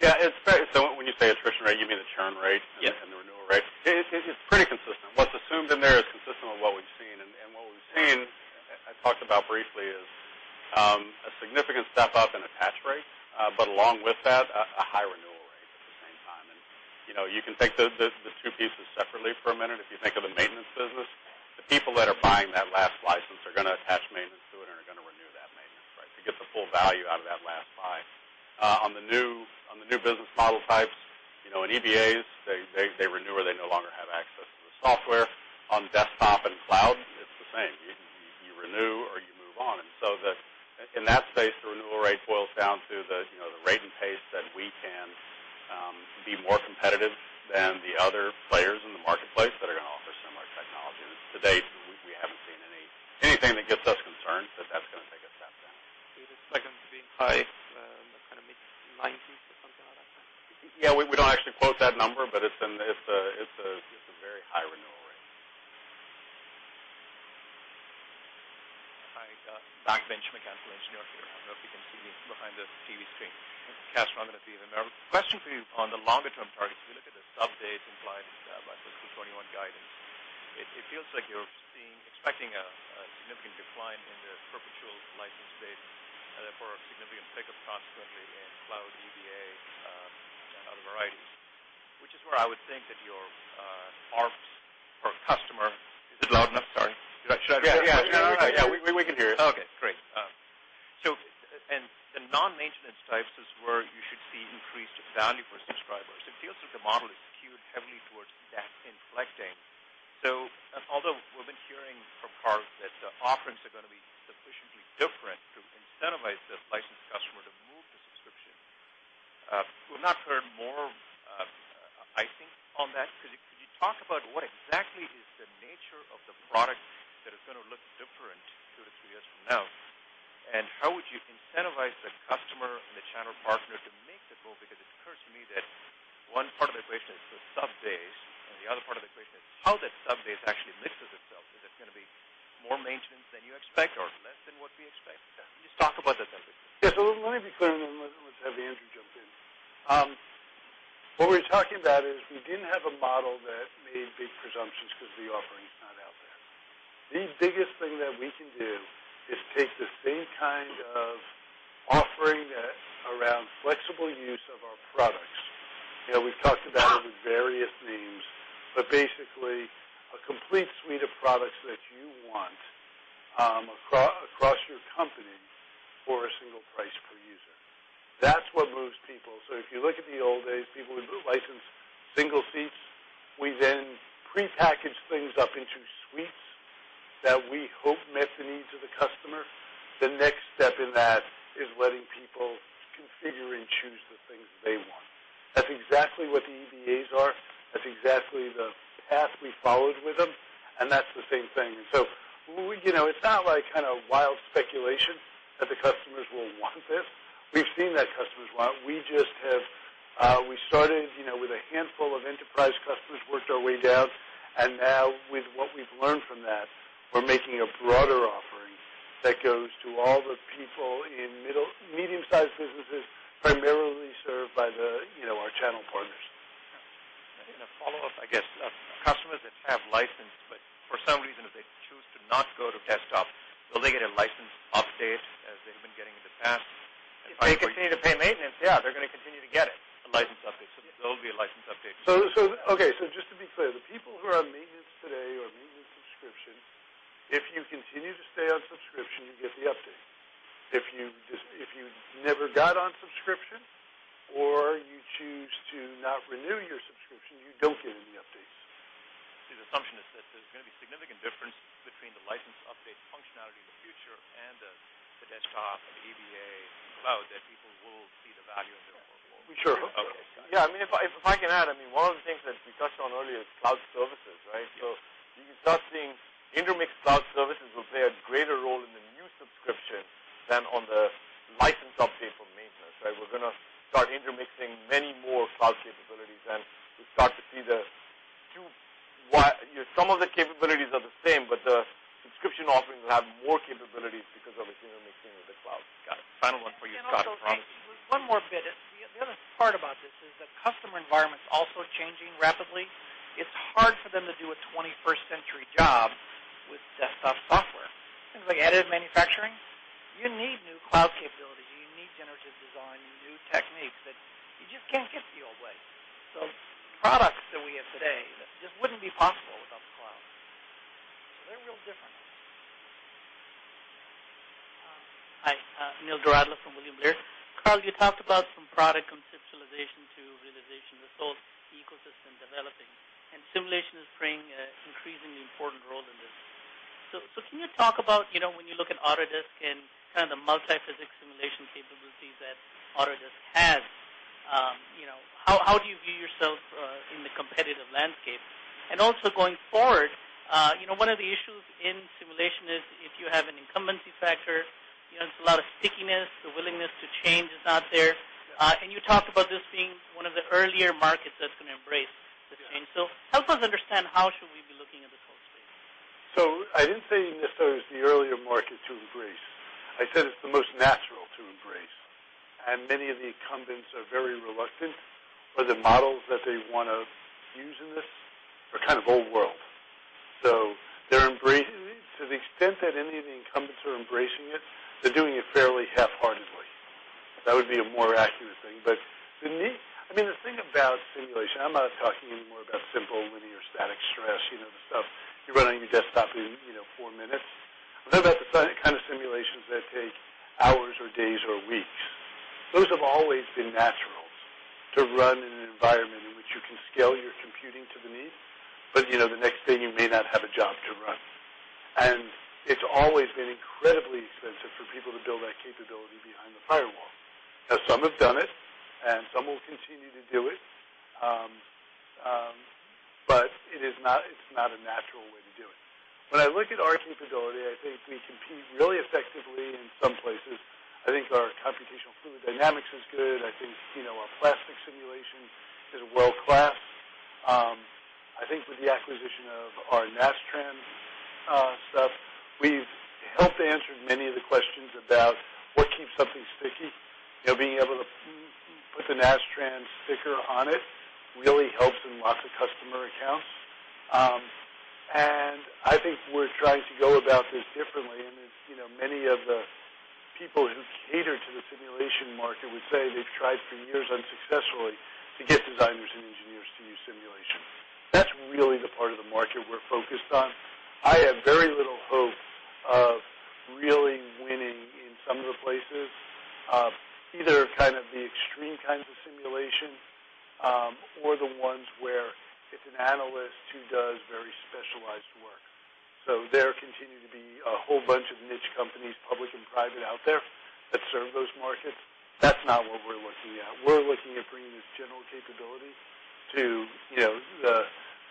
Yeah. When you say attrition rate, you mean the churn rate- Yes The renewal rate. It's pretty consistent. What's assumed in there is consistent with what we've seen, and what we've seen, I talked about briefly, is a significant step up in attach rate. Along with that, a high renewal rate at the same time. You can take the two pieces separately for a minute. If you think of the maintenance business, the people that are buying that last license are going to attach maintenance to it and are going to renew that maintenance to get the full value out of that last buy. On the new business model types, in EBAs, they renew or they no longer have access to the software. On desktop and cloud, it's the same. You renew or you move on. In that space, the renewal rate boils down to the rate and pace that we can be more competitive than the other you run on your desktop in four minutes. I'm talking about the kind of simulations that take hours or days or weeks. Those have always been natural to run in an environment in which you can scale your computing to the need, but the next day you may not have a job to run. It's always been incredibly expensive for people to build that capability behind the firewall. Now some have done it, and some will continue to do it, but it's not a natural way to do it. When I look at our capability, I think we compete really effectively in some places. I think our computational fluid dynamics is good. I think our plastic simulation is world-class. I think with the acquisition of our Nastran stuff, we've helped answer many of the questions about what keeps something sticky. Being able to put the Nastran sticker on it really helps in lots of customer accounts. I think we're trying to go about this differently, and many of the people who cater to the simulation market would say they've tried for years unsuccessfully to get designers and engineers to use simulation. That's really the part of the market we're focused on. I have very little hope of really winning in some of the places, either kind of the extreme kinds of simulation, or the ones where it's an analyst who does very specialized work. There continue to be a whole bunch of niche companies, public and private, out there that serve those markets. That's not what we're looking at. We're looking at bringing this general capability to the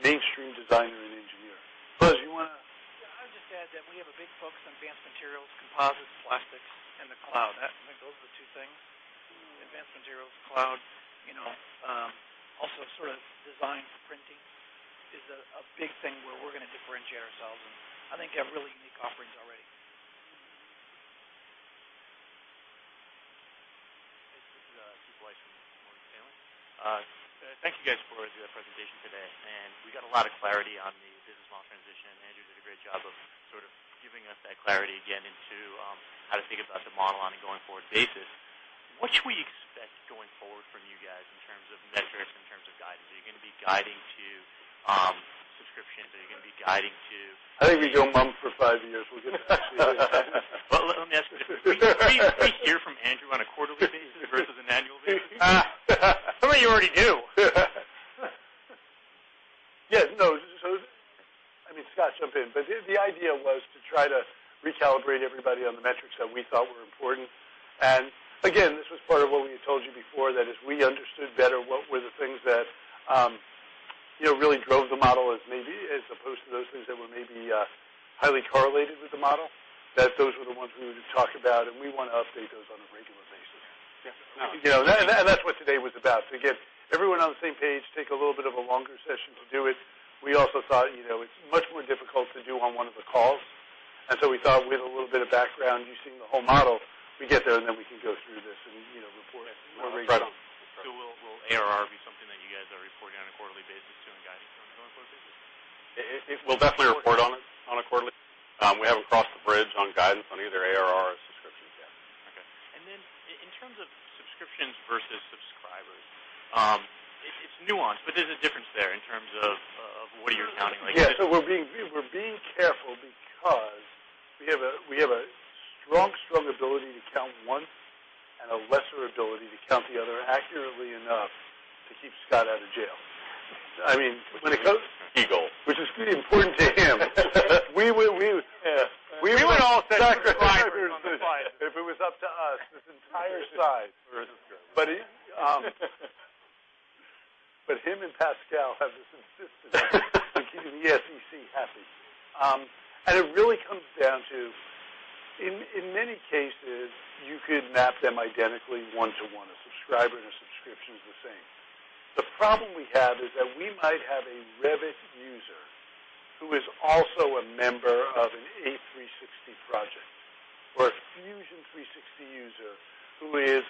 mainstream designer and engineer. Buzz, you want to. Yeah, I'll just add that we have a big focus on advanced materials, composites, plastics, and the cloud. Those are the two things. Advanced materials, cloud. Also sort of design for printing is a big thing where we're going to differentiate ourselves and I think have really unique offerings already. This is Deepak Shah from Morgan Stanley. Thank you guys for the presentation today. We got a lot of clarity on the Business Model Transition, and Andrew did a great job of sort of giving us that clarity again into how to think about the model on a going forward basis. What should we expect going forward from you guys in terms of metrics, in terms of guidance? Are you going to be guiding to subscriptions? Are you going to be guiding to? I think we go mum for five years. We'll get back to you guys then. Well, let me ask it. Will we hear from Andrew on a quarterly basis versus an annual basis? Some of you already do. Yes, no. I mean, Scott, jump in. The idea was to try to recalibrate everybody on the metrics that we thought were important. Again, this was part of what we had told you before, that as we understood better what were the things that really drove the model as maybe as opposed to those things that were maybe highly correlated with the model, that those were the ones we would talk about and we want to update those on a regular basis. Yeah. That's what today was about. To get everyone on the same page, take a little bit of a longer session to do it. We also thought it's much more difficult to do on one of the calls. We thought with a little bit of background, you've seen the whole model, we get there, and then we can go through this and report more regularly. Will ARR be something that you guys are reporting on a quarterly basis and guiding on a going forward basis? We'll definitely report on it on a quarterly. We haven't crossed the bridge on guidance on either ARR or subscriptions yet. Okay. In terms of subscriptions versus subscribers, it's nuanced, but there's a difference there in terms of what you're counting. Yeah. We're being careful because we have a strong ability to count one and a lesser ability to count the other accurately enough to keep Scott out of jail. Legal. Which is pretty important to him. We would all sacrifice on the fire. If it was up to us, this entire side. Him and Pascal have this insistence on keeping the SEC happy. It really comes down to, in many cases, you could map them identically one to one. A subscriber and a subscription's the same. The problem we have is that we might have a Revit user who is also a member of an A360 project, or a Fusion 360 user who is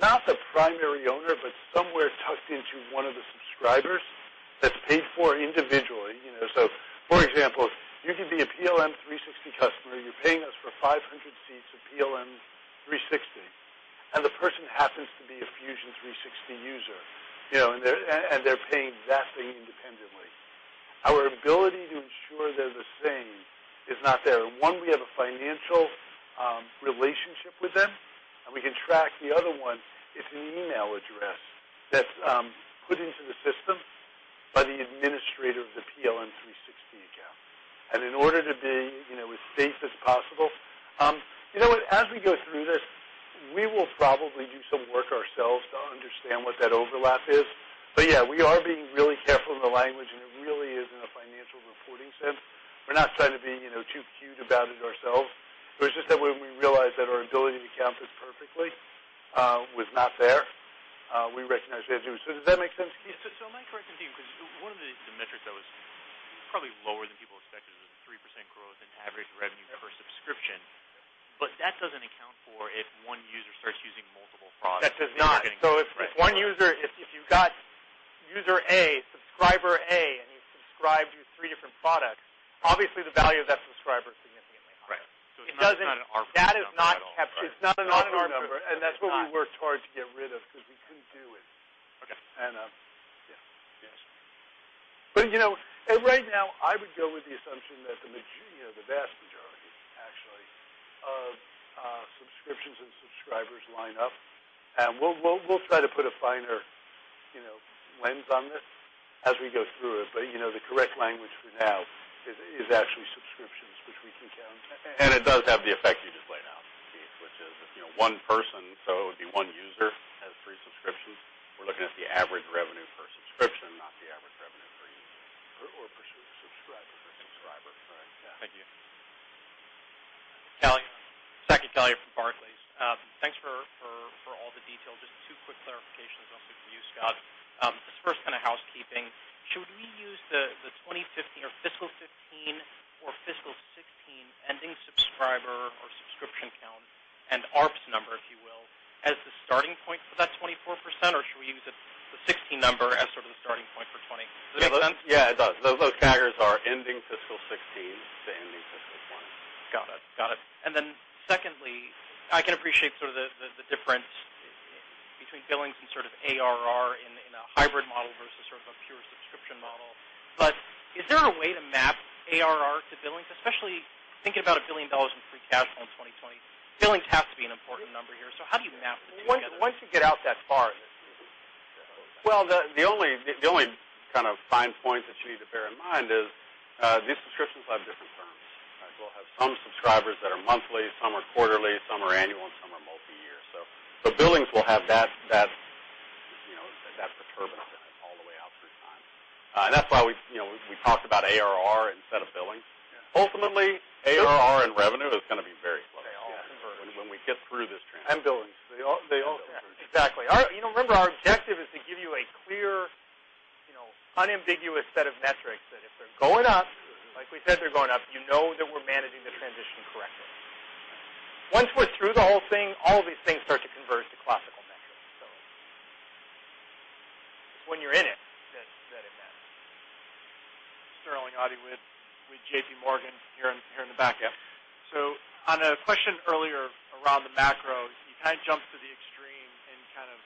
not the primary owner, but somewhere tucked into one of the subscribers that's paid for individually. For example, you could be a PLM 360 customer. You're paying us for 500 seats of PLM 360, and the person happens to be a Fusion 360 user, and they're paying that thing independently. Our ability to ensure they're the same is not there. One, we have a financial relationship with them, and we can track the other one. It's an email address that's put into the system by the administrator of the PLM 360 account. In order to be as safe as possible, you know what? As we go through this, we will probably do some work ourselves to understand what that overlap is. Yeah, we are being really careful in the language, and it really is in a financial reporting sense. We're not trying to be too cute about it ourselves. It's just that when we realized that our ability to count this perfectly was not there, we recognized we had to. Does that make sense, Keith? Am I correct in thinking, because one of the metrics that was probably lower than people expected was a 3% growth in average revenue per subscription. That doesn't account for if one user starts using multiple products. That does not. If you've got user A, subscriber A, and you've subscribed to three different products, obviously the value of that subscriber is significantly higher. Right. It's not an ARP count at all. That is not kept. It's not an ARPS number. That's what we worked hard to get rid of because we couldn't do it. Okay. Right now, I would go with the assumption that the vast majority, actually, of subscriptions and subscribers line up. We'll try to put a finer lens on this as we go through it. The correct language for now is actually subscriptions, which we can count. It does have the effect you just laid out, Steve, which is if one person, so it would be one user, has three subscriptions, we're looking at the average revenue per subscription, not the average revenue per user. Per subscriber. Subscriber, correct. Thank you. Saket Kalia from Barclays. Thanks for all the detail. Just two quick clarifications also for you, Scott. This first kind of housekeeping. Should we use the 2015 or fiscal 2015 or fiscal 2016 ending subscriber or subscription count and ARPS number, if you will, as the starting point for that 24%? Or should we use the 2016 number as sort of the starting point for 2020? Does that make sense? Yeah, it does. Those targets are ending fiscal 2016 to ending fiscal 2020. Got it. Secondly, I can appreciate the difference between billings and sort of ARR in a hybrid model versus a pure subscription model. Is there a way to map ARR to billings, especially thinking about $1 billion in free cash flow in 2020? Billings have to be an important number here, how do you map the two together? Once you get out that far in the future. Well, the only kind of fine point that you need to bear in mind is these subscriptions have different terms. We'll have some subscribers that are monthly, some are quarterly, some are annual, and some are multi-year. Billings will have that perturbance all the way out through time. That's why we talked about ARR instead of billings. Ultimately, ARR and revenue is going to be very close. They all converge. When we get through this transition. Billings. They all converge. Exactly. Remember, our objective is to give you a clear, unambiguous set of metrics that if they're going up like we said they're going up, you know that we're managing the transition correctly. Once we're through the whole thing, all of these things start to converge to classical metrics. It's when you're in it that it matters. Sterling Auty with JPMorgan, here in the back. On a question earlier around the macro, you kind of jumped to the extreme in kind of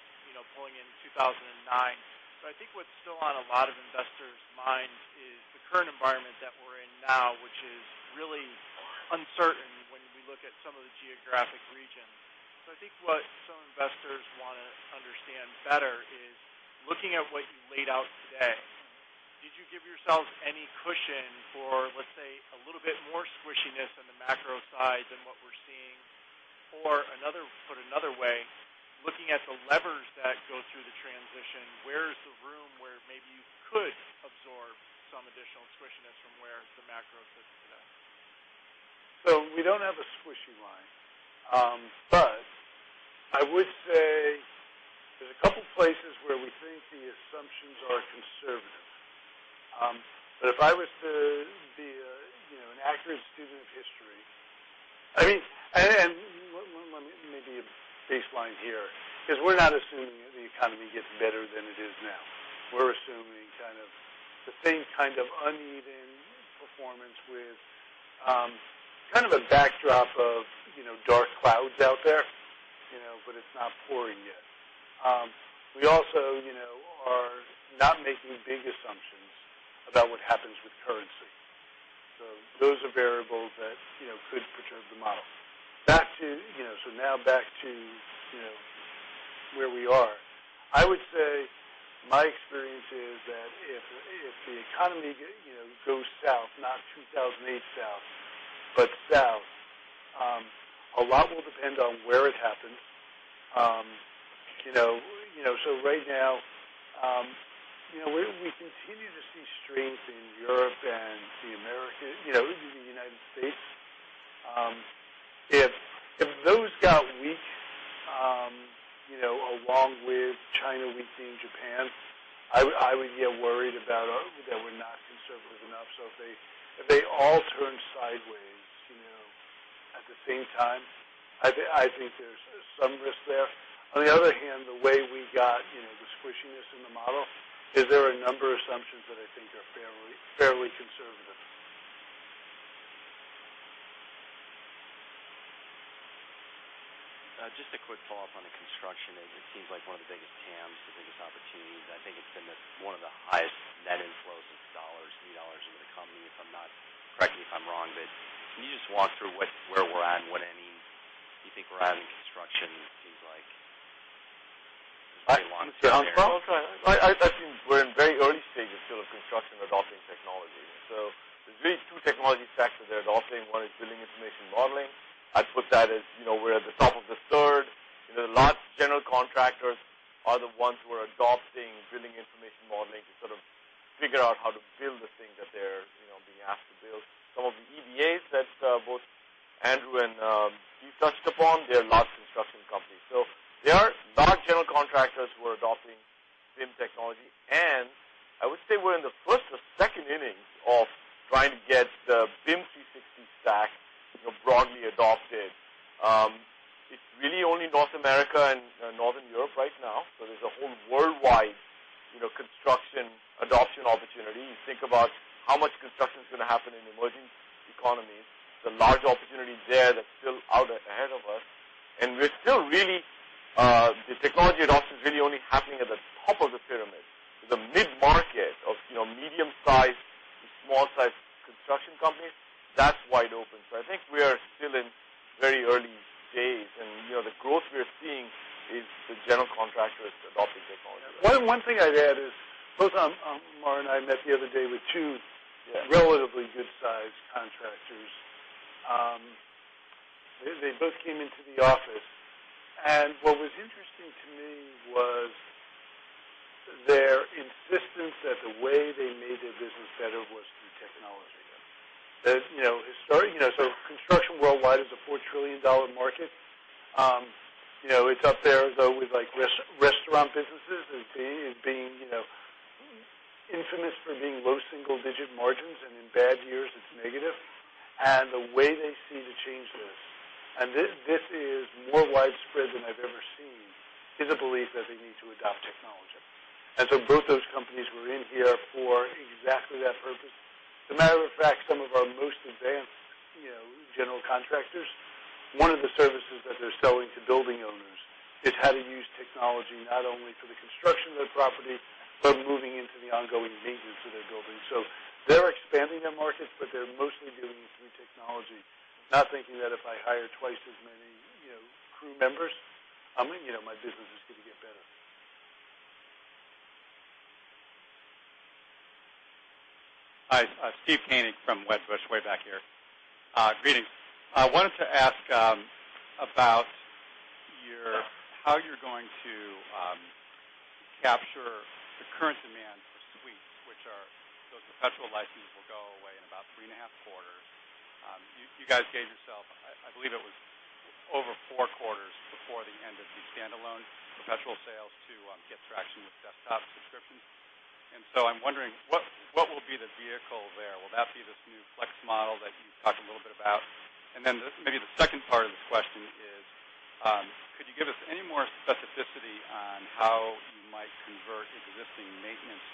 pulling in 2009. I think what's still on a lot of investors' minds is the current environment that we're in now, which is really uncertain when we look at some of the geographic regions. I think what some investors want to understand better is, looking at what you laid out today, did you give yourselves any cushion for, let's say, a little bit more squishiness on the macro side than what we're seeing? Put another way, looking at the levers that go through the transition, where is the room where maybe you could absorb some additional squishiness from where the macro sits today? We don't have a squishy line. I would say there's a couple places where we think the assumptions are conservative. If I was to be an accurate student of history. Let me maybe baseline here, because we're not assuming that the economy gets better than it is now. We're assuming kind of the same kind of uneven performance with kind of a backdrop of dark clouds out there, but it's not pouring yet. We also are not making big assumptions about what happens with currency. Those are variables that could perturb the model. Now back to where we are. I would say my experience is that if the economy goes south, not 2008 south, but south, a lot will depend on where it happens. Right now, we continue to see strength in Europe and the U.S. If those got weak, along with China weakening, Japan, I would get worried that we're not conservative enough. If they all turn sideways at the same time, I think there's some risk there. On the other hand, the way we got the squishiness in the model is there are a number of assumptions that I think are fairly conservative. Just a quick follow-up on the construction end. It seems like one of the biggest TAMs, the biggest opportunities. I think it's been one of the highest net inflows of $, new $ into the company, correct me if I'm wrong, but can you just walk through where we're at and what end you think we're at in construction and seems like you might want to be there? I'll try. I think we're in very early stages still of construction adopting technology. There's really two technology stacks that they're adopting. One is Building Information Modeling. I'd put that as we're at the top of the third. The large general contractors are the ones who are adopting Building Information Modeling to sort of figure out how to build the thing that they're being asked to build. Some of the EBAs that both Andrew and Steve touched upon, they're large construction companies. There are large general contractors who are adopting BIM technology. I would say we're in the first or second inning of trying to get the BIM 360 stack broadly adopted. It's really only North America and Northern Europe right now. There's a whole worldwide construction adoption opportunity. You think about how much construction's going to happen in emerging economies, the large opportunity there that's still out ahead of us. We're still really The technology adoption is really only happening at the top of the pyramid. The mid-market of medium-sized to small-sized construction companies, that's wide open. I think we are still in very early days, and the growth we are seeing is the general contractors adopting technology. One thing I'd add is, both Amar and I met the other day with two Yes relatively good-sized contractors. They both came into the office, what was interesting to me was their insistence that the way they made their business better was through technology. Construction worldwide is a $4 trillion market. It's up there though with restaurant businesses as being infamous for being low single-digit margins, in bad years, it's negative. The way they see to change this is more widespread than I've ever seen, is a belief that they need to adopt technology. Both those companies were in here for exactly that purpose. As a matter of fact, some of our most advanced general contractors, one of the services that they're selling to building owners is how to use technology not only for the construction of their property, but moving into the ongoing maintenance of their building. They're expanding their markets, they're mostly doing it through technology, not thinking that if I hire twice as many crew members, my business is going to get better. Hi, Steve Koenig from Wedbush, way back here. Greetings. I wanted to ask about how you're going to capture the current demand for Suites, which are, those perpetual license will go away in about three and a half quarters. You guys gave yourself, I believe it was over four quarters before the end of the standalone perpetual sales to get traction with Desktop Subscriptions. I'm wondering, what will be the vehicle there? Will that be this new Flex model that you talked a little bit about? Maybe the second part of the question is, could you give us any more specificity on how you might convert existing maintenance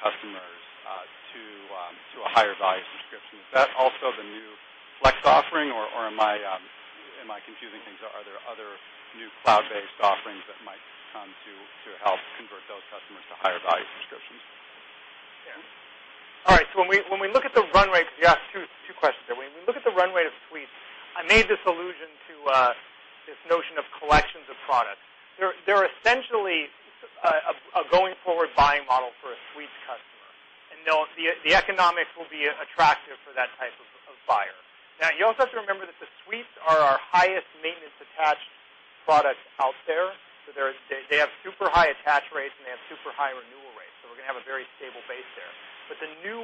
customers to a higher value subscription? Is that also the new Flex offering, or am I confusing things? Are there other new cloud-based offerings that might come to help convert those customers to higher value subscriptions? All right. When we look at the run rate, you asked two questions there. When we look at the runway to Suites, I made this allusion to this notion of collections of products. They're essentially a going-forward buying model for a Suites customer. No, the economics will be attractive for that type of buyer. You also have to remember that the Suites are our highest Maintenance attached products out there. They have super high attach rates, and they have super high renewal rates. We're going to have a very stable base there. The new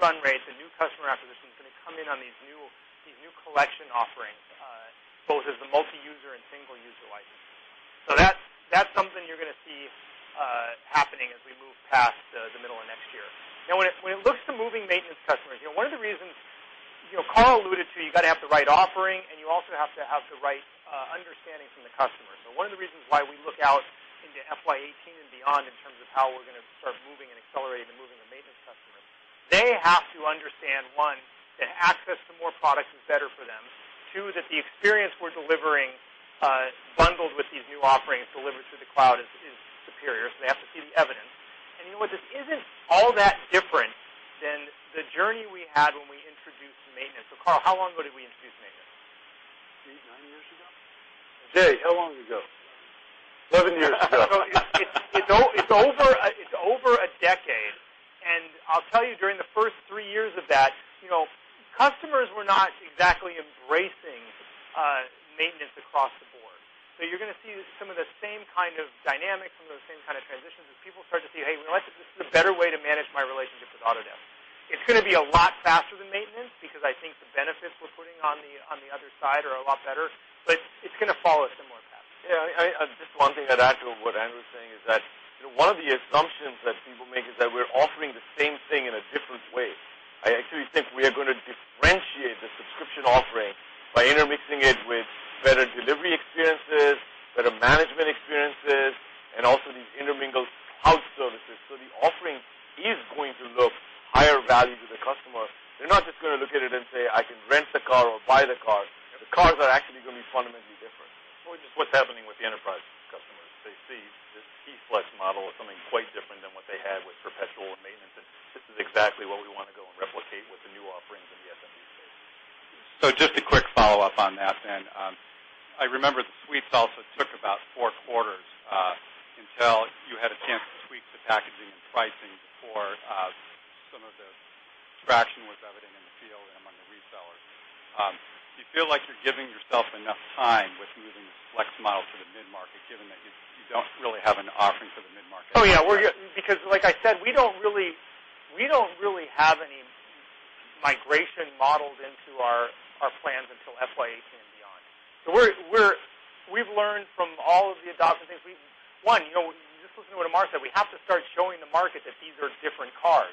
run rates and new customer acquisition is going to come in on these new collection offerings, both as the multi-user and single-user license. That's something you're going to see happening as we move past the middle of next year. When it looks to moving Maintenance customers, one of the reasons Carl alluded to, you got to have the right offering, and you also have to have the right understanding from the customer. One of the reasons why we look out into FY 2018 and beyond in terms of how we're going to start moving and accelerating and moving the Maintenance customers, they have to understand, one, that access to more products is better for them. Two, that the experience we're delivering, bundled with these new offerings delivered through the cloud is superior, so they have to see the evidence. You know what? This isn't all that different than the journey we had when we introduced Maintenance. Carl, how long ago did we introduce Maintenance? Eight, nine years ago. Jay, how long ago? 11 years ago. It's over a decade. I'll tell you, during the first three years of that, customers were not exactly embracing Maintenance across the board. You're going to see some of the same kind of dynamics, some of those same kind of transitions as people start to see, hey, this is a better way to manage my relationship with Autodesk. It's going to be a lot faster than Maintenance because I think the benefits we're putting on the other side are a lot better, it's going to follow a similar path. Yeah. Just one thing I'd add to what Andrew is saying is that one of the assumptions that people make is that we're offering the same thing in a different way. I actually think we are going to differentiate the subscription offering by intermixing it with better delivery experiences, better management experiences, and also these intermingled cloud services. The offering is going to look higher value to the customer. They're not just going to look at it and say, I can rent the car or buy the car. The cars are actually going to be fundamentally different. Well, it's just what's happening with the enterprise customers. They see this key Flex model is something quite different than what they had with perpetual and Maintenance. This is exactly what we want to go and replicate with the new offerings in the SMB space. Just a quick follow-up on that, I remember the Suites also took about four quarters until you had a chance to tweak the packaging and pricing before some of the traction was evident in the field and among the resellers. Do you feel like you're giving yourself enough time with moving this Flex model to the mid-market, given that you don't really have an offering for the mid-market? Oh, yeah. Like I said, we don't really have any migration models into our plans until FY 2018 and beyond. We've learned from all of the adoption things. One, just listen to what Amar said. We have to start showing the market that these are different cars.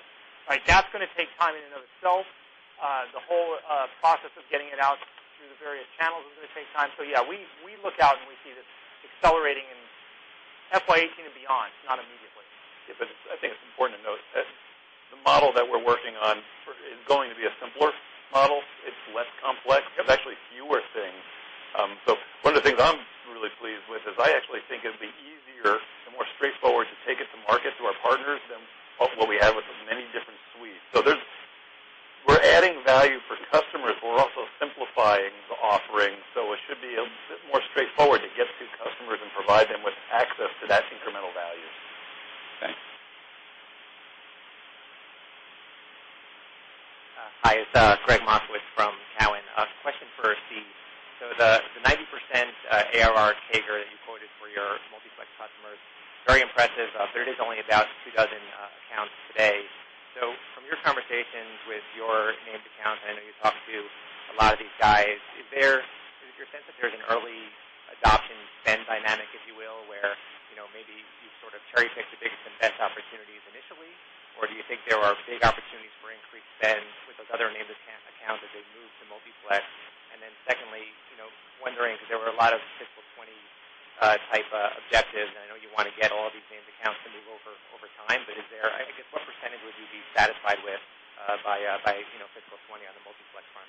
That's going to take time in and of itself. The whole process of getting it out through the various channels is going to take time. Yeah, we look out, and we see this accelerating and FY 2018 and beyond, not immediately. Yeah. I think it's important to note that the model that we're working on is going to be a simpler model. It's less complex. There's actually fewer things. One of the things I'm really pleased with is I actually think it'd be easier and more straightforward to take it to market to our partners than what we have with the many different suites. We're adding value for customers, but we're also simplifying the offering. It should be a bit more straightforward to get to customers and provide them with access to that incremental value. Thanks. Hi, it's Gregg Moskowitz from Cowen. Question for Steve. The 90% ARR CAGR that you quoted for your Multi-Flex customers, very impressive. It is only about two dozen accounts today. From your conversations with your named accounts, I know you talk to a lot of these guys. Is there a sense that there's an early adoption spend dynamic, if you will, where maybe you sort of cherry-pick the biggest and best opportunities initially? Or do you think there are big opportunities for increased spend with those other named accounts as they move to Multi-Flex? Secondly, wondering because there were a lot of fiscal 2020 type objectives, and I know you want to get all these named accounts to move over time, but I guess what percentage would you be satisfied with by fiscal 2020 on the Multi-Flex front?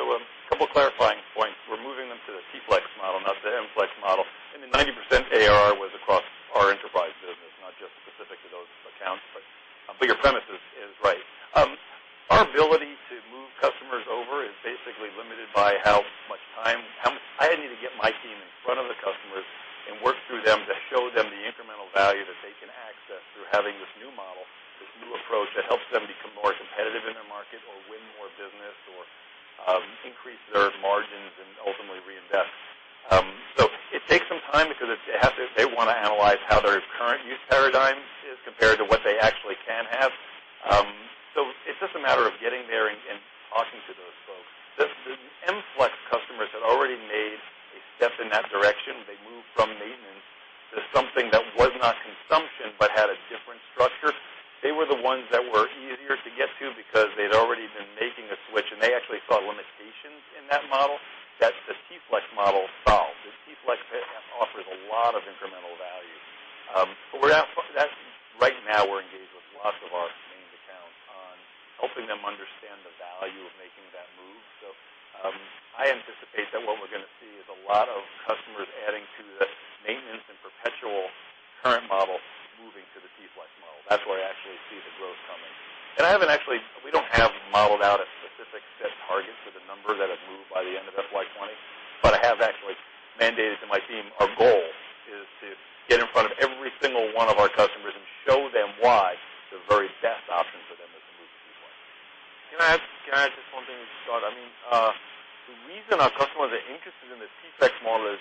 A couple clarifying points. We're moving them to the Token Flex model, not the Multi-Flex model. The 90% ARR was across our enterprise business, not just specific to those accounts. Your premise is right. Our ability to move customers over is basically limited by how much time I need to get my team in front of the customers and work through them to show them the incremental value that they can access through having this new model, this new approach that helps them become more competitive in their market or win more business or increase their margins and ultimately reinvest. It takes some time because they want to analyze how their current use paradigm is compared to what they actually can have. It's just a matter of getting there and talking to those folks. The Multi-Flex customers had already made a step in that direction. They moved from maintenance to something that was not consumption but had a different structure. They were the ones that were easier to get to because they'd already been making a switch, and they actually saw limitations in that model that the Token Flex model solves. The Token Flex offers a lot of incremental value. Right now, we're engaged with lots of our named accounts on helping them understand the value of making that move. I anticipate that what we're going to see is a lot of customers adding to the maintenance and perpetual current model moving to the Token Flex model. That's where I actually see the growth coming. We don't have modeled out a specific set target for the number that have moved by the end of FY 2020. I have actually mandated to my team, our goal is to get in front of every single one of our customers and show them why the very best option for them is to move to Token Flex. Can I add just one thing, Scott? The reason our customers are interested in the Token Flex model is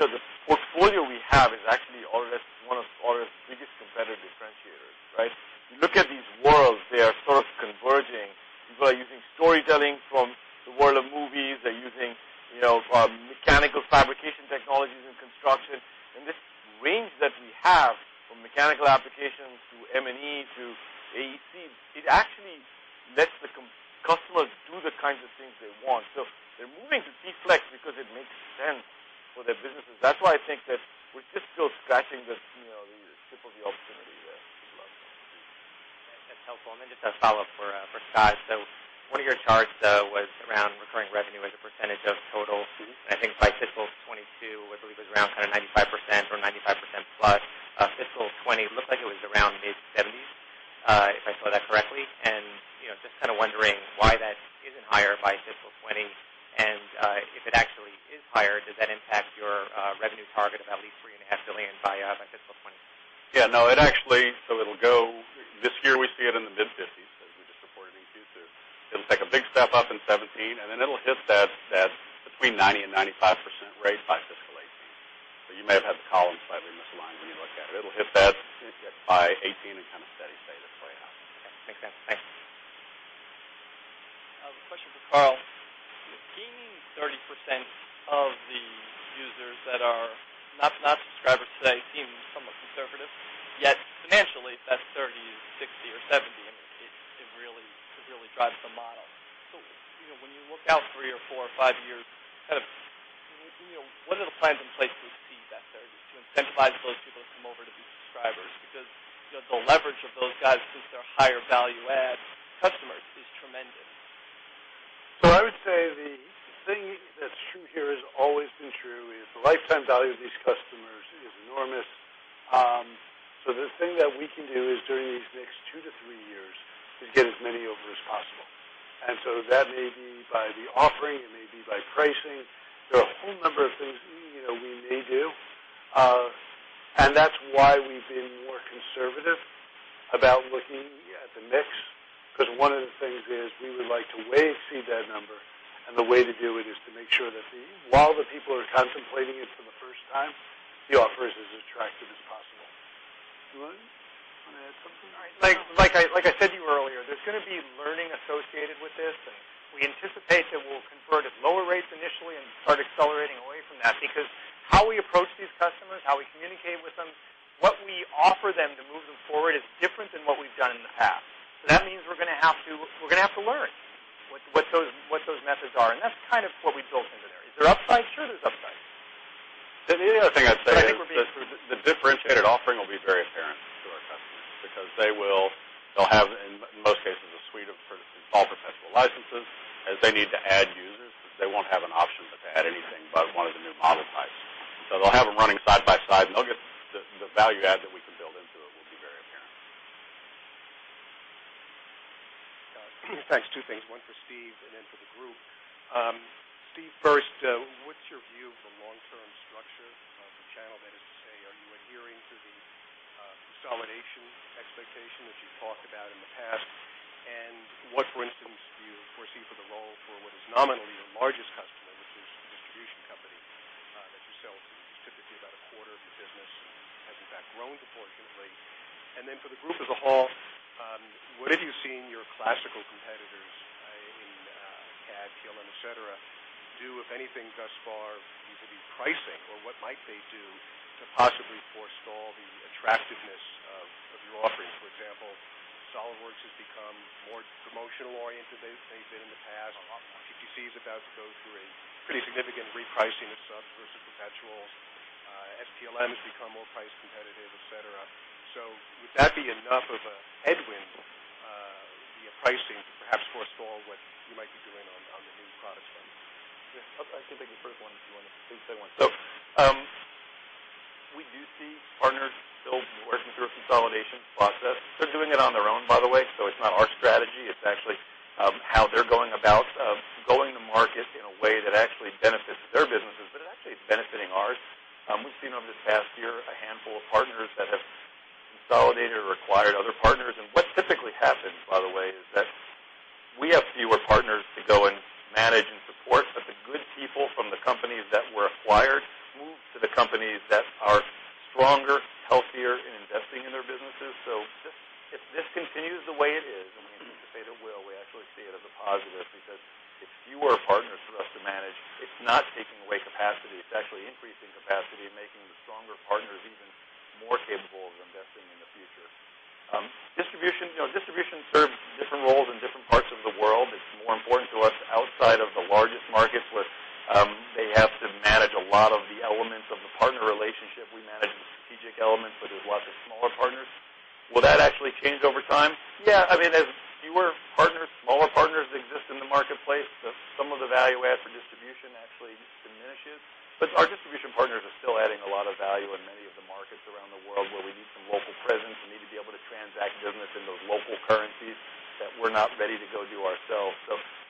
the portfolio we have is actually one of our biggest competitive differentiators, right? You look at these worlds, they are sort of converging. People are using storytelling from the world of movies. They're using mechanical fabrication technologies in construction. This range that we have from mechanical applications to M&E to AEC, it actually lets the customers do the kinds of things they want. They're moving to Token Flex because it makes sense for their businesses. That's why I think that we're just still scratching the tip of the opportunity there. That's helpful. Just a follow-up for Scott. One of your charts was around recurring revenue as a percentage of total. I think by fiscal 2022, which I believe was around kind of 95% or 95%-plus. Fiscal 2020 looked like it was around mid-70s, if I saw that correctly. Just kind of wondering why that isn't higher by fiscal 2020. If it actually is higher, does that impact your revenue target of at least $3.5 billion by fiscal 2020? Yeah, no. This year, we see it in the mid-50s as we just reported in Q2. It'll take a big step up in 2017, then it'll hit that between 90% and 95% rate by fiscal 2018. You may have had the column slightly misaligned when you looked at it. It'll hit that by 2018 and kind of steady state its way out. Okay. Makes sense. Thanks. I have a question for Carl. The gaining 30% of the users that are not subscribers today seems somewhat conservative, yet financially, that 30, 60, or 70 could really drive the model. When you look out three or four or five years, what are the plans in place to exceed that 30, to incentivize those people to come over to be subscribers? Because the leverage of those guys since they're higher value add customers is tremendous. I would say the thing that's true here has always been true, is the lifetime value of these customers is enormous. The thing that we can do is during these next two to three years, is get as many over as possible. That may be by the offering, it may be by pricing. There are a whole number of things we may do. That's why we've been more conservative about looking at the mix, because one of the things is we would like to way exceed that number, and the way to do it is to make sure that while the people are contemplating it for the first time, the offer is as attractive as possible. Glenn, you want to add something? I said to you earlier, there's going to be learning associated with this, and we anticipate that we'll convert at lower rates initially and start accelerating away from that. How we approach these customers, how we communicate with them, what we offer them to move them forward is different than what we've done in the past. That means we're going to have to learn. What those methods are, and that's kind of what we've built into there. Is there upside? Sure there's upside. The other thing I'd say is- I think we're being- the differentiated offering will be very apparent to our customers, because they'll have, in most cases, a suite of purchasing all perpetual licenses. As they need to add users, they won't have an option but to add anything but one of the new model types. They'll have them running side by side, and they'll get the value add that we can build into it will be very apparent. Thanks. Two things, one for Steve and then for the group. Steve, first, what's your view of the long-term structure of the channel? That is to say, are you adhering to the consolidation expectation that you've talked about in the past? What, for instance, do you foresee for the role for what is nominally your largest customer, which is a distribution company that you sell to, is typically about a quarter of your business, and has in fact grown disproportionately. Then for the group as a whole, what have you seen your classical competitors in CAD, PLM, et cetera, do, if anything, thus far, either the pricing or what might they do to possibly forestall the attractiveness of your offerings? For example, SolidWorks has become more promotional-oriented than they've been in the past. PTC is about to go through a pretty significant repricing of subs versus perpetuals. STLM has become more price competitive, et cetera. Would that be enough of a headwind via pricing to perhaps forestall what you might be doing on the new product front? Yeah. I can take the first one, if you want to please say one. We do see partners still working through a consolidation process. They're doing it on their own, by the way, so it's not our strategy. It's actually how they're going about going to market in a way that actually benefits their businesses, but it actually is benefiting ours. We've seen over this past year a handful of partners that have consolidated or acquired other partners. What typically happens, by the way, is that we have fewer partners to go and manage and support, but the good people from the companies that were acquired move to the companies that are stronger, healthier in investing in their businesses. If this continues the way it is, and we hesitate to say that it will, we actually see it as a positive because it's fewer partners for us to manage. It's not taking away capacity. It's actually increasing capacity and making the stronger partners even more capable of investing in the future. Distribution serves different roles in different parts of the world. It's more important to us outside of the largest markets, where they have to manage a lot of the elements of the partner relationship. We manage the strategic elements, but there's lots of smaller partners. Will that actually change over time? Yeah. As fewer partners, smaller partners exist in the marketplace, some of the value add for distribution actually diminishes. Our distribution partners are still adding a lot of value in many of the markets around the world, where we need some local presence. We need to be able to transact business in those local currencies that we're not ready to go do ourselves.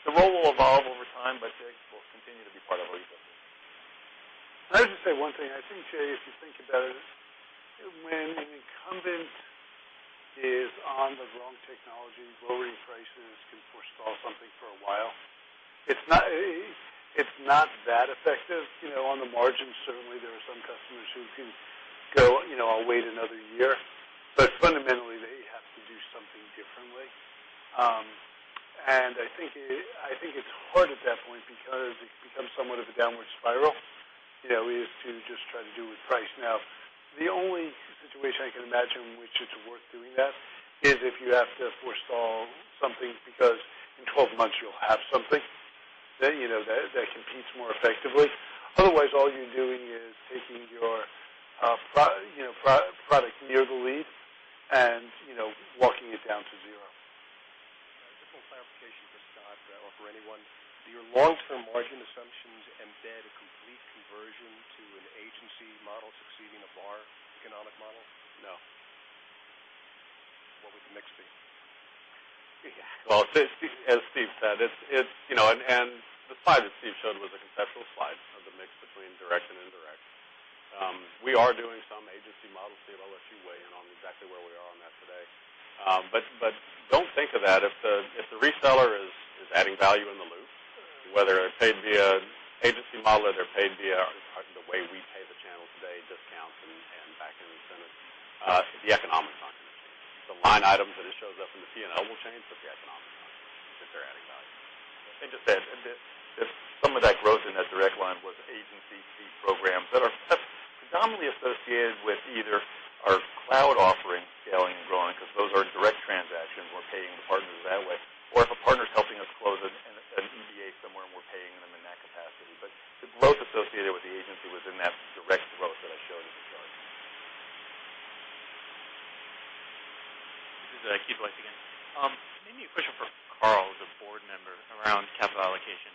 The role will evolve over time, but they will continue to be part of our ecosystem. I would just say one thing. I think, Jay, if you think about it, when an incumbent is on the wrong technology, lowering prices can forestall something for a while. It's not that effective. On the margin, certainly, there are some customers who can go, "I'll wait another year." Fundamentally, they have to do something differently. I think it's hard at that point because it becomes somewhat of a downward spiral, is to just try to do with price. The only situation I can imagine in which it's worth doing that is if you have to forestall something, because in 12 months you'll have something that competes more effectively. Otherwise, all you're doing is taking your product near the lead and walking it down to zero. Just a little clarification for Scott or for anyone. Do your long-term margin assumptions embed a complete conversion to an agency model succeeding a VAR economic model? No. What would the mix be? Well, as Steve said, the slide that Steve showed was a conceptual slide of the mix between direct and indirect. We are doing some agency models. Steve, I'll let you weigh in on exactly where we are on that today. Don't think of that. If the reseller is adding value in the loop, whether they're paid via agency model or they're paid via the way we pay the channel today, discounts and back-end incentives, the economics aren't going to change. The line item that it shows up in the P&L will change, but the economics aren't, if they're adding value. Just to add, some of that growth in that direct line was agency fee programs that are predominantly associated with either our cloud offering scaling and growing, because those are direct transactions. We're paying the partners that way. Or if a partner's helping us close an EBA somewhere, and we're paying them in that capacity. The growth associated with the agency was in that direct growth that I showed at the start. This is Keith Alfaro again. Maybe a question for Carl as a board member around capital allocation.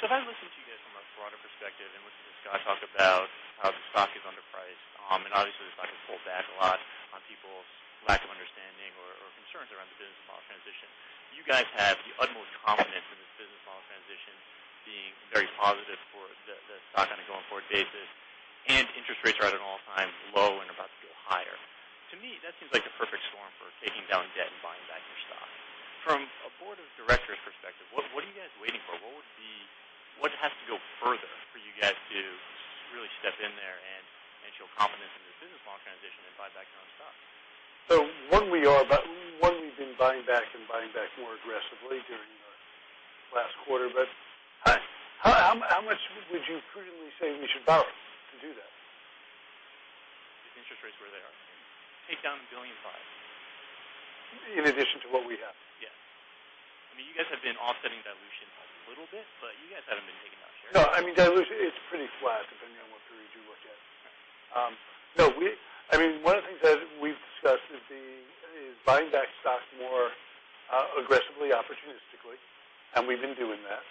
If I listen to you guys from a broader perspective and listen to Scott talk about how the stock is underpriced, obviously the stock has pulled back a lot on people's lack of understanding or concerns around the business model transition. You guys have the utmost confidence in this business model transition being very positive for the stock on a going forward basis, interest rates are at an all-time low and about to go higher. To me, that seems like the perfect storm for taking down debt and buying back your stock. From a board of directors' perspective, what are you guys waiting for? What has to go further for you guys to really step in there and show confidence in this business model transition and buy back your own stock? One, we've been buying back more aggressively during the last quarter. How much would you prudently say we should borrow to do that? Where they are and take down $1.5 billion. In addition to what we have? Yes. You guys have been offsetting dilution a little bit, but you guys haven't been taking out shares. No, dilution, it's pretty flat depending on what period you look at. One of the things that we've discussed is buying back stock more aggressively, opportunistically, we've been doing that.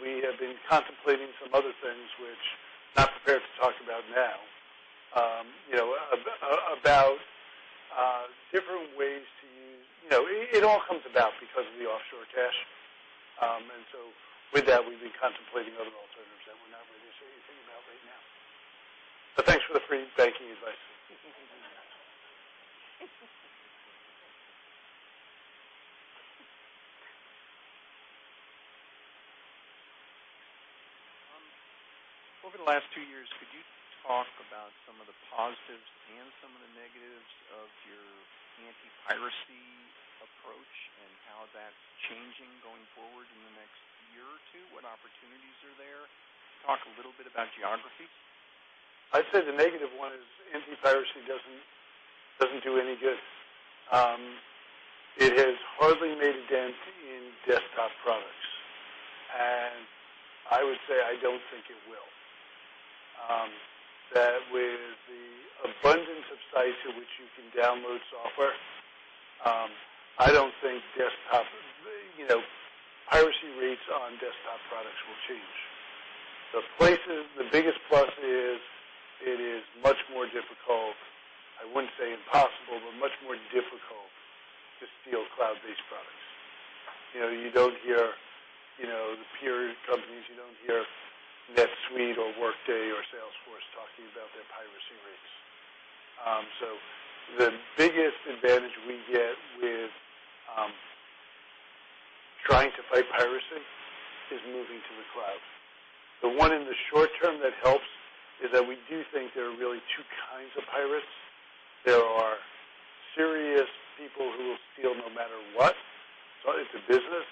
We have been contemplating some other things which I'm not prepared to talk about now. It all comes about because of the offshore cash. With that, we've been contemplating other alternatives that we're not ready to say anything about right now. Thanks for the free banking advice. Over the last two years, could you talk about some of the positives and some of the negatives of your anti-piracy approach and how that's changing going forward in the next year or two? What opportunities are there? Talk a little bit about geographies. I'd say the negative one is anti-piracy doesn't do any good. It has hardly made a dent in desktop products. I would say, I don't think it will. With the abundance of sites at which you can download software, I don't think piracy rates on desktop products will change. The biggest plus is it is much more difficult, I wouldn't say impossible, but much more difficult to steal cloud-based products. You don't hear the peer companies, you don't hear NetSuite or Workday or Salesforce talking about their piracy rates. The biggest advantage we get with trying to fight piracy is moving to the cloud. The one in the short term that helps is that we do think there are really two kinds of pirates. There are serious people who will steal no matter what. It's a business.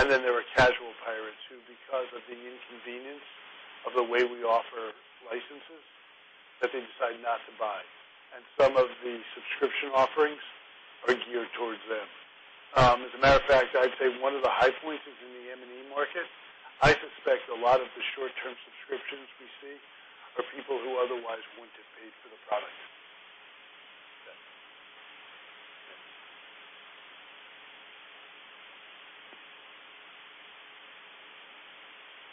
There are casual pirates who, because of the inconvenience of the way we offer licenses, that they decide not to buy. Some of the subscription offerings are geared towards them. As a matter of fact, I'd say one of the high points is in the M&E market. I suspect a lot of the short-term subscriptions we see are people who otherwise wouldn't have paid for the product. Okay.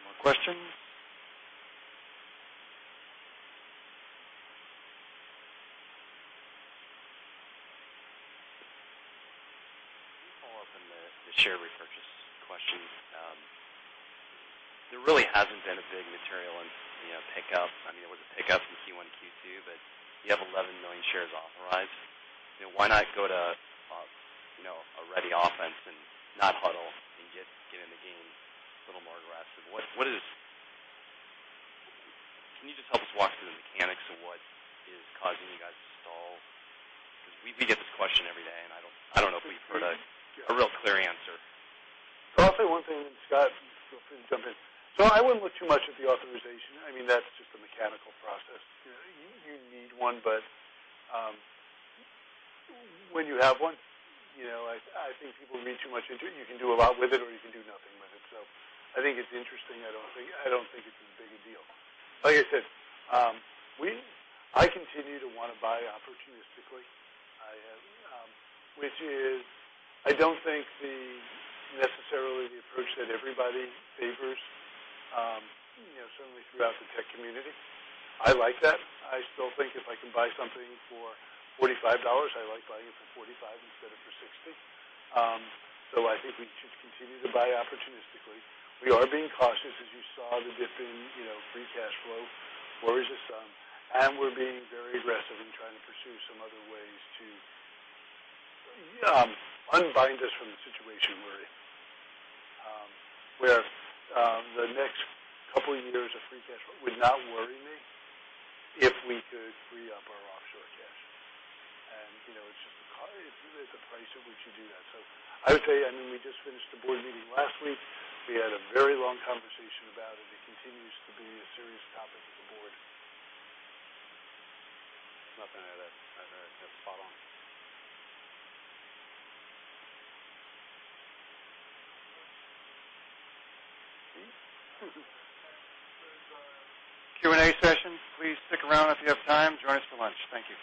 More questions? Let me follow up on the share repurchase question. There really hasn't been a big material pickup. There was a pickup in Q1, Q2, you have 11 million shares authorized. Why not go to a ready offense and not huddle and get in the game a little more aggressive? Can you just help us walk through the mechanics of what is causing you guys to stall? We get this question every day, and I don't know if we've heard a real clear answer. I'll say one thing, Scott, feel free to jump in. I wouldn't look too much at the authorization. That's just a mechanical process. You need one, when you have one, I think people read too much into it. You can do a lot with it or you can do nothing with it. I think it's interesting. I don't think it's a big deal. Like I said, I continue to want to buy opportunistically. I don't think necessarily the approach that everybody favors, certainly throughout the tech community. I like that. I still think if I can buy something for $45, I like buying it for $45 instead of for $60. I think we should continue to buy opportunistically. We are being cautious, as you saw the dip in free cash flow worries us some, and we're being very aggressive in trying to pursue some other ways to unbind us from the situation where the next couple of years of free cash flow would not worry me if we could free up our offshore cash. It's just really the price at which you do that. I would say, we just finished the board meeting last week. We had a very long conversation about it. It continues to be a serious topic with the board. Nothing to add to that. That's spot on. Q&A session. Please stick around if you have time. Join us for lunch. Thank you.